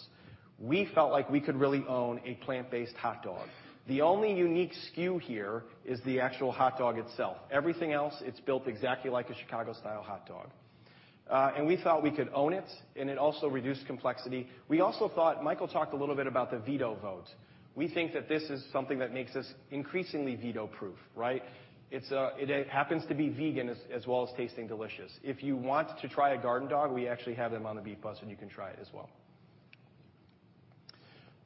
We felt like we could really own a plant-based hot dog. The only unique SKU here is the actual hot dog itself. Everything else, it's built exactly like a Chicago-style hot dog. We thought we could own it, and it also reduced complexity. We also thought Michael talked a little bit about the veto vote. We think that this is something that makes us increasingly veto-proof, right? It's it happens to be vegan as well as tasting delicious. If you want to try a Garden Dog, we actually have them on the Beef Bus, and you can try it as well.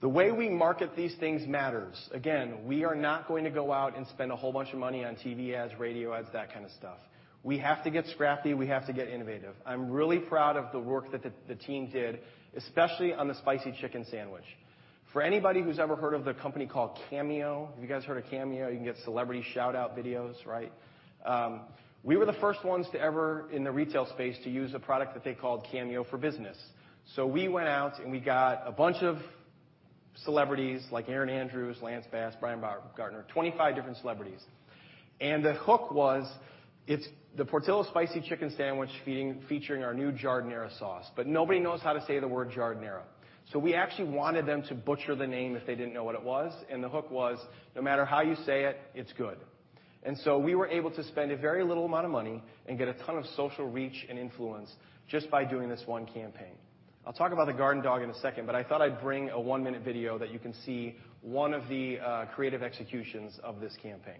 The way we market these things matters. Again, we are not going to go out and spend a whole bunch of money on TV ads, radio ads, that kind of stuff. We have to get scrappy. We have to get innovative. I'm really proud of the work that the team did, especially on the Spicy Chicken Sandwich. For anybody who's ever heard of the company called Cameo. Have you guys heard of Cameo? You can get celebrity shout-out videos, right? We were the first ones to ever, in the retail space, to use a product that they called Cameo for Business. We went out, and we got a bunch of celebrities like Erin Andrews, Lance Bass, Brian Baumgartner, 25 different celebrities. The hook was, it's the Portillo's Spicy Chicken Sandwich featuring our new giardiniera sauce, but nobody knows how to say the word giardiniera. We actually wanted them to butcher the name if they didn't know what it was, and the hook was, no matter how you say it's good. We were able to spend a very little amount of money and get a ton of social reach and influence just by doing this one campaign. I'll talk about the Garden Dog in a second, but I thought I'd bring a one-minute video that you can see one of the creative executions of this campaign.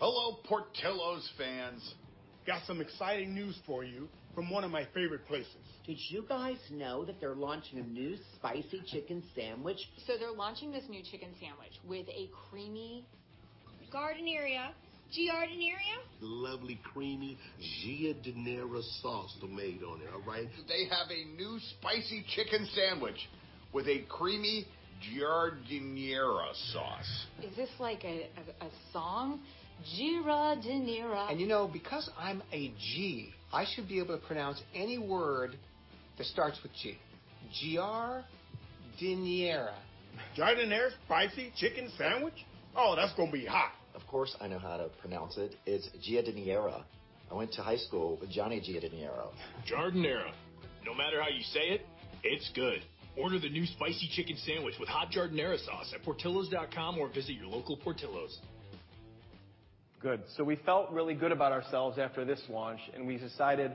Hello, Portillo's fans. Got some exciting news for you from one of my favorite places. Did you guys know that they're launching a new Spicy Chicken Sandwich? They're launching this new chicken sandwich with a lovely, creamy giardiniera sauce tomato on it, all right? They have a new Spicy Chicken Sandwich with a creamy giardiniera sauce. Is this like a song? Giardiniera. You know, because I'm a G, I should be able to pronounce any word that starts with G. Giardiniera. Giardiniera Spicy Chicken Sandwich? Oh, that's gonna be hot. Of course, I know how to pronounce it. It's giardiniera. I went to high school with Johnny Giardiniera. Giardiniera. No matter how you say it's good. Order the new Spicy Chicken Sandwich with Hot Giardiniera Sauce at portillos.com or visit your local Portillo's. Good. We felt really good about ourselves after this launch, and we decided,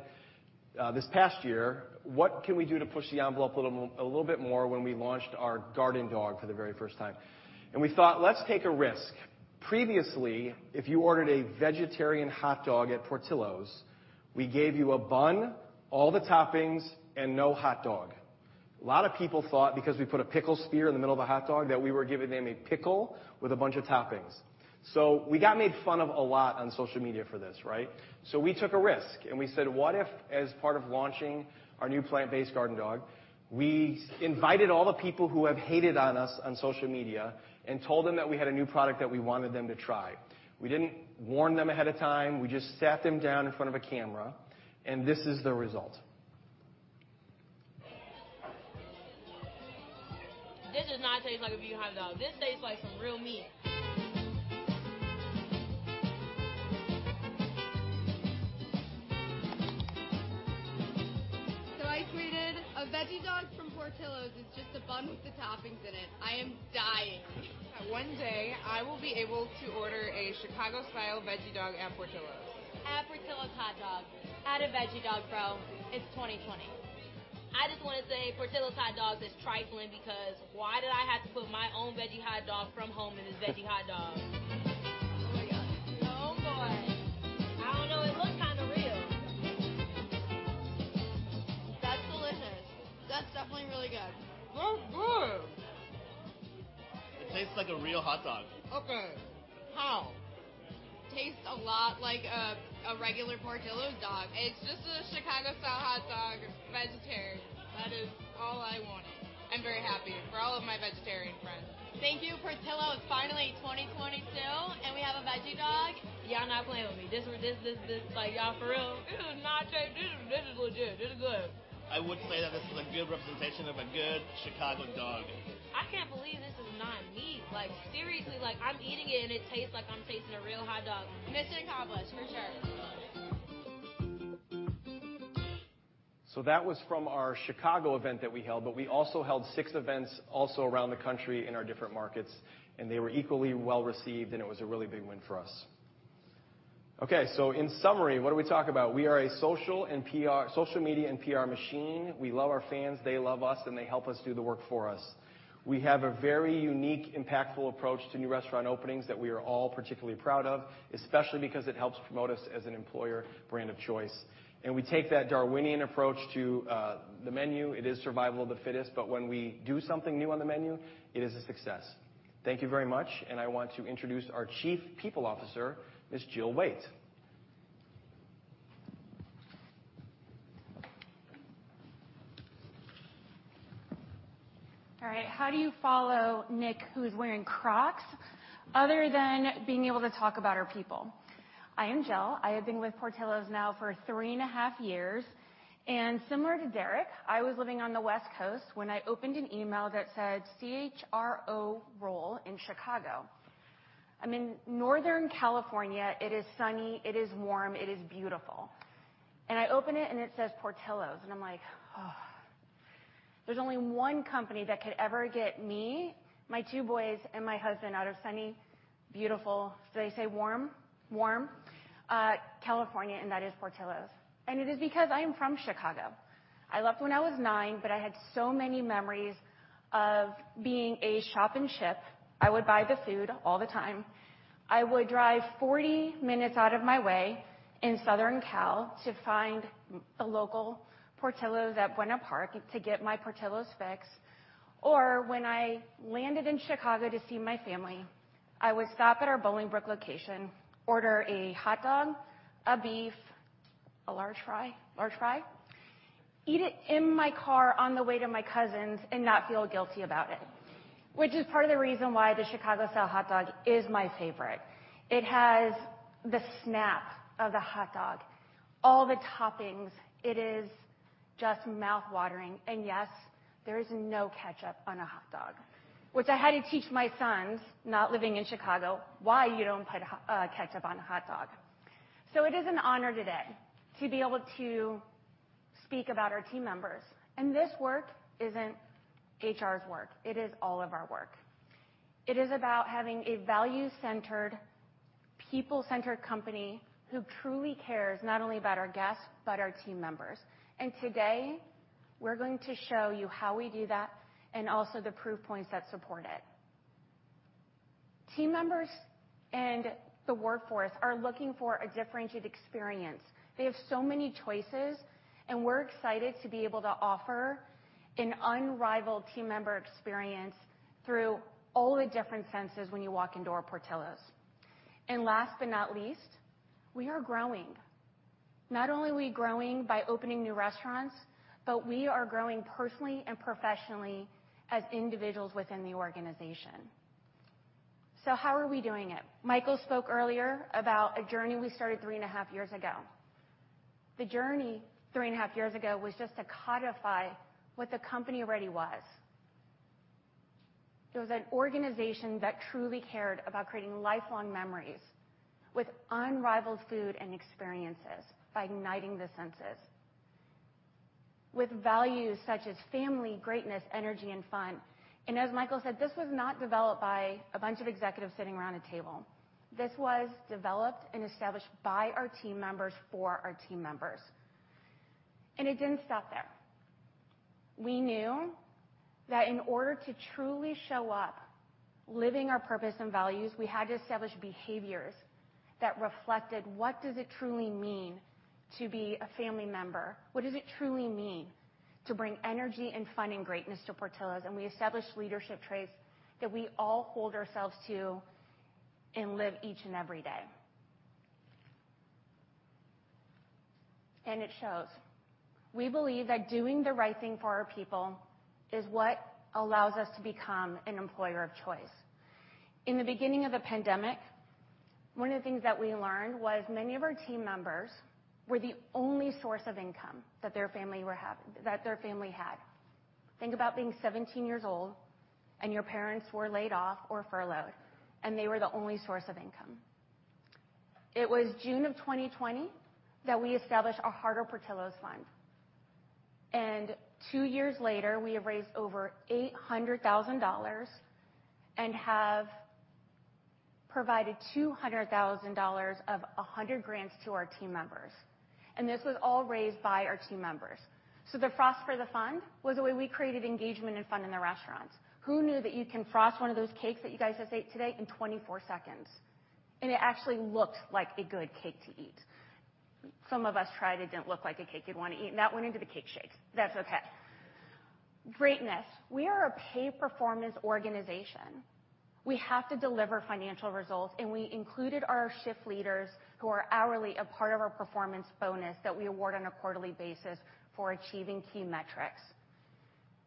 this past year, what can we do to push the envelope a little bit more when we launched our Garden Dog for the very first time? We thought, let's take a risk. Previously, if you ordered a vegetarian hot dog at Portillo's, we gave you a bun, all the toppings, and no hot dog. A lot of people thought because we put a pickle spear in the middle of a hot dog, that we were giving them a pickle with a bunch of toppings. We got made fun of a lot on social media for this, right? We took a risk, and we said, what if, as part of launching our new plant-based Garden Dog, we invited all the people who have hated on us on social media and told them that we had a new product that we wanted them to try. We didn't warn them ahead of time. We just sat them down in front of a camera, and this is the result. This does not taste like a vegan hot dog. This tastes like some real meat. I tweeted, "A veggie dog from Portillo's is just a bun with the toppings in it. I am dying. One day I will be able to order a Chicago-style veggie dog at Portillo's. At Portillo's Hot Dogs. Add a veggie dog, bro. It's 2020. I just wanna say Portillo's Hot Dogs is trifling because why did I have to put my own veggie hot dog from home in this veggie hot dog? Oh my God. Oh boy. I don't know, it looks kinda real. That's delicious. That's definitely really good. That's good. It tastes like a real hot dog. Okay. How? Tastes a lot like a regular Portillo's dog. It's just a Chicago-style hot dog, vegetarian. That is all I wanted. I'm very happy for all of my vegetarian friends. Thank you, Portillo's. It's finally 2022, and we have a veggie dog. Y'all not playing with me. This like, y'all for real? This is legit. This is good. I would say that this is a good representation of a good Chicago dog. I can't believe this is not meat. Like, seriously, like, I'm eating it, and it tastes like I'm tasting a real hot dog. Missing the carbs, for sure. That was from our Chicago event that we held, but we also held six events also around the country in our different markets, and they were equally well-received, and it was a really big win for us. Okay, in summary, what did we talk about? We are a social media and PR machine. We love our fans, they love us, and they help us do the work for us. We have a very unique, impactful approach to new restaurant openings that we are all particularly proud of, especially because it helps promote us as an employer brand of choice. We take that Darwinian approach to the menu. It is survival of the fittest, but when we do something new on the menu, it is a success. Thank you very much, and I want to introduce our Chief People Officer, Ms. Jill Waite. All right. How do you follow Nick, who's wearing Crocs, other than being able to talk about our people? I am Jill. I have been with Portillo's now for 3.5 years, and similar to Derek, I was living on the West Coast when I opened an email that said CHRO role in Chicago. I'm in Northern California. It is sunny, it is warm, it is beautiful. I open it, and it says Portillo's, and I'm like, "Oh. There's only one company that could ever get me, my two boys, and my husband out of sunny, beautiful, warm California," and that is Portillo's. It is because I am from Chicago. I left when I was nine, but I had so many memories of being a Shop and Ship. I would buy the food all the time. I would drive 40 minutes out of my way in Southern Cal to find the local Portillo's at Buena Park to get my Portillo's fix. When I landed in Chicago to see my family, I would stop at our Bolingbrook location, order a hot dog, a beef, a large fry, eat it in my car on the way to my cousin's and not feel guilty about it. Which is part of the reason why the Chicago-style hot dog is my favorite. It has the snap of the hot dog, all the toppings. It is just mouth-watering. Yes, there is no ketchup on a hot dog, which I had to teach my sons, not living in Chicago, why you don't put ketchup on a hot dog. It is an honor today to be able to speak about our team members. This work isn't HR's work, it is all of our work. It is about having a value-centered, people-centered company who truly cares not only about our guests but our team members. Today, we're going to show you how we do that and also the proof points that support it. Team members and the workforce are looking for a differentiated experience. They have so many choices, and we're excited to be able to offer an unrivaled team member experience through all the different senses when you walk into our Portillo's. Last but not least, we are growing. Not only are we growing by opening new restaurants, but we are growing personally and professionally as individuals within the organization. How are we doing it? Michael spoke earlier about a journey we started three and a half years ago. The journey three and a half years ago was just to codify what the company already was. It was an organization that truly cared about creating lifelong memories with unrivaled food and experiences by igniting the senses, with values such as family, greatness, energy, and fun. As Michael said, this was not developed by a bunch of executives sitting around a table. This was developed and established by our team members for our team members. It didn't stop there. We knew that in order to truly show up living our purpose and values, we had to establish behaviors that reflected what does it truly mean to be a family member? What does it truly mean to bring energy and fun and greatness to Portillo's? We established leadership traits that we all hold ourselves to and live each and every day. It shows. We believe that doing the right thing for our people is what allows us to become an employer of choice. In the beginning of the pandemic, one of the things that we learned was many of our team members were the only source of income that their family had. Think about being 17 years old, and your parents were laid off or furloughed, and they were the only source of income. It was June of 2020 that we established our Heart of Portillo's Fund. Two years later, we have raised over $800,000 and have provided $200,000 of 100 grants to our team members. This was all raised by our team members. The Frost for the Fund was the way we created engagement and fun in the restaurants. Who knew that you can frost one of those cakes that you guys just ate today in 24 seconds? It actually looked like a good cake to eat. Some of us tried, it didn't look like a cake you'd wanna eat, and that went into the cake shakes. That's okay. Greatness. We are a pay-for-performance organization. We have to deliver financial results, and we included our shift leaders who are hourly a part of our performance bonus that we award on a quarterly basis for achieving key metrics.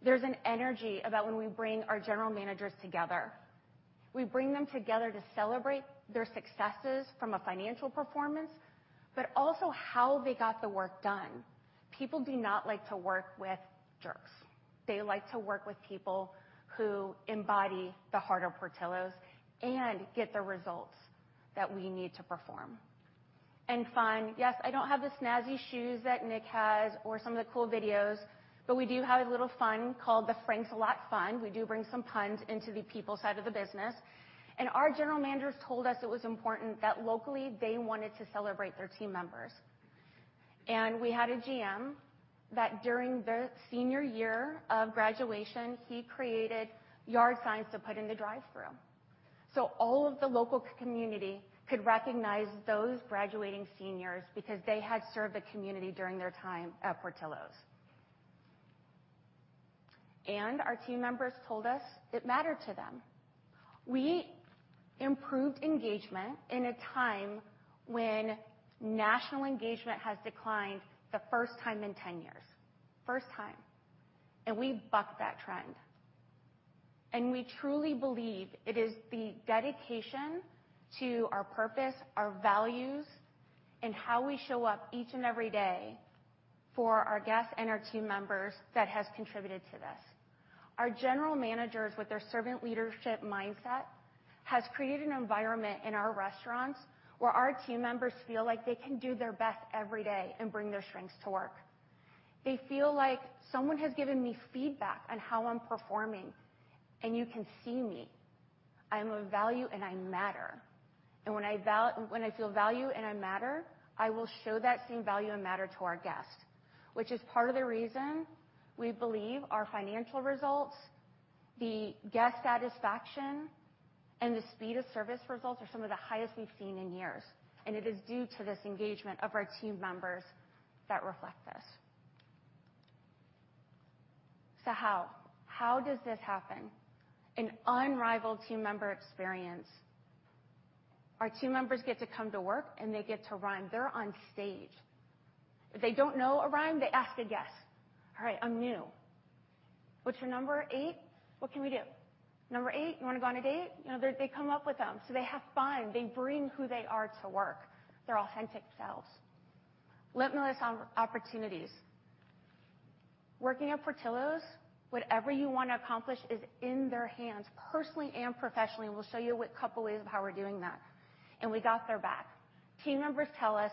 There's an energy about when we bring our general managers together. We bring them together to celebrate their successes from a financial performance, but also how they got the work done. People do not like to work with jerks. They like to work with people who embody the heart of Portillo's and get the result that we need to perform. Fun. Yes, I don't have the snazzy shoes that Nick has or some of the cool videos, but we do have a little fun called the Franks a Lot fun. We do bring some puns into the people side of the business. Our general managers told us it was important that locally they wanted to celebrate their team members. We had a GM that during their senior year of graduation, he created yard signs to put in the drive-thru. All of the local community could recognize those graduating seniors because they had served the community during their time at Portillo's. Our team members told us it mattered to them. We improved engagement in a time when national engagement has declined the first time in ten years. First time. We bucked that trend. We truly believe it is the dedication to our purpose, our values, and how we show up each and every day for our guests and our team members that has contributed to this. Our general managers, with their servant leadership mindset, has created an environment in our restaurants where our team members feel like they can do their best every day and bring their strengths to work. They feel like someone has given me feedback on how I'm performing, and you can see me. I'm of value, and I matter. When I feel value and I matter, I will show that same value and matter to our guests, which is part of the reason we believe our financial results, the guest satisfaction, and the speed of service results are some of the highest we've seen in years. It is due to this engagement of our team members that reflect this. How? How does this happen? An unrivaled team member experience. Our team members get to come to work, and they get to rhyme. They're on stage. If they don't know a rhyme, they ask a guest. "All right, I'm new. What's your number? 8? What can we do? Number 8, wanna go on a date?" You know, they come up with them, so they have fun. They bring who they are to work, their authentic selves. Limitless opportunities. Working at Portillo's, whatever you wanna accomplish is in their hands, personally and professionally. We'll show you a couple ways of how we're doing that. We got their back. Team members tell us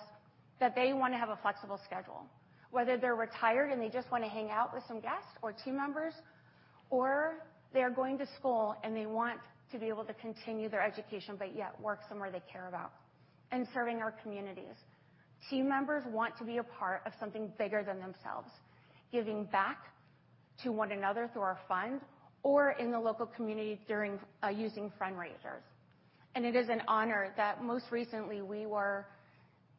that they wanna have a flexible schedule, whether they're retired, and they just wanna hang out with some guests or team members, or they're going to school, and they want to be able to continue their education but yet work somewhere they care about and serving our communities. Team members want to be a part of something bigger than themselves, giving back to one another through our fund or in the local community during using fundraisers. It is an honor that most recently we were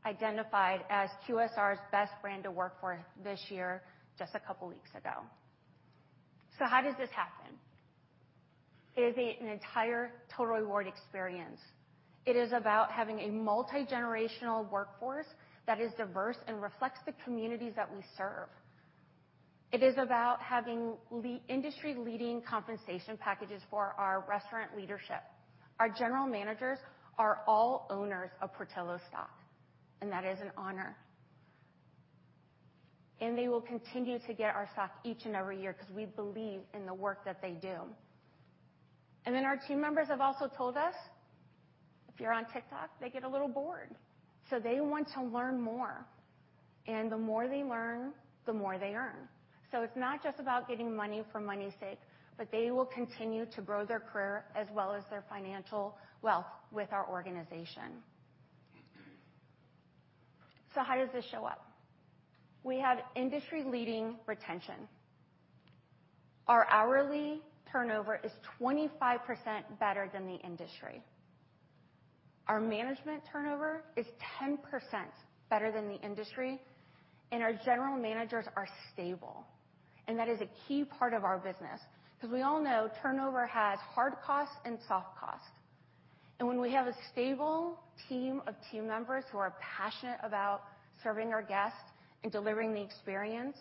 identified as QSR's Best Brand to Work For this year just a couple weeks ago. How does this happen? It is an entire total reward experience. It is about having a multigenerational workforce that is diverse and reflects the communities that we serve. It is about having industry-leading compensation packages for our restaurant leadership. Our general managers are all owners of Portillo's stock, and that is an honor. They will continue to get our stock each and every year because we believe in the work that they do. Our team members have also told us if you're on TikTok, they get a little bored, so they want to learn more. The more they learn, the more they earn. It's not just about getting money for money's sake, but they will continue to grow their career as well as their financial wealth with our organization. How does this show up? We have industry-leading retention. Our hourly turnover is 25% better than the industry. Our management turnover is 10% better than the industry, and our general managers are stable. That is a key part of our business because we all know turnover has hard costs and soft costs. When we have a stable team of team members who are passionate about serving our guests and delivering the experience,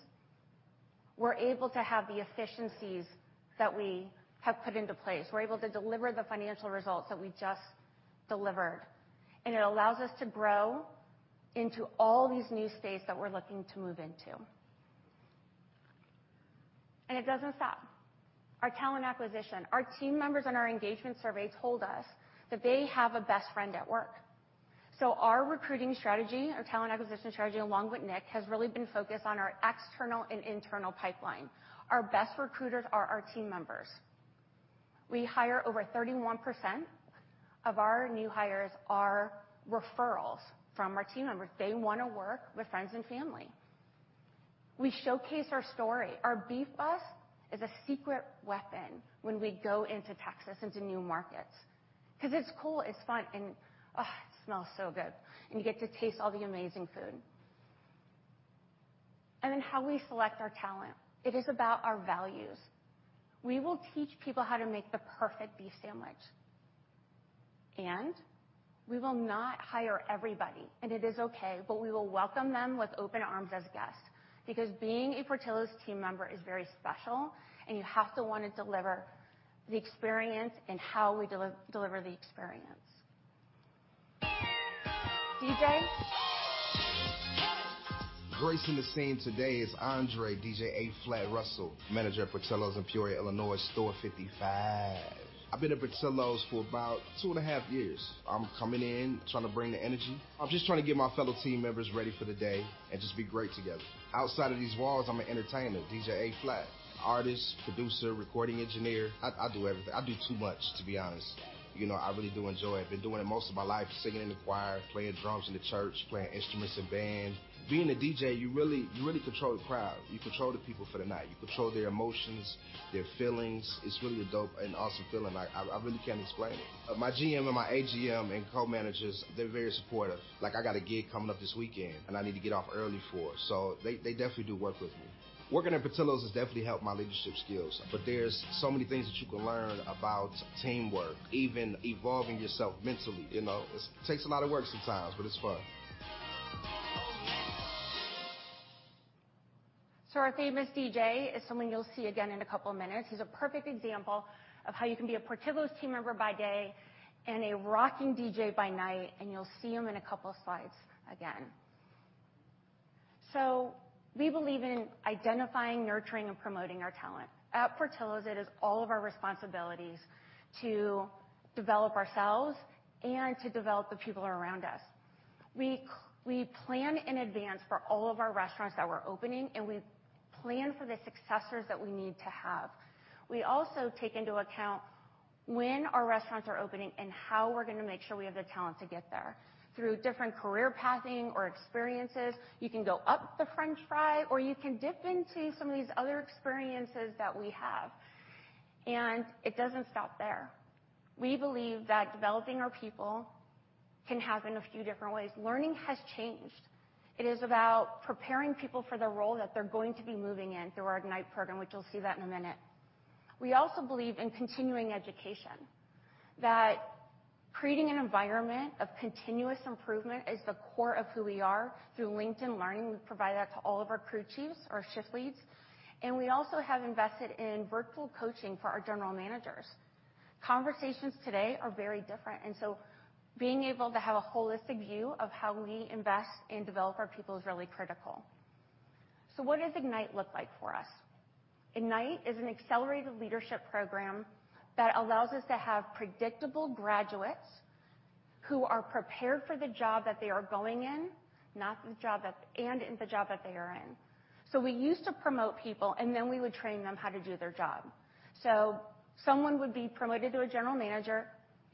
we're able to have the efficiencies that we have put into place. We're able to deliver the financial results that we just delivered, and it allows us to grow into all these new states that we're looking to move into. It doesn't stop. Our talent acquisition. Our team members on our engagement survey told us that they have a best friend at work. Our recruiting strategy, our talent acquisition strategy, along with Nick, has really been focused on our external and internal pipeline. Our best recruiters are our team members. We hire over 31% of our new hires are referrals from our team members. They wanna work with friends and family. We showcase our story. Our Beef Bus is a secret weapon when we go into Texas into new markets 'cause it's cool, it's fun, and, oh, it smells so good, and you get to taste all the amazing food. Then how we select our talent, it is about our values. We will teach people how to make the perfect beef sandwich, and we will not hire everybody, and it is okay, but we will welcome them with open arms as guests. Because being a Portillo's team member is very special, and you have to wanna deliver the experience and how we deliver the experience. DJ. Gracing the scene today is Andre "DJ A-Flat" Russell, Manager at Portillo's in Peoria, Illinois, store 55. I've been at Portillo's for about two and a half years. I'm coming in, trying to bring the energy. I'm just trying to get my fellow team members ready for the day and just be great together. Outside of these walls, I'm an entertainer, DJ A-Flat, artist, producer, recording engineer. I do everything. I do too much, to be honest. You know, I really do enjoy it. I've been doing it most of my life, singing in the choir, playing drums in the church, playing instruments in band. Being a DJ, you really control the crowd. You control the people for the night. You control their emotions, their feelings. It's really a dope and awesome feeling. I really can't explain it. My GM and my AGM and co-managers, they're very supportive. Like, I got a gig coming up this weekend and I need to get off early, so they definitely do work with me. Working at Portillo's has definitely helped my leadership skills, but there's so many things that you can learn about teamwork, even evolving yourself mentally, you know? It takes a lot of work sometimes, but it's fun. Our famous DJ is someone you'll see again in a couple of minutes. He's a perfect example of how you can be a Portillo's team member by day and a rocking DJ by night, and you'll see him in a couple of slides again. We believe in identifying, nurturing, and promoting our talent. At Portillo's, it is all of our responsibilities to develop ourselves and to develop the people around us. We plan in advance for all of our restaurants that we're opening, and we plan for the successors that we need to have. We also take into account when our restaurants are opening and how we're gonna make sure we have the talent to get there. Through different career pathing or experiences, you can go up the French fry or you can dip into some of these other experiences that we have. It doesn't stop there. We believe that developing our people can happen a few different ways. Learning has changed. It is about preparing people for the role that they're going to be moving in through our Ignite program, which you'll see that in a minute. We also believe in continuing education, that creating an environment of continuous improvement is the core of who we are. Through LinkedIn Learning, we provide that to all of our crew chiefs or shift leads, and we also have invested in virtual coaching for our general managers. Conversations today are very different, and so being able to have a holistic view of how we invest and develop our people is really critical. What does Ignite look like for us? Ignite is an accelerated leadership program that allows us to have predictable graduates who are prepared for the job that they are going in, not the job that they are in. We used to promote people, and then we would train them how to do their job. Someone would be promoted to a general manager,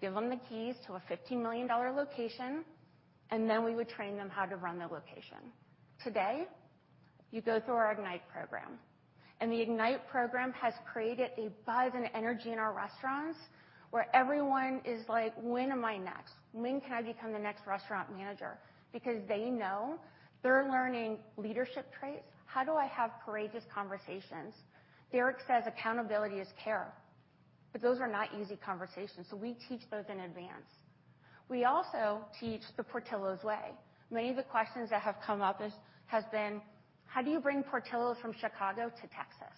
give them the keys to a $50 million location, and then we would train them how to run the location. Today, you go through our Ignite program, and the Ignite program has created a buzz and energy in our restaurants where everyone is like, "When am I next? When can I become the next restaurant manager?" Because they know they're learning leadership traits. How do I have courageous conversations? Derek says accountability is care, but those are not easy conversations, so we teach those in advance. We also teach the Portillo's way. Many of the questions that have come up have been, "How do you bring Portillo's from Chicago to Texas?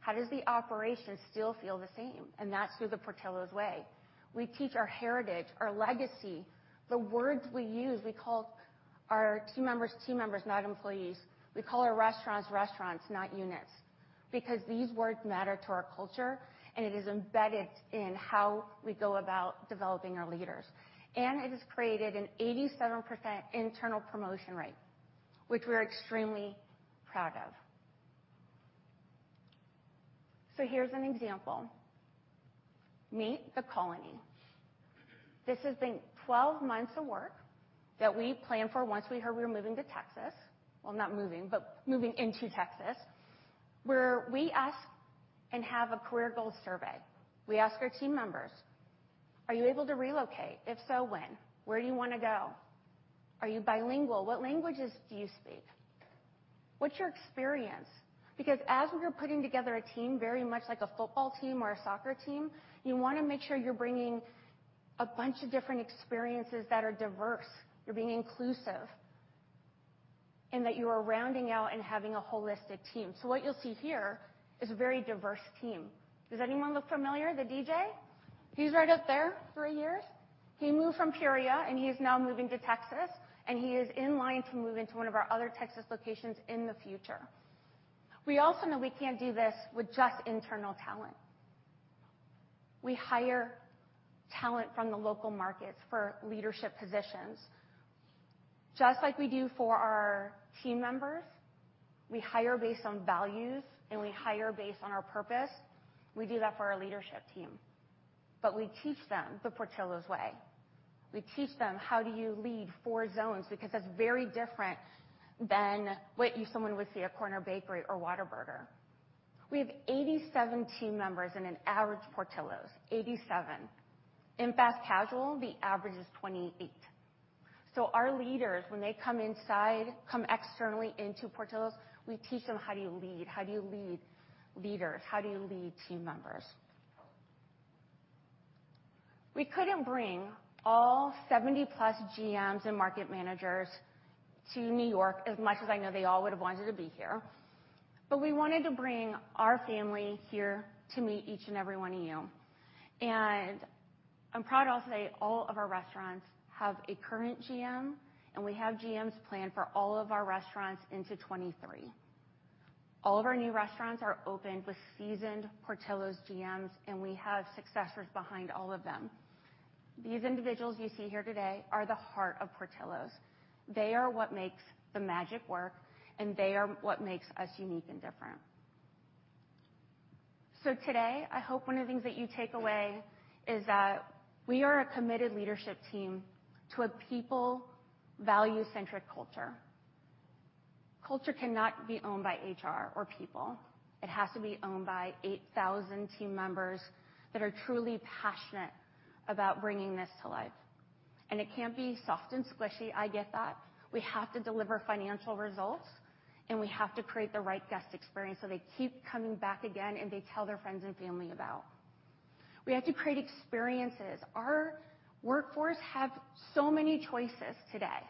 How does the operation still feel the same?" That's through the Portillo's way. We teach our heritage, our legacy, the words we use. We call our team members, team members, not employees. We call our restaurants, not units, because these words matter to our culture, and it is embedded in how we go about developing our leaders. It has created an 87% internal promotion rate, which we're extremely proud of. Here's an example. Meet The Colony. This has been 12 months of work that we planned for once we heard we were moving to Texas. Well, not moving, but moving into Texas, where we ask and have a career goals survey. We ask our team members, "Are you able to relocate? If so, when? Where do you wanna go? Are you bilingual? What languages do you speak? What's your experience?" Because as we are putting together a team, very much like a football team or a soccer team, you wanna make sure you're bringing a bunch of different experiences that are diverse, you're being inclusive, and that you are rounding out and having a holistic team. What you'll see here is a very diverse team. Does anyone look familiar, the DJ? He's right up there three years. He moved from Peoria, and he is now moving to Texas, and he is in line to move into one of our other Texas locations in the future. We also know we can't do this with just internal talent. We hire talent from the local markets for leadership positions. Just like we do for our team members, we hire based on values, and we hire based on our purpose. We do that for our leadership team. But we teach them the Portillo's way. We teach them how do you lead four zones because that's very different than what someone would see at Corner Bakery or Whataburger. We have 87 team members in an average Portillo's, 87. In fast casual, the average is 28. So our leaders, when they come inside, come externally into Portillo's, we teach them how do you lead? How do you lead leaders? How do you lead team members? We couldn't bring all 70+ GMs and market managers to New York as much as I know they all would have wanted to be here. But we wanted to bring our family here to meet each and every one of you. I'm proud to also say all of our restaurants have a current GM, and we have GMs planned for all of our restaurants into 2023. All of our new restaurants are opened with seasoned Portillo's GMs, and we have successors behind all of them. These individuals you see here today are the heart of Portillo's. They are what makes the magic work, and they are what makes us unique and different. Today, I hope one of the things that you take away is that we are a committed leadership team to a people value-centric culture. Culture cannot be owned by HR or people. It has to be owned by 8,000 team members that are truly passionate about bringing this to life. It can't be soft and squishy, I get that. We have to deliver financial results, and we have to create the right guest experience, so they keep coming back again, and they tell their friends and family about. We have to create experiences. Our workforce have so many choices today.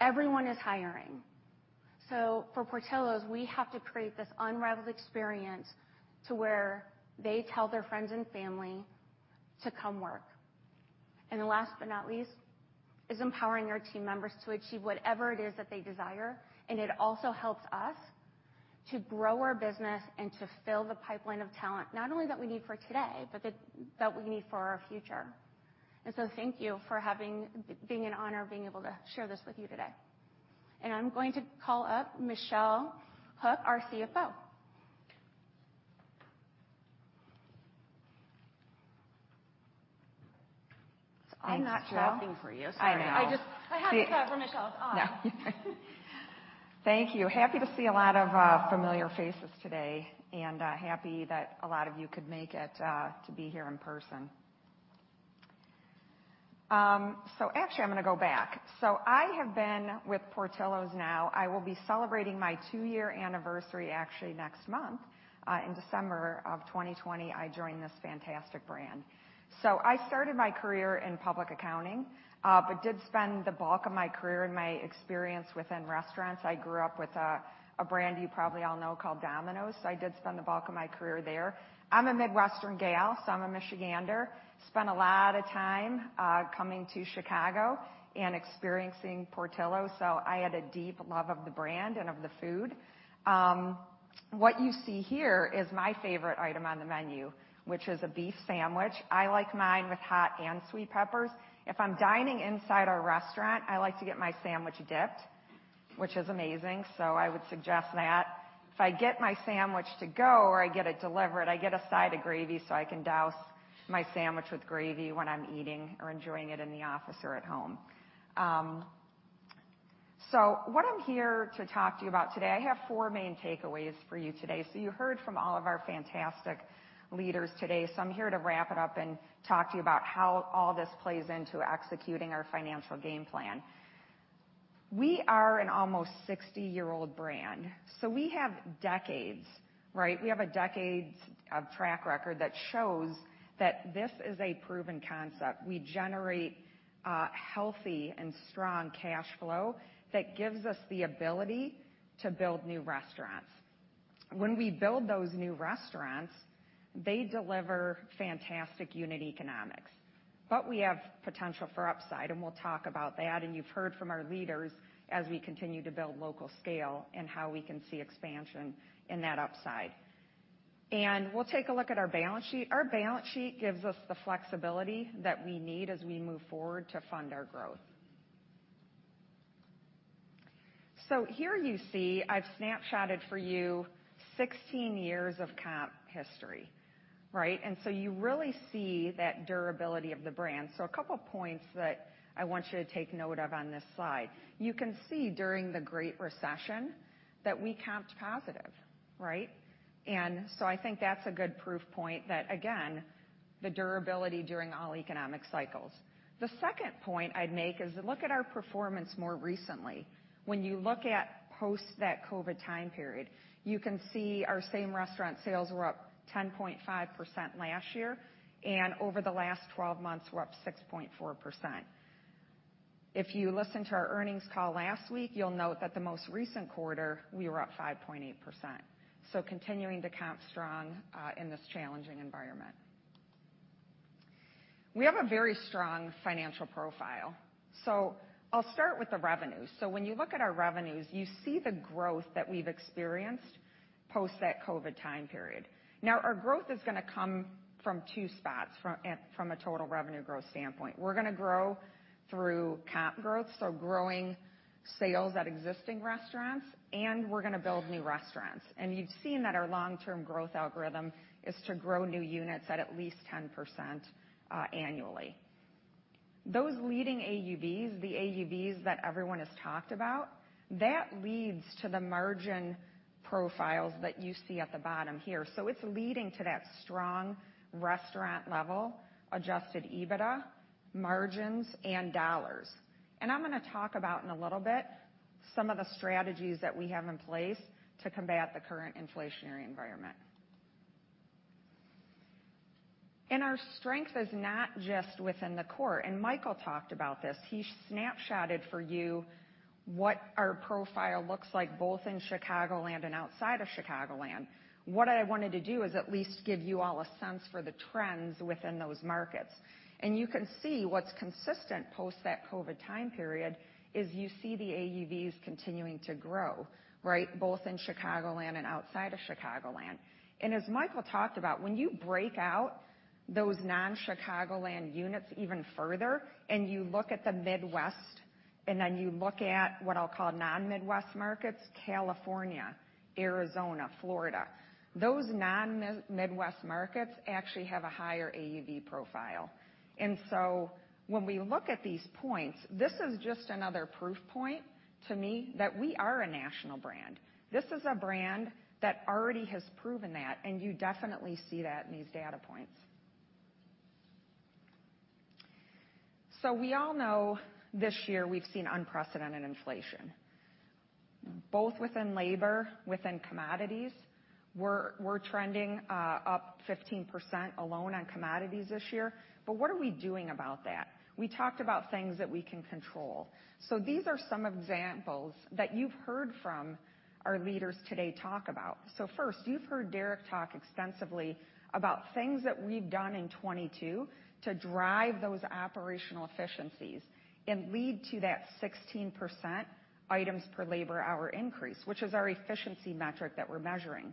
Everyone is hiring. For Portillo's, we have to create this unrivaled experience to where they tell their friends and family to come work. The last but not least is empowering our team members to achieve whatever it is that they desire, and it also helps us to grow our business and to fill the pipeline of talent, not only that we need for today, but that we need for our future. Thank you. Being an honor, being able to share this with you today. I'm going to call up Michelle Hook, our CFO. I'm not clapping for you. Sorry. I know. I had to clap for Michelle. Yeah. Thank you. Happy to see a lot of familiar faces today, and happy that a lot of you could make it to be here in person. Actually I'm gonna go back. I have been with Portillo's now. I will be celebrating my two-year anniversary actually next month. In December of 2020, I joined this fantastic brand. I started my career in public accounting, but did spend the bulk of my career and my experience within restaurants. I grew up with a brand you probably all know called Domino's. I did spend the bulk of my career there. I'm a Midwestern gal, so I'm a Michigander. Spent a lot of time coming to Chicago and experiencing Portillo's, so I had a deep love of the brand and of the food. What you see here is my favorite item on the menu, which is a beef sandwich. I like mine with hot and sweet peppers. If I'm dining inside our restaurant, I like to get my sandwich dipped, which is amazing, so I would suggest that. If I get my sandwich to go or I get it delivered, I get a side of gravy, so I can douse my sandwich with gravy when I'm eating or enjoying it in the office or at home. What I'm here to talk to you about today, I have four main takeaways for you today. You heard from all of our fantastic leaders today, so I'm here to wrap it up and talk to you about how all this plays into executing our financial game plan. We are an almost 60-year-old brand, so we have decades, right? We have decades of track record that shows that this is a proven concept. We generate healthy and strong cash flow that gives us the ability to build new restaurants. When we build those new restaurants, they deliver fantastic unit economics. We have potential for upside, and we'll talk about that, and you've heard from our leaders as we continue to build local scale and how we can see expansion in that upside. We'll take a look at our balance sheet. Our balance sheet gives us the flexibility that we need as we move forward to fund our growth. Here you see I've snapshotted for you 16 years of comps history, right? You really see that durability of the brand. A couple points that I want you to take note of on this slide. You can see during the Great Recession that we comped positive, right? I think that's a good proof point that, again, the durability during all economic cycles. The second point I'd make is look at our performance more recently. When you look at post that COVID time period, you can see our same restaurant sales were up 10.5% last year, and over the last 12 months, we're up 6.4%. If you listened to our earnings call last week, you'll note that the most recent quarter, we were up 5.8%. Continuing to comp strong in this challenging environment. We have a very strong financial profile. I'll start with the revenue. When you look at our revenues, you see the growth that we've experienced post that COVID time period. Now, our growth is gonna come from two spots from a total revenue growth standpoint. We're gonna grow through comp growth, so growing sales at existing restaurants, and we're gonna build new restaurants. You've seen that our long-term growth algorithm is to grow new units at least 10% annually. Those leading AUVs, the AUVs that everyone has talked about, that leads to the margin profiles that you see at the bottom here. It's leading to that strong restaurant-level adjusted EBITDA margins and dollars. I'm gonna talk about in a little bit some of the strategies that we have in place to combat the current inflationary environment. Our strength is not just within the core, and Michael talked about this. He snapshotted for you what our profile looks like both in Chicagoland and outside of Chicagoland. What I wanted to do is at least give you all a sense for the trends within those markets. You can see what's consistent post that COVID time period is you see the AUVs continuing to grow, right? Both in Chicagoland and outside of Chicagoland. As Michael talked about, when you break out those non-Chicagoland units even further, and you look at the Midwest, and then you look at what I'll call non-Midwest markets, California, Arizona, Florida, those non-Midwest markets actually have a higher AUV profile. When we look at these points, this is just another proof point to me that we are a national brand. This is a brand that already has proven that, and you definitely see that in these data points. We all know this year we've seen unprecedented inflation, both within labor, within commodities. We're trending up 15% alone on commodities this year, but what are we doing about that? We talked about things that we can control. These are some examples that you've heard from our leaders today talk about. First, you've heard Derek talk extensively about things that we've done in 2022 to drive those operational efficiencies and lead to that 16% items per labor hour increase, which is our efficiency metric that we're measuring.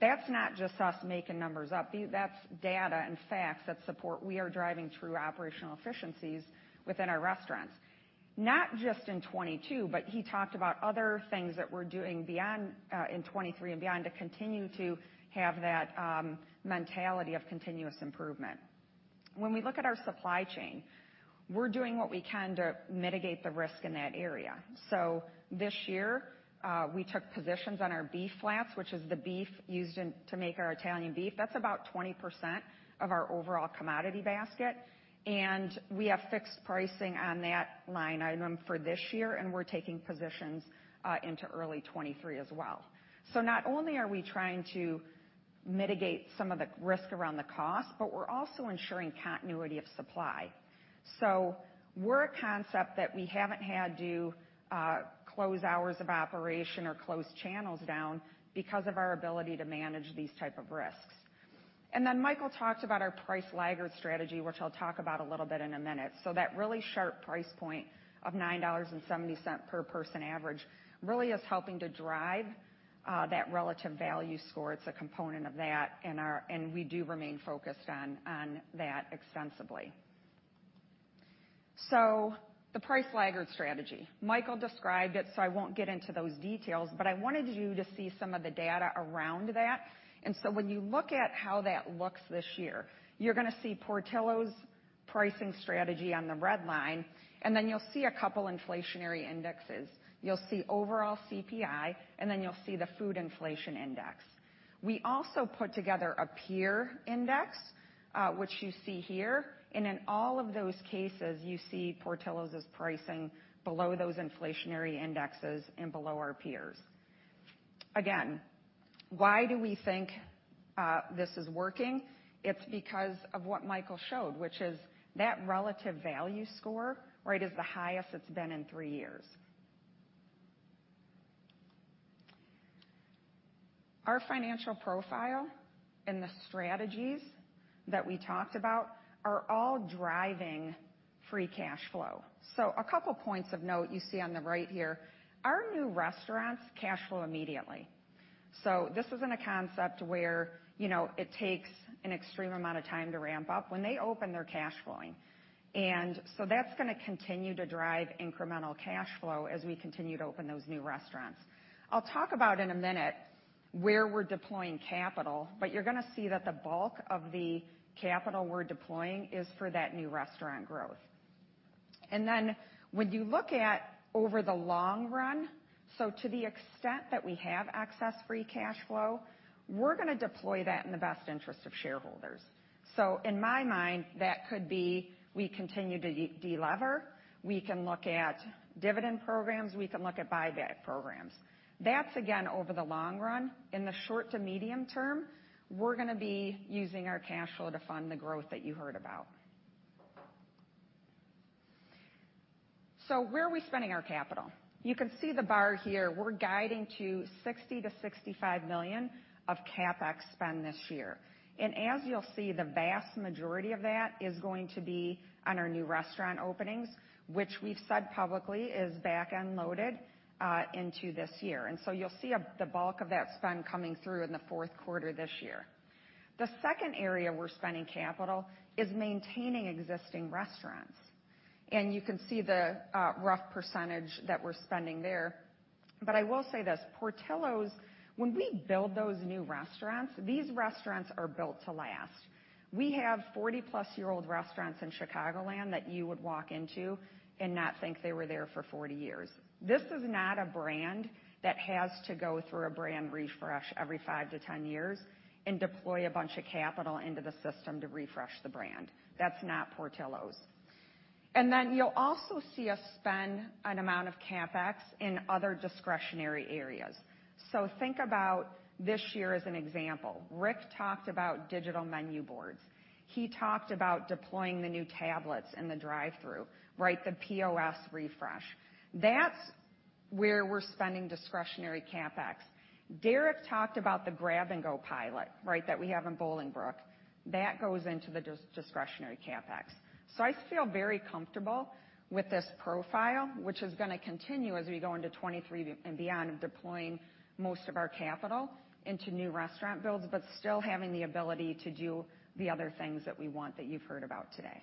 That's not just us making numbers up. That's data and facts that support we are driving through operational efficiencies within our restaurants. Not just in 2022, but he talked about other things that we're doing beyond in 2023 and beyond to continue to have that mentality of continuous improvement. When we look at our supply chain, we're doing what we can to mitigate the risk in that area. This year, we took positions on our beef flats, which is the beef used to make our Italian beef. That's about 20% of our overall commodity basket, and we have fixed pricing on that line item for this year, and we're taking positions into early 2023 as well. Not only are we trying to mitigate some of the risk around the cost, but we're also ensuring continuity of supply. We're a concept that we haven't had to close hours of operation or close channels down because of our ability to manage these type of risks. Michael talked about our price laggard strategy, which I'll talk about a little bit in a minute. That really sharp price point of $9.70 per person average really is helping to drive that relative value score. It's a component of that and we do remain focused on that extensively. The price laggard strategy. Michael described it, so I won't get into those details, but I wanted you to see some of the data around that. When you look at how that looks this year, you're gonna see Portillo's pricing strategy on the red line, and then you'll see a couple inflationary indexes. You'll see overall CPI, and then you'll see the food inflation index. We also put together a peer index, which you see here. In all of those cases, you see Portillo's is pricing below those inflationary indexes and below our peers. Again, why do we think this is working? It's because of what Michael showed, which is that relative value score, right, is the highest it's been in three years. Our financial profile and the strategies that we talked about are all driving free cash flow. A couple points of note you see on the right here. Our new restaurants cash flow immediately. This isn't a concept where, you know, it takes an extreme amount of time to ramp up. When they open, they're cash flowing. That's gonna continue to drive incremental cash flow as we continue to open those new restaurants. I'll talk about in a minute where we're deploying capital, but you're gonna see that the bulk of the capital we're deploying is for that new restaurant growth. When you look at over the long run, to the extent that we have excess free cash flow, we're gonna deploy that in the best interest of shareholders. In my mind, that could be we continue to delever, we can look at dividend programs, we can look at buyback programs. That's again, over the long run. In the short to medium term, we're gonna be using our cash flow to fund the growth that you heard about. Where are we spending our capital? You can see the bar here. We're guiding to $60 million-$65 million of CapEx spend this year. As you'll see, the vast majority of that is going to be on our new restaurant openings, which we've said publicly is back-end loaded into this year. You'll see the bulk of that spend coming through in the fourth quarter this year. The second area we're spending capital is maintaining existing restaurants, and you can see the rough percentage that we're spending there. I will say this, Portillo's, when we build those new restaurants, these restaurants are built to last. We have 40+-year-old restaurants in Chicagoland that you would walk into and not think they were there for 40 years. This is not a brand that has to go through a brand refresh every 5-10 years and deploy a bunch of capital into the system to refresh the brand. That's not Portillo's. You'll also see us spend an amount of CapEx in other discretionary areas. Think about this year as an example. Rick talked about digital menu boards. He talked about deploying the new tablets in the drive-thru, right, the POS refresh. That's where we're spending discretionary CapEx. Derek talked about the Grab & Go pilot, right, that we have in Bolingbrook. That goes into the discretionary CapEx. I feel very comfortable with this profile, which is gonna continue as we go into 2023 and beyond of deploying most of our capital into new restaurant builds, but still having the ability to do the other things that we want that you've heard about today.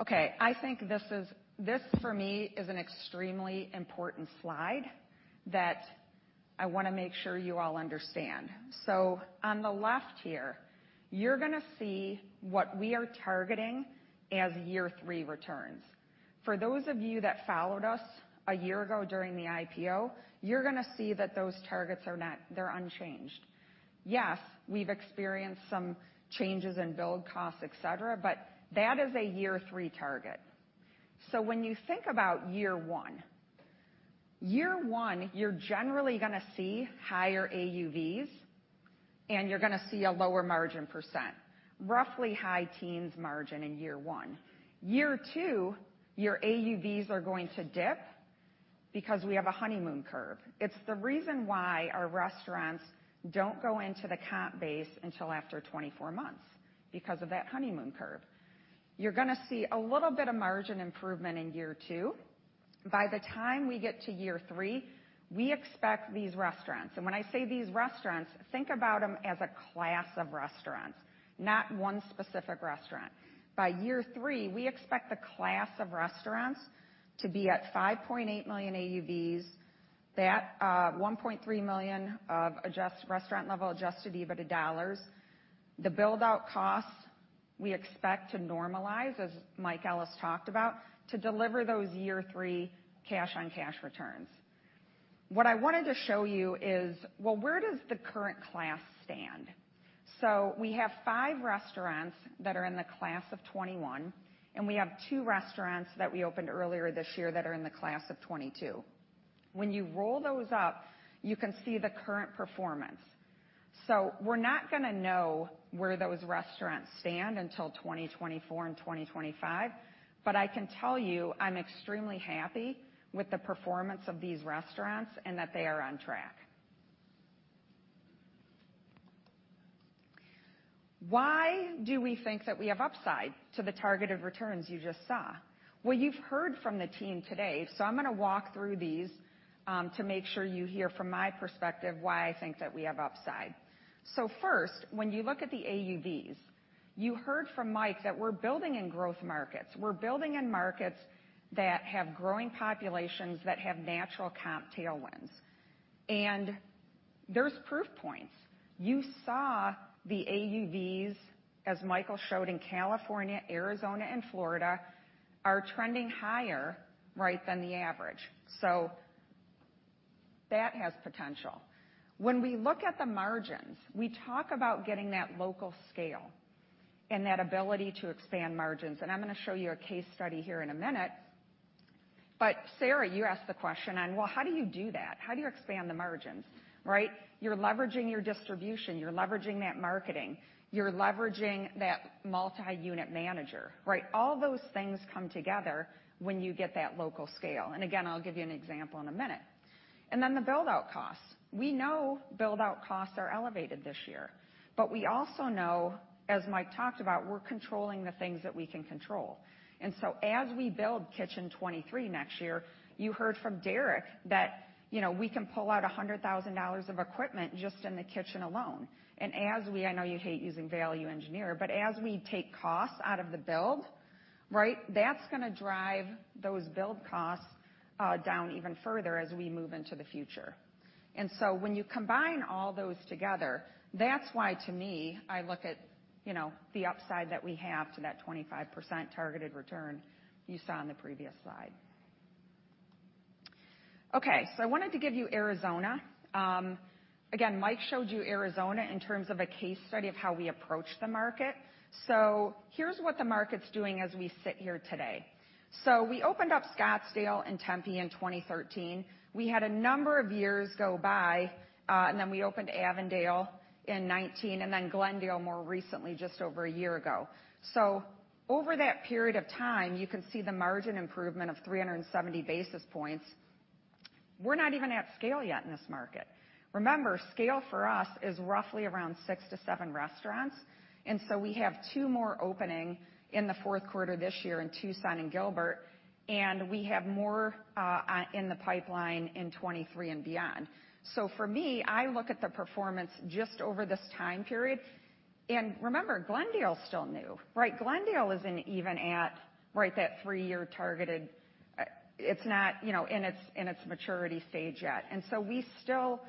Okay, I think this, for me, is an extremely important slide that I wanna make sure you all understand. On the left here, you're gonna see what we are targeting as year three returns. For those of you that followed us a year ago during the IPO, you're gonna see that those targets are not. They're unchanged. Yes, we've experienced some changes in build costs, et cetera, but that is a year three target. When you think about year one, you're generally gonna see higher AUVs, and you're gonna see a lower margin percent, roughly high teens margin in year one. Year two, your AUVs are going to dip because we have a honeymoon curve. It's the reason why our restaurants don't go into the comp base until after 24 months because of that honeymoon curve. You're gonna see a little bit of margin improvement in year two. By the time we get to year three, we expect these restaurants, and when I say these restaurants, think about them as a class of restaurants, not one specific restaurant. By year three, we expect the class of restaurants to be at $5.8 million AUVs. That one point three million of restaurant-level adjusted EBITDA dollars. The build-out costs, we expect to normalize, as Mike Ellis talked about, to deliver those year three cash-on-cash returns. What I wanted to show you is, well, where does the current class stand? We have five restaurants that are in the class of 2021, and we have two restaurants that we opened earlier this year that are in the class of 2022. When you roll those up, you can see the current performance. We're not gonna know where those restaurants stand until 2024 and 2025, but I can tell you, I'm extremely happy with the performance of these restaurants and that they are on track. Why do we think that we have upside to the targeted returns you just saw? Well, you've heard from the team today, so I'm gonna walk through these to make sure you hear from my perspective why I think that we have upside. First, when you look at the AUVs, you heard from Mike that we're building in growth markets. We're building in markets that have growing populations that have natural comp tailwinds. There's proof points. You saw the AUVs, as Michael showed in California, Arizona, and Florida, are trending higher, right, than the average. That has potential. When we look at the margins, we talk about getting that local scale and that ability to expand margins, and I'm gonna show you a case study here in a minute. Sara, you asked the question on, "Well, how do you do that? How do you expand the margins?" Right? You're leveraging your distribution, you're leveraging that marketing, you're leveraging that multi-unit manager, right? All those things come together when you get that local scale. Again, I'll give you an example in a minute. Then the build-out costs. We know build-out costs are elevated this year, but we also know, as Mike talked about, we're controlling the things that we can control. As we build Kitchen 23 next year, you heard from Derek that, you know, we can pull out $100,000 of equipment just in the kitchen alone. I know you hate using value engineer, but as we take costs out of the build, right, that's gonna drive those build costs down even further as we move into the future. When you combine all those together, that's why, to me, I look at, you know, the upside that we have to that 25% targeted return you saw on the previous slide. Okay, I wanted to give you Arizona. Again, Mike showed you Arizona in terms of a case study of how we approach the market. Here's what the market's doing as we sit here today. We opened up Scottsdale and Tempe in 2013. We had a number of years go by, and then we opened Avondale in 2019 and then Glendale more recently, just over a year ago. Over that period of time, you can see the margin improvement of 370 basis points. We're not even at scale yet in this market. Remember, scale for us is roughly around 6-7 restaurants. We have two more opening in the fourth quarter this year in Tucson and Gilbert, and we have more in the pipeline in 2023 and beyond. For me, I look at the performance just over this time period. Remember, Glendale is still new, right? Glendale isn't even at that three-year target, right? It's not, you know, in its maturity stage yet. We still,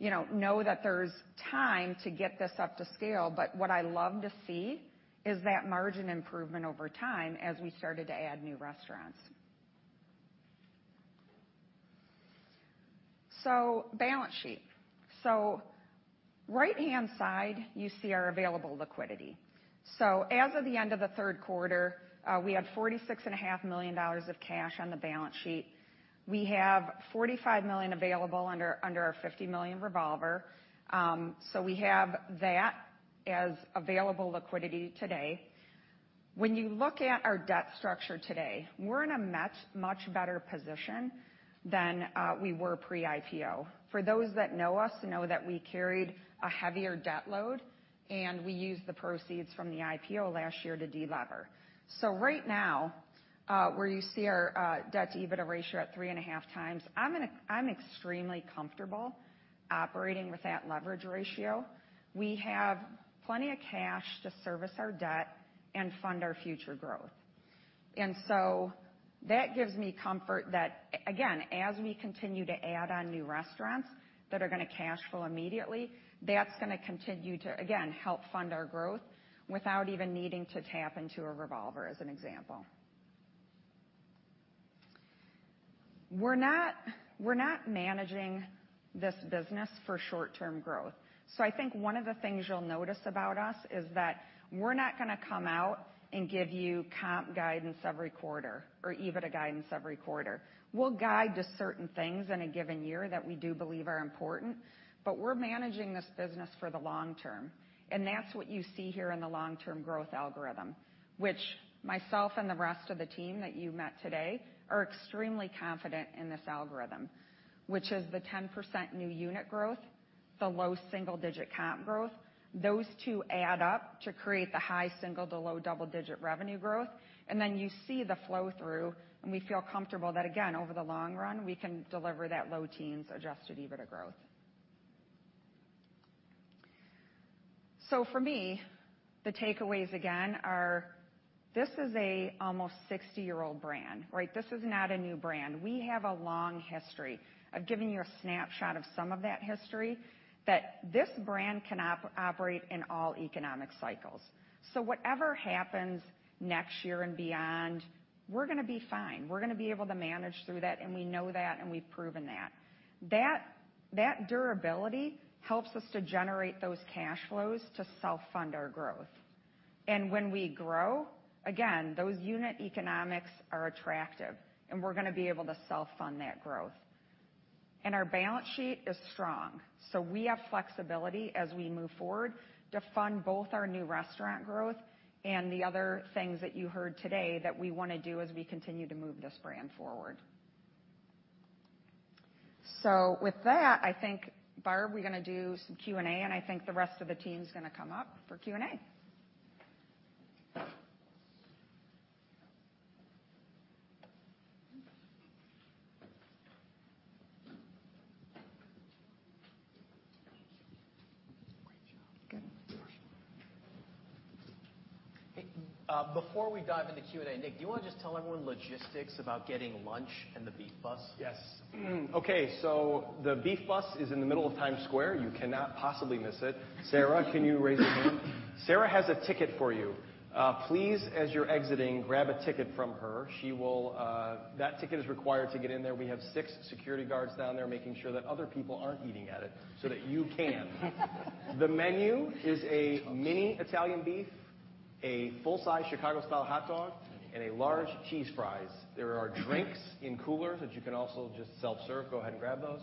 you know that there's time to get this up to scale. What I love to see is that margin improvement over time as we started to add new restaurants. Balance sheet. Right-hand side, you see our available liquidity. As of the end of the third quarter, we had $46.5 million of cash on the balance sheet. We have $45 million available under our $50 million revolver. We have that as available liquidity today. When you look at our debt structure today, we're in a much better position than we were pre-IPO. For those that know us, know that we carried a heavier debt load, and we used the proceeds from the IPO last year to delever. Right now, where you see our debt-to-EBITDA ratio at 3.5 times, I'm extremely comfortable operating with that leverage ratio. We have plenty of cash to service our debt and fund our future growth. That gives me comfort that, again, as we continue to add on new restaurants that are gonna cash flow immediately, that's gonna continue to help fund our growth without even needing to tap into a revolver as an example. We're not managing this business for short-term growth. I think one of the things you'll notice about us is that we're not gonna come out and give you comp guidance every quarter or EBITDA guidance every quarter. We'll guide to certain things in a given year that we do believe are important, but we're managing this business for the long term, and that's what you see here in the long-term growth algorithm, which myself and the rest of the team that you met today are extremely confident in this algorithm, which is the 10% new unit growth, the low single-digit comp growth. Those two add up to create the high single- to low double-digit revenue growth. You see the flow through, and we feel comfortable that, again, over the long run, we can deliver that low teens adjusted EBITDA growth. For me, the takeaways again are this is a almost 60-year-old brand, right? This is not a new brand. We have a long history. I've given you a snapshot of some of that history that this brand can operate in all economic cycles. Whatever happens next year and beyond, we're gonna be fine. We're gonna be able to manage through that, and we know that, and we've proven that. That durability helps us to generate those cash flows to self-fund our growth. When we grow, again, those unit economics are attractive, and we're gonna be able to self-fund that growth. Our balance sheet is strong, so we have flexibility as we move forward to fund both our new restaurant growth and the other things that you heard today that we wanna do as we continue to move this brand forward. With that, I think, Barb, we're gonna do some Q&A, and I think the rest of the team is gonna come up for Q&A. Great job. Good. Before we dive into Q&A, Nick, do you wanna just tell everyone logistics about getting lunch and the Beef Bus? Yes. Okay. The Beef Bus is in the middle of Times Square. You cannot possibly miss it. Sarah, can you raise your hand? Sarah has a ticket for you. Please, as you're exiting, grab a ticket from her. She will. That ticket is required to get in there. We have six security guards down there making sure that other people aren't eating at it, so that you can. The menu is a mini Italian Beef, a full-size Chicago-style hot dog, and a large cheese fries. There are drinks in coolers that you can also just self-serve. Go ahead and grab those.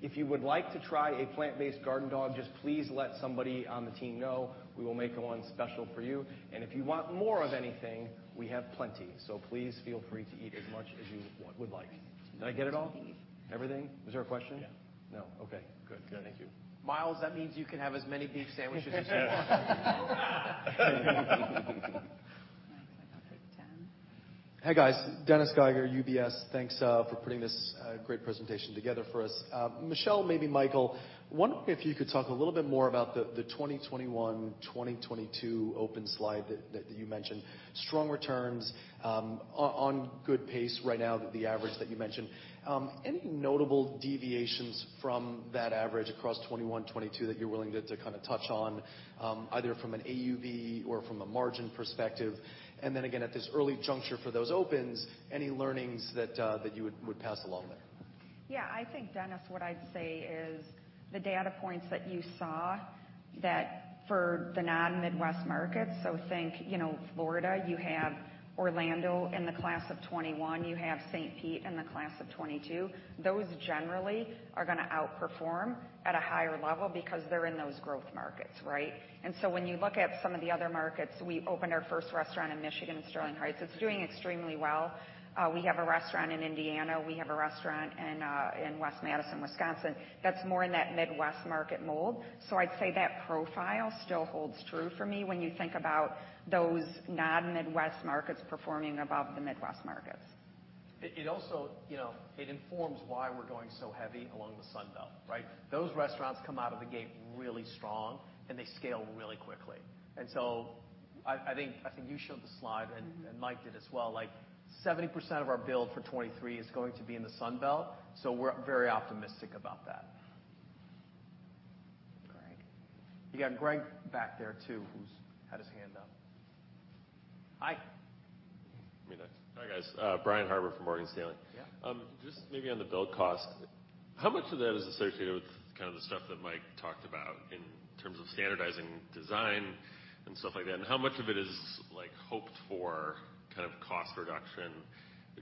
If you would like to try a plant-based Garden Dog, just please let somebody on the team know. We will make one special for you. If you want more of anything, we have plenty. Please feel free to eat as much as you would like. Did I get it all? Everything? Was there a question? Yeah. No. Okay, good. Good. Thank you. Miles, that means you can have as many beef sandwiches as you want. Hi, guys. Dennis Geiger, UBS. Thanks for putting this great presentation together for us. Michelle, maybe Michael, wondering if you could talk a little bit more about the 2021, 2022 open slide that you mentioned. Strong returns on good pace right now that the average that you mentioned. Any notable deviations from that average across 2021, 2022 that you're willing to kinda touch on, either from an AUV or from a margin perspective? Again, at this early juncture for those opens, any learnings that you would pass along there? Yeah, I think, Dennis, what I'd say is the data points that you saw that for the non-Midwest markets, so think, you know, Florida, you have Orlando in the class of 2021, you have St. Pete in the class of 2022. Those generally are gonna outperform at a higher level because they're in those growth markets, right? When you look at some of the other markets, we opened our first restaurant in Michigan in Sterling Heights. It's doing extremely well. We have a restaurant in Indiana. We have a restaurant in in West Madison, Wisconsin, that's more in that Midwest market mold. I'd say that profile still holds true for me when you think about those non-Midwest markets performing above the Midwest markets. It also, you know, it informs why we're going so heavy along the Sun Belt, right? Those restaurants come out of the gate really strong, and they scale really quickly. I think you showed the slide- Mm-hmm. Mike did as well. Like, 70% of our build for 2023 is going to be in the Sun Belt, so we're very optimistic about that. Greg. You got Greg back there, too, who's had his hand up. Hi. Me next. Hi, guys. Brian Harbour from Morgan Stanley. Yeah. Just maybe on the build cost, how much of that is associated with kind of the stuff that Mike talked about in terms of standardizing design and stuff like that? How much of it is, like, hoped for kind of cost reduction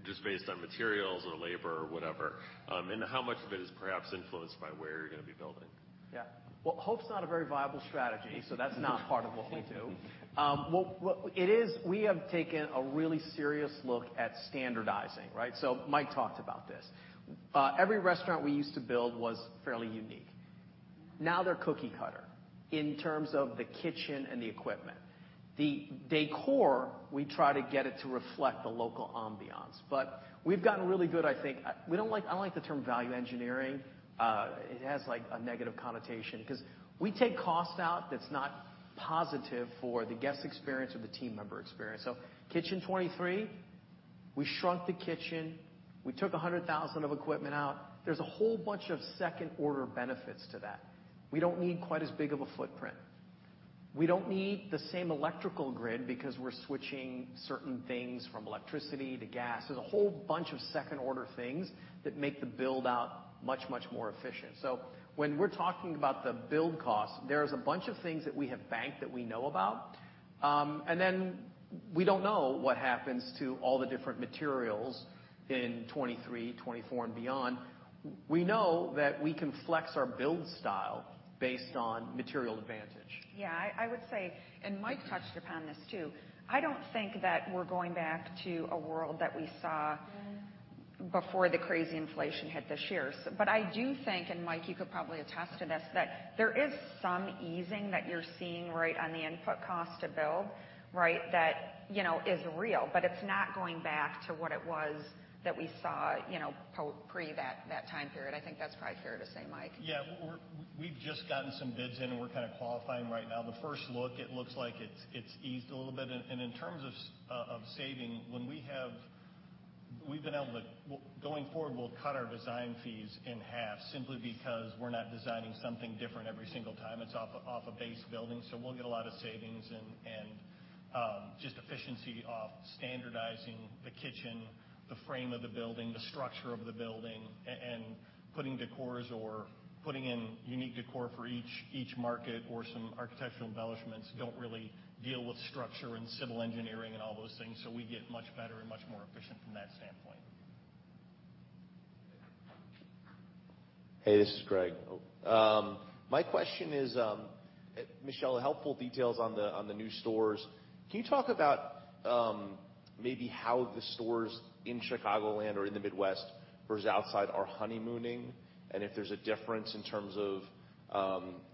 just based on materials or labor or whatever? How much of it is perhaps influenced by where you're gonna be building? Yeah. Well, hope's not a very viable strategy, so that's not part of what we do. What it is, we have taken a really serious look at standardizing, right? Mike talked about this. Every restaurant we used to build was fairly unique. Now they're cookie cutter in terms of the kitchen and the equipment. The decor, we try to get it to reflect the local ambiance. We've gotten really good, I think. We don't like. I don't like the term value engineering. It has, like, a negative connotation 'cause we take costs out that's not positive for the guest experience or the team member experience. Kitchen 23, we shrunk the kitchen. We took $100,000 of equipment out. There's a whole bunch of second-order benefits to that. We don't need quite as big of a footprint. We don't need the same electrical grid because we're switching certain things from electricity to gas. There's a whole bunch of second-order things that make the build-out much, much more efficient. When we're talking about the build cost, there's a bunch of things that we have banked that we know about. We don't know what happens to all the different materials in 2023, 2024, and beyond. We know that we can flex our build style based on material advantage. Yeah, I would say, and Mike touched upon this too, I don't think that we're going back to a world that we saw before the crazy inflation hit this year. But I do think, and Mike, you could probably attest to this, that there is some easing that you're seeing right on the input cost to build, right, that, you know, is real, but it's not going back to what it was that we saw, you know, pre that time period. I think that's probably fair to say, Mike. Yeah. We've just gotten some bids in, and we're kinda qualifying right now. The first look, it looks like it's eased a little bit. In terms of saving, we've been able to. Going forward, we'll cut our design fees in half simply because we're not designing something different every single time. It's off a base building, so we'll get a lot of savings and just efficiency off standardizing the kitchen, the frame of the building, the structure of the building, and putting decors or putting in unique decor for each market or some architectural embellishments don't really deal with structure and civil engineering and all those things, so we get much better and much more efficient from that standpoint. Hey, this is Greg. My question is, Michelle, helpful details on the new stores. Can you talk about maybe how the stores in Chicagoland or in the Midwest versus outside are honeymooning and if there's a difference in terms of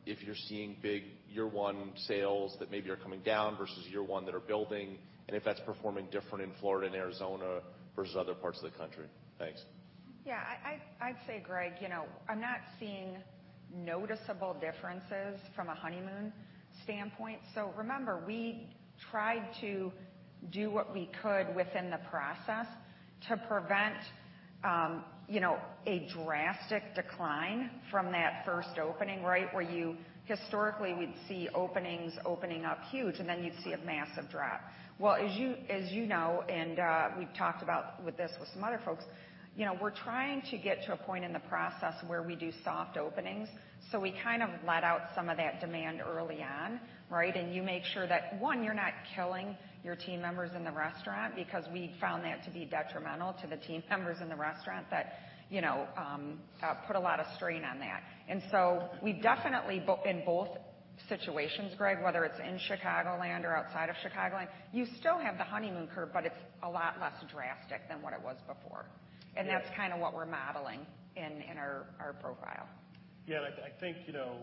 if you're seeing big year one sales that maybe are coming down versus year one that are building, and if that's performing different in Florida and Arizona versus other parts of the country? Thanks. Yeah. I'd say, Greg, you know, I'm not seeing noticeable differences from a honeymoon standpoint. Remember, we tried to do what we could within the process to prevent, you know, a drastic decline from that first opening, right? Where you historically would see openings opening up huge, and then you'd see a massive drop. Well, as you know, and we've talked about this with some other folks, you know, we're trying to get to a point in the process where we do soft openings, so we kind of let out some of that demand early on, right? And you make sure that, one, you're not killing your team members in the restaurant because we found that to be detrimental to the team members in the restaurant that, you know, put a lot of strain on that. We definitely in both situations, Greg, whether it's in Chicagoland or outside of Chicagoland, you still have the honeymoon curve, but it's a lot less drastic than what it was before. Yeah. That's kinda what we're modeling in our profile. Yeah. I think, you know,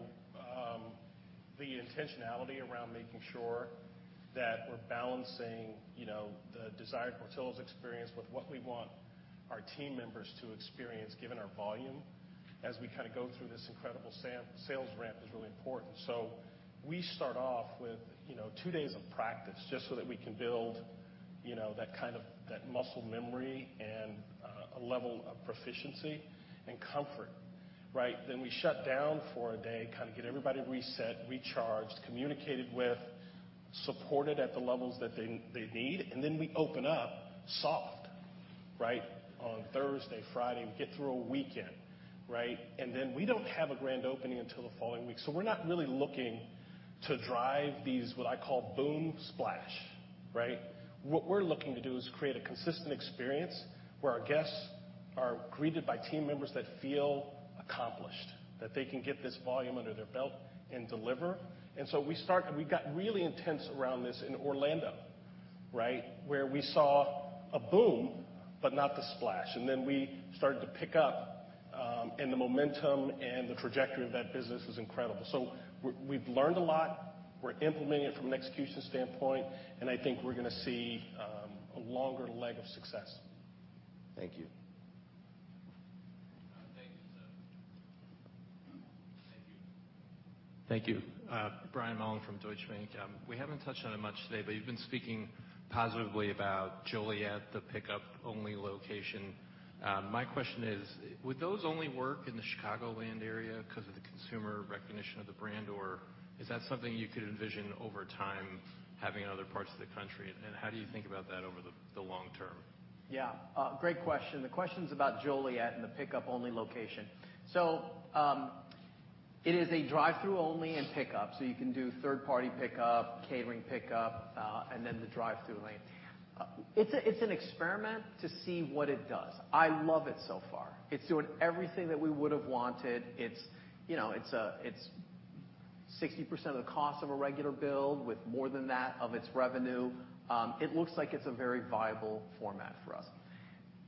the intentionality around making sure that we're balancing, you know, the desired Portillo's experience with what we want our team members to experience given our volume as we kinda go through this incredible sales ramp is really important. We start off with, you know, two days of practice just so that we can build, you know, that kind of, that muscle memory and a level of proficiency and comfort Right? We shut down for a day, kind of get everybody reset, recharged, communicated with, supported at the levels that they need, and then we open up soft, right, on Thursday, Friday. We get through a weekend, right? We don't have a grand opening until the following week. We're not really looking to drive these, what I call boom splash, right? What we're looking to do is create a consistent experience where our guests are greeted by team members that feel accomplished, that they can get this volume under their belt and deliver. We got really intense around this in Orlando, right? Where we saw a boom, but not the splash. We started to pick up, and the momentum and the trajectory of that business is incredible. We've learned a lot. We're implementing it from an execution standpoint, and I think we're gonna see a longer leg of success. Thank you. Thank you, sir. Brian Mullan from Deutsche Bank. We haven't touched on it much today, but you've been speaking positively about Joliet, the pickup-only location. My question is, would those only work in the Chicagoland area because of the consumer recognition of the brand, or is that something you could envision over time having in other parts of the country? How do you think about that over the long term? Yeah. Great question. The question's about Joliet and the pickup-only location. It is a drive-through only and pickup, so you can do third-party pickup, catering pickup, and then the drive-through lane. It's an experiment to see what it does. I love it so far. It's doing everything that we would have wanted. It's, you know, it's 60% of the cost of a regular build with more than that of its revenue. It looks like it's a very viable format for us.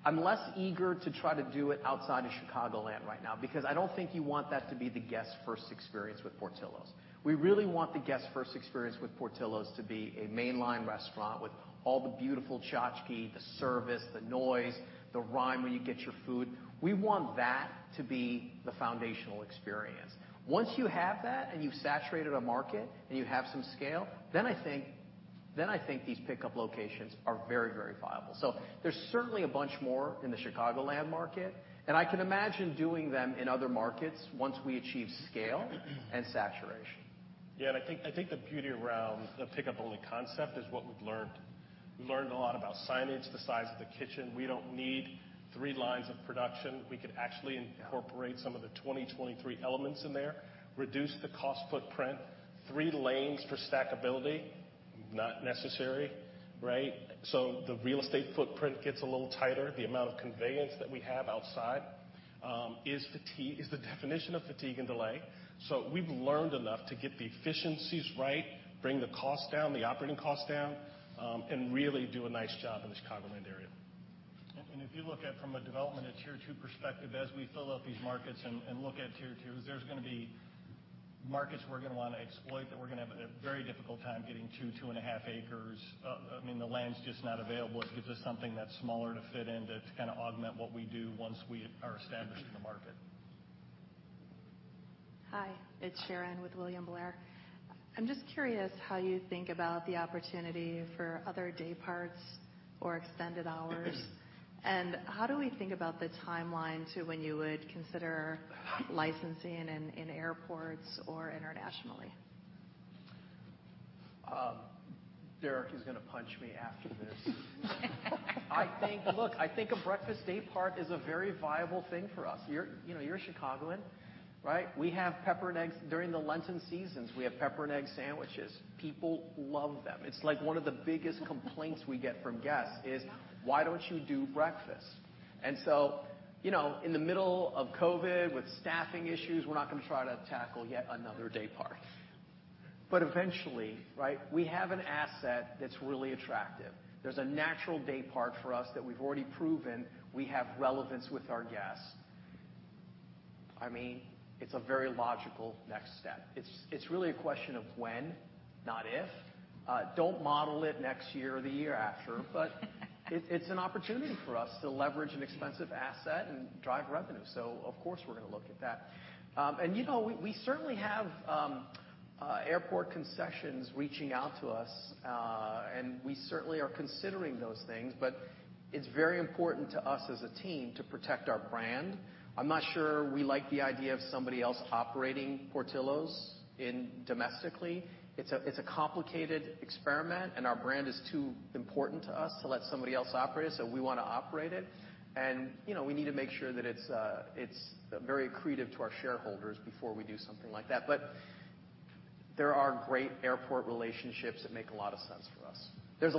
I'm less eager to try to do it outside of Chicagoland right now because I don't think you want that to be the guest's first experience with Portillo's. We really want the guest's first experience with Portillo's to be a mainline restaurant with all the beautiful tchotchke, the service, the noise, the rhyme when you get your food. We want that to be the foundational experience. Once you have that, and you've saturated a market, and you have some scale, then I think these pickup locations are very, very viable. There's certainly a bunch more in the Chicagoland market, and I can imagine doing them in other markets once we achieve scale and saturation. Yeah, I think the beauty around the pickup-only concept is what we've learned. We learned a lot about signage, the size of the kitchen. We don't need three lines of production. We could actually incorporate- Yeah. Some of the 2023 elements in there reduce the cost footprint. 3 lanes for stackability not necessary, right? The real estate footprint gets a little tighter. The amount of conveyance that we have outside is the definition of fatigue and delay. We've learned enough to get the efficiencies right, bring the cost down, the operating cost down, and really do a nice job in the Chicagoland area. If you look at from a development of Tier Two perspective, as we fill up these markets and look at Tier Twos, there's gonna be markets we're gonna wanna exploit that we're gonna have a very difficult time getting 2-2.5 acres. I mean, the land's just not available. It gives us something that's smaller to fit in to kind of augment what we do once we are established in the market. Hi. It's Sharon Zackfia with William Blair. I'm just curious how you think about the opportunity for other day parts or extended hours. How do we think about the timeline to when you would consider licensing in airports or internationally? Derek is gonna punch me after this. Look, I think a breakfast day part is a very viable thing for us. You're, you know, you're a Chicagoan, right? We have pepper and eggs. During the Lenten seasons, we have pepper and egg sandwiches. People love them. It's like one of the biggest complaints we get from guests is, "Why don't you do breakfast?" You know, in the middle of COVID, with staffing issues, we're not gonna try to tackle yet another day part. Eventually, right, we have an asset that's really attractive. There's a natural day part for us that we've already proven we have relevance with our guests. I mean, it's a very logical next step. It's really a question of when, not if. Don't model it next year or the year after. It's an opportunity for us to leverage an expensive asset and drive revenue. Of course, we're gonna look at that. We certainly have airport concessions reaching out to us, and we certainly are considering those things, but it's very important to us as a team to protect our brand. I'm not sure we like the idea of somebody else operating Portillo's domestically. It's a complicated experiment, and our brand is too important to us to let somebody else operate it, so we wanna operate it. We need to make sure that it's very accretive to our shareholders before we do something like that. There are great airport relationships that make a lot of sense for us. There's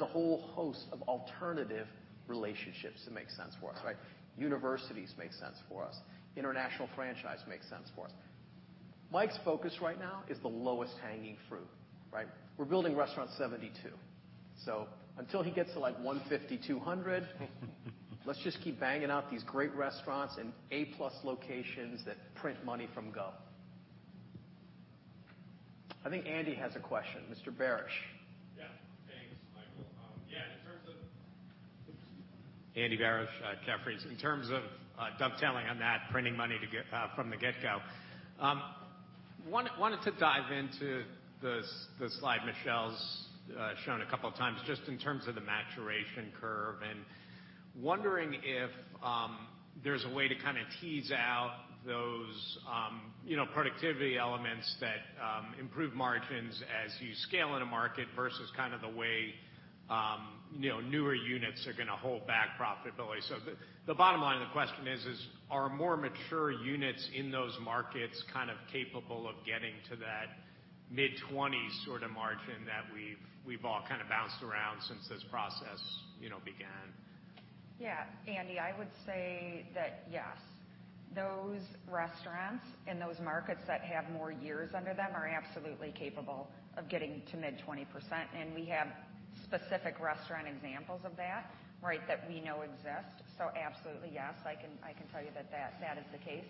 a whole host of alternative relationships that make sense for us, right? Universities make sense for us. International franchise makes sense for us. Mike's focus right now is the lowest hanging fruit, right? We're building restaurant 72. Until he gets to like 150, 200, let's just keep banging out these great restaurants in A+ locations that print money from go. I think Andy has a question. Mr. Barish. Yeah. Thanks, Michael. Yeah, in terms of Andy Barish, Jefferies. In terms of dovetailing on that, printing money to get from the get-go. One, wanted to dive into the slide Michelle's shown a couple of times just in terms of the maturation curve, and wondering if there's a way to kinda tease out those, you know, productivity elements that improve margins as you scale in a market versus kind of the way, you know, newer units are gonna hold back profitability. The bottom line of the question is, are more mature units in those markets kind of capable of getting to that mid-20s% sort of margin that we've all kind of bounced around since this process, you know, began? Yeah. Andy, I would say that yes, those restaurants in those markets that have more years under them are absolutely capable of getting to mid-20%, and we have specific restaurant examples of that, right, that we know exist. Absolutely, yes, I can tell you that that is the case.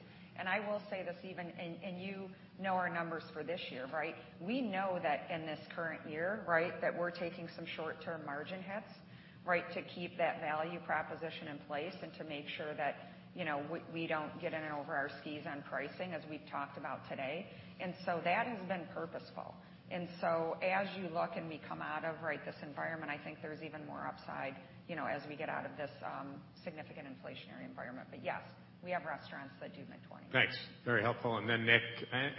I will say this even, you know our numbers for this year, right? We know that in this current year, right, that we're taking some short-term margin hits, right, to keep that value proposition in place and to make sure that, you know, we don't get in over our skis on pricing, as we've talked about today. That has been purposeful. As you look and we come out of, right, this environment, I think there's even more upside, you know, as we get out of this significant inflationary environment. Yes, we have restaurants that do mid-20s. Thanks. Very helpful. Nick,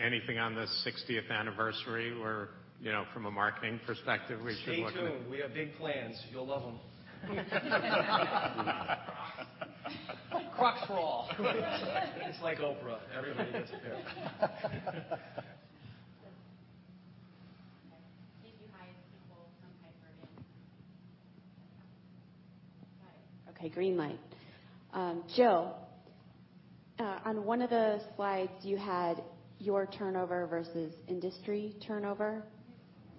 anything on the sixtieth anniversary or, you know, from a marketing perspective we should look at? Stay tuned. We have big plans. You'll love them. Crocs for all. It's like Oprah. Everybody gets a pair. Okay. Thank you. Hi, it's Nicole from Piper Sandler. Okay, green light. Jill, on one of the slides, you had your turnover versus industry turnover,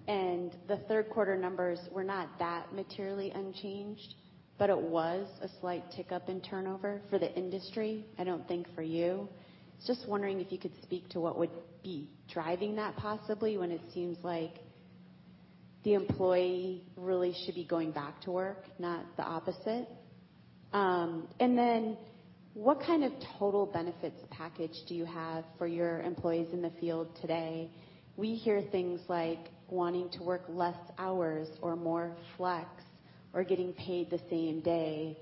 and the third quarter numbers were not that materially unchanged, but it was a slight tick up in turnover for the industry, I don't think for you. Just wondering if you could speak to what would be driving that possibly when it seems like the employee really should be going back to work, not the opposite. What kind of total benefits package do you have for your employees in the field today? We hear things like wanting to work less hours or more flex or getting paid the same day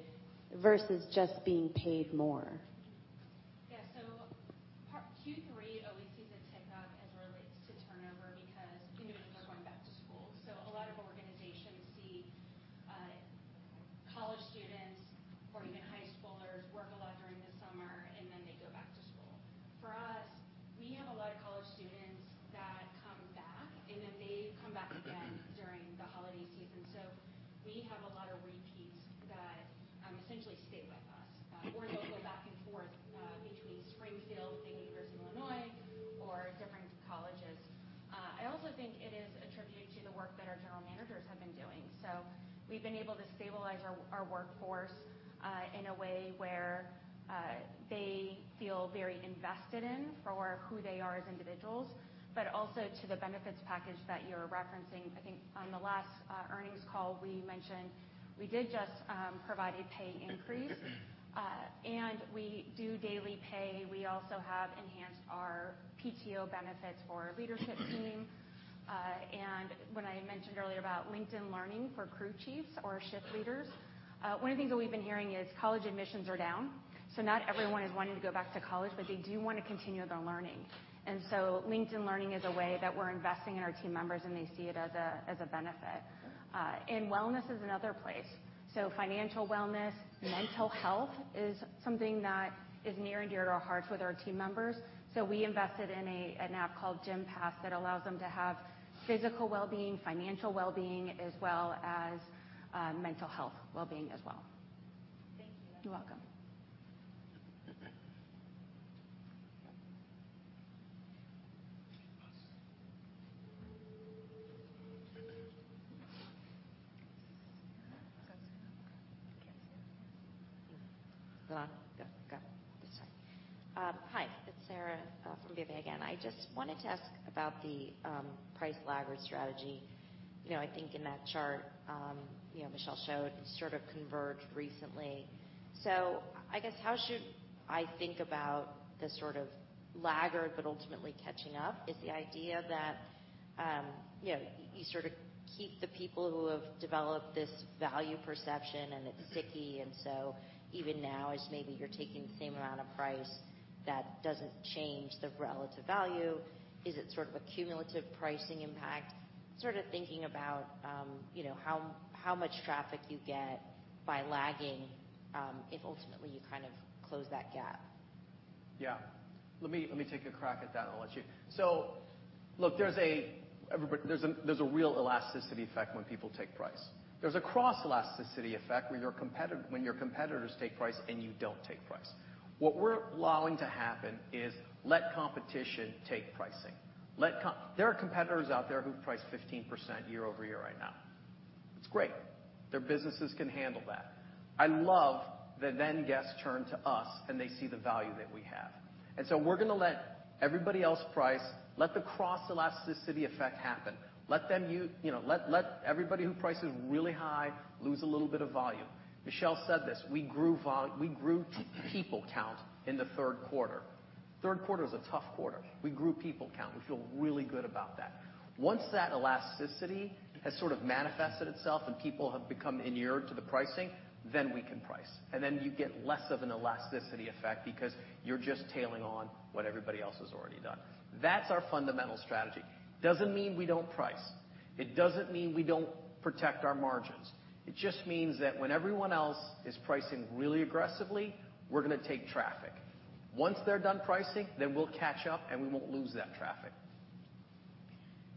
versus just being paid more. Yeah. And when I mentioned earlier about LinkedIn Learning for crew chiefs or shift leaders, one of the things that we've been hearing is college admissions are down, so not everyone is wanting to go back to college, but they do wanna continue their learning. LinkedIn Learning is a way that we're investing in our team members, and they see it as a benefit. And wellness is another place. Financial wellness, mental health is something that is near and dear to our hearts with our team members. We invested in an app called Gympass that allows them to have physical well-being, financial well-being, as well as mental health well-being as well. Thank you. You're welcome. Okay. Pass. Sorry. Hi, it's Sara from BofA again. I just wanted to ask about the price lagging strategy. You know, I think in that chart, you know, Michelle showed it sort of converged recently. I guess, how should I think about the sort of lagging but ultimately catching up? Is the idea that, you know, you sort of keep the people who have developed this value perception and it's sticky, and so even now as maybe you're taking the same amount of price, that doesn't change the relative value. Is it sort of a cumulative pricing impact? Sort of thinking about, you know, how much traffic you get by lagging, if ultimately you kind of close that gap. Yeah. Let me take a crack at that, and I'll let you. Look, there's a real elasticity effect when people take price. There's a cross-elasticity effect when your competitors take price and you don't take price. What we're allowing to happen is let competition take pricing. There are competitors out there who price 15% year-over-year right now. It's great. Their businesses can handle that. I love that then guests turn to us, and they see the value that we have. We're gonna let everybody else price. Let the cross-elasticity effect happen. You know, let everybody who prices really high lose a little bit of volume. Michelle said this, we grew people count in the third quarter. Third quarter is a tough quarter. We grew people count. We feel really good about that. Once that elasticity has sort of manifested itself and people have become inured to the pricing, then we can price, and then you get less of an elasticity effect because you're just tailing on what everybody else has already done. That's our fundamental strategy. Doesn't mean we don't price. It doesn't mean we don't protect our margins. It just means that when everyone else is pricing really aggressively, we're gonna take traffic. Once they're done pricing, then we'll catch up, and we won't lose that traffic.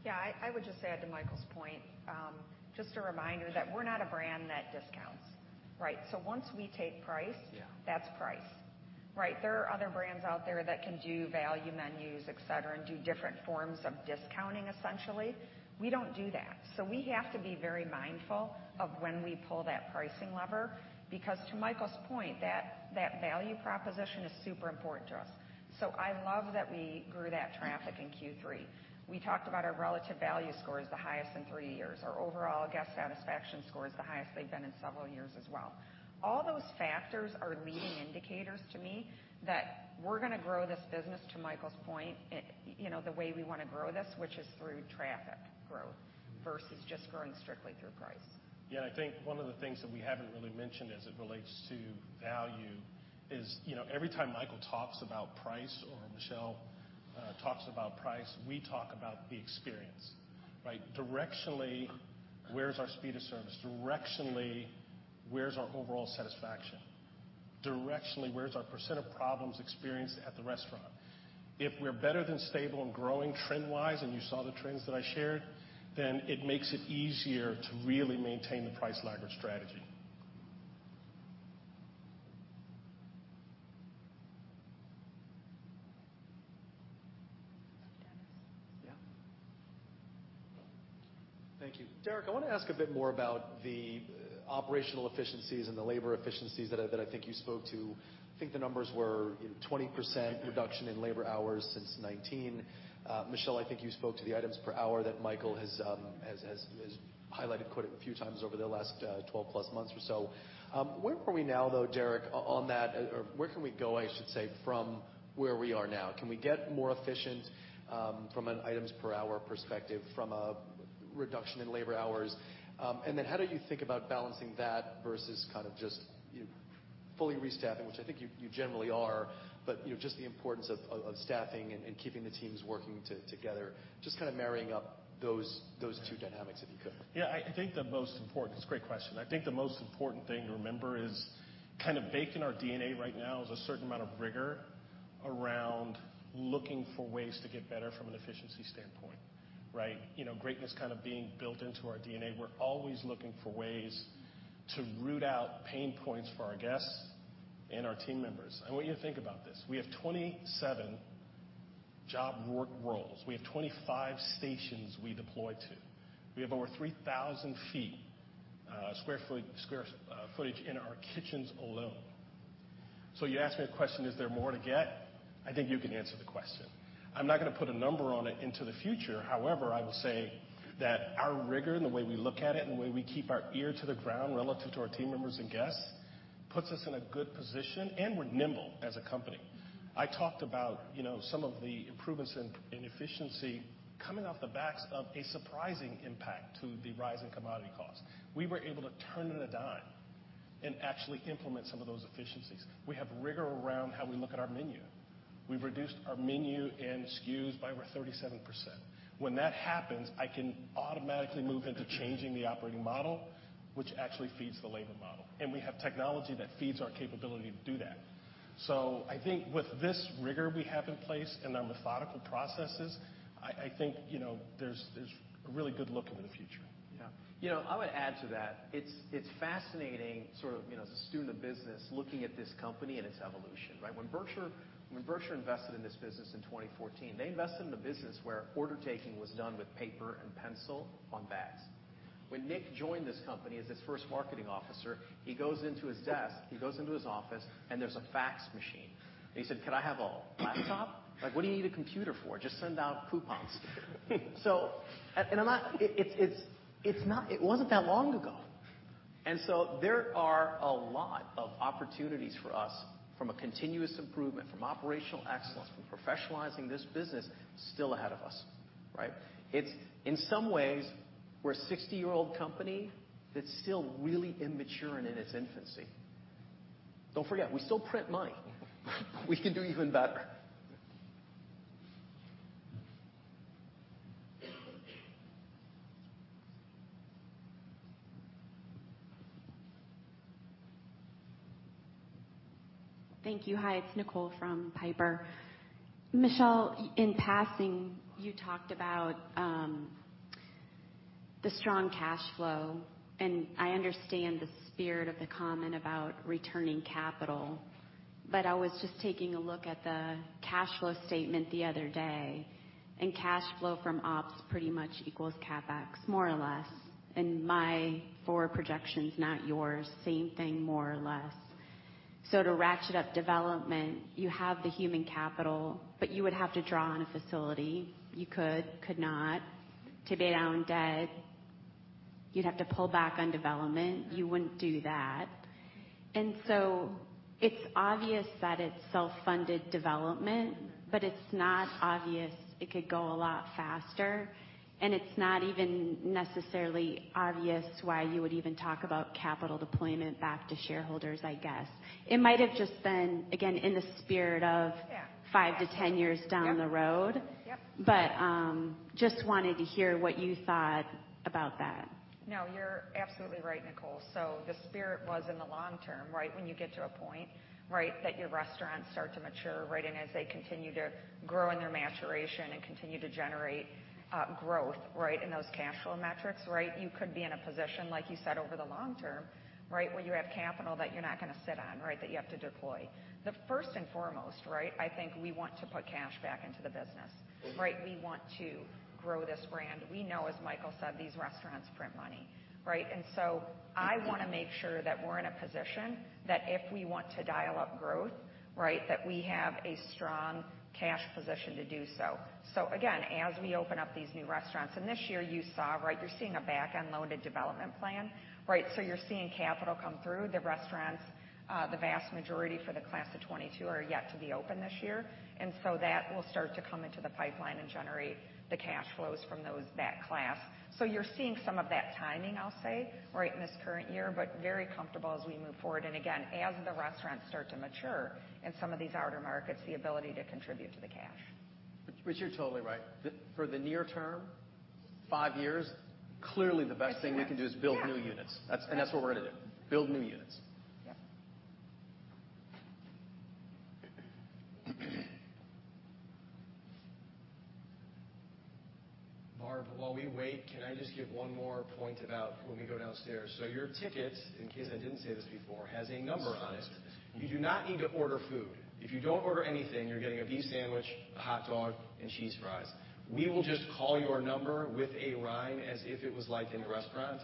Yeah. I would just add to Michael's point, just a reminder that we're not a brand that discounts, right? Once we take price- Yeah. That's price. Right? There are other brands out there that can do value menus, et cetera, and do different forms of discounting, essentially. We don't do that. We have to be very mindful of when we pull that pricing lever because to Michael's point, that value proposition is super important to us. I love that we grew that traffic in Q3. We talked about our relative value score is the highest in three years. Our overall guest satisfaction score is the highest they've been in several years as well. All those factors are leading indicators to me that we're gonna grow this business, to Michael's point, you know, the way we wanna grow this, which is through traffic growth versus just growing strictly through price. I think one of the things that we haven't really mentioned as it relates to value is, you know, every time Michael talks about price or Michelle talks about price, we talk about the experience, right? Directionally, where's our speed of service? Directionally, where's our overall satisfaction? Directionally, where's our percent of problems experienced at the restaurant? If we're better than stable and growing trend-wise, and you saw the trends that I shared, then it makes it easier to really maintain the price leader strategy. Janus. Yeah. Thank you. Derrick, I want to ask a bit more about the operational efficiencies and the labor efficiencies that I think you spoke to. I think the numbers were, you know, 20% reduction in labor hours since 2019. Michelle, I think you spoke to the items per hour that Michael has highlighted quite a few times over the last 12-plus months or so. Where are we now, though, Derrick, on that? Or where can we go, I should say, from where we are now? Can we get more efficient from an items per hour perspective from a reduction in labor hours? How do you think about balancing that versus kind of just, you know, fully restaffing, which I think you generally are, but, you know, just the importance of staffing and keeping the teams working together. Just kinda marrying up those two dynamics, if you could? Yeah. I think the most important. It's a great question. I think the most important thing to remember is kinda baked in our DNA right now is a certain amount of rigor around looking for ways to get better from an efficiency standpoint, right? You know, greatness kinda being built into our DNA. We're always looking for ways to root out pain points for our guests and our team members. I want you to think about this. We have 27 job work roles. We have 25 stations we deploy to. We have over 3,000 square footage in our kitchens alone. You ask me a question, is there more to get? I think you can answer the question. I'm not gonna put a number on it into the future. However, I will say that our rigor and the way we look at it and the way we keep our ear to the ground relative to our team members and guests puts us in a good position, and we're nimble as a company. I talked about, you know, some of the improvements in efficiency coming off the backs of a surprising impact to the rise in commodity costs. We were able to turn on a dime and actually implement some of those efficiencies. We have rigor around how we look at our menu. We've reduced our menu and SKUs by over 37%. When that happens, I can automatically move into changing the operating model, which actually feeds the labor model, and we have technology that feeds our capability to do that. I think with this rigor we have in place and our methodical processes, I think, you know, there's a really good look into the future. Yeah. You know, I would add to that. It's fascinating sort of, you know, as a student of business, looking at this company and its evolution, right? When Berkshire Partners invested in this business in 2014, they invested in a business where order taking was done with paper and pencil on bags. When Nick joined this company as its first marketing officer, he goes into his desk, he goes into his office, and there's a fax machine. He said, "Could I have a laptop?" Like, "What do you need a computer for? Just send out coupons." I'm not. It wasn't that long ago. There are a lot of opportunities for us from a continuous improvement, from operational excellence, from professionalizing this business still ahead of us, right? It's in some ways, we're a 60-year-old company that's still really immature and in its infancy. Don't forget, we still print money. We can do even better. Thank you. Hi, it's Nicole Miller from Piper Sandler. Michelle, in passing, you talked about the strong cash flow, and I understand the spirit of the comment about returning capital, but I was just taking a look at the cash flow statement the other day, and cash flow from ops pretty much equals CapEx, more or less, and my forward projections, not yours, same thing, more or less. To ratchet up development, you have the human capital, but you would have to draw on a facility. You could not pay down debt. You'd have to pull back on development. You wouldn't do that. It's obvious that it's self-funded development, but it's not obvious it could go a lot faster, and it's not even necessarily obvious why you would even talk about capital deployment back to shareholders, I guess. It might have just been, again, in the spirit of. Yeah. 5 to 10 years down the road. Yep. Just wanted to hear what you thought about that. No, you're absolutely right, Nicole. The spirit was in the long term, right? When you get to a point, right, that your restaurants start to mature, right, and as they continue to grow in their maturation and continue to generate, growth, right, in those cash flow metrics, right? You could be in a position, like you said, over the long term, right, where you have capital that you're not gonna sit on, right, that you have to deploy. The first and foremost, right, I think we want to put cash back into the business, right? We want to grow this brand. We know, as Michael said, these restaurants print money, right? I wanna make sure that we're in a position that if we want to dial up growth, right, that we have a strong cash position to do so. Again, as we open up these new restaurants, and this year you saw, right? You're seeing a back-end loaded development plan, right? You're seeing capital come through the restaurants. The vast majority for the class of 2022 are yet to be open this year. That will start to come into the pipeline and generate the cash flows from that class. You're seeing some of that timing, I'll say, right, in this current year, but very comfortable as we move forward. Again, as the restaurants start to mature in some of these outer markets, the ability to contribute to the cash. Which, you're totally right. For the near term, five years, clearly the best thing we can do is build new units. That's what we're gonna do. Build new units. Yep. Barb, while we wait, can I just give one more point about when we go downstairs? Your ticket, in case I didn't say this before, has a number on it. You do not need to order food. If you don't order anything, you're getting a beef sandwich, a hot dog, and cheese fries. We will just call your number with a rhyme as if it was like in the restaurant.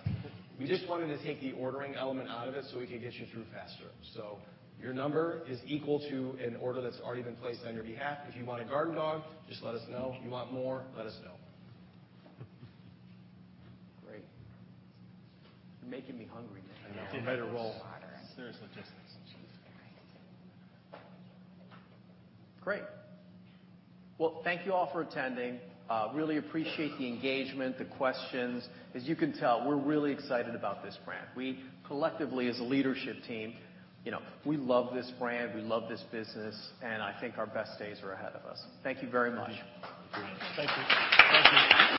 We just wanted to take the ordering element out of it so we could get you through faster. Your number is equal to an order that's already been placed on your behalf. If you want a Garden Dog, just let us know. You want more, let us know. Great. You're making me hungry. I know. I'm watering. Seriously. Cheese fries. Great. Well, thank you all for attending. Really appreciate the engagement, the questions. As you can tell, we're really excited about this brand. We collectively, as a leadership team, you know, we love this brand, we love this business, and I think our best days are ahead of us. Thank you very much. Thank you. Thank you.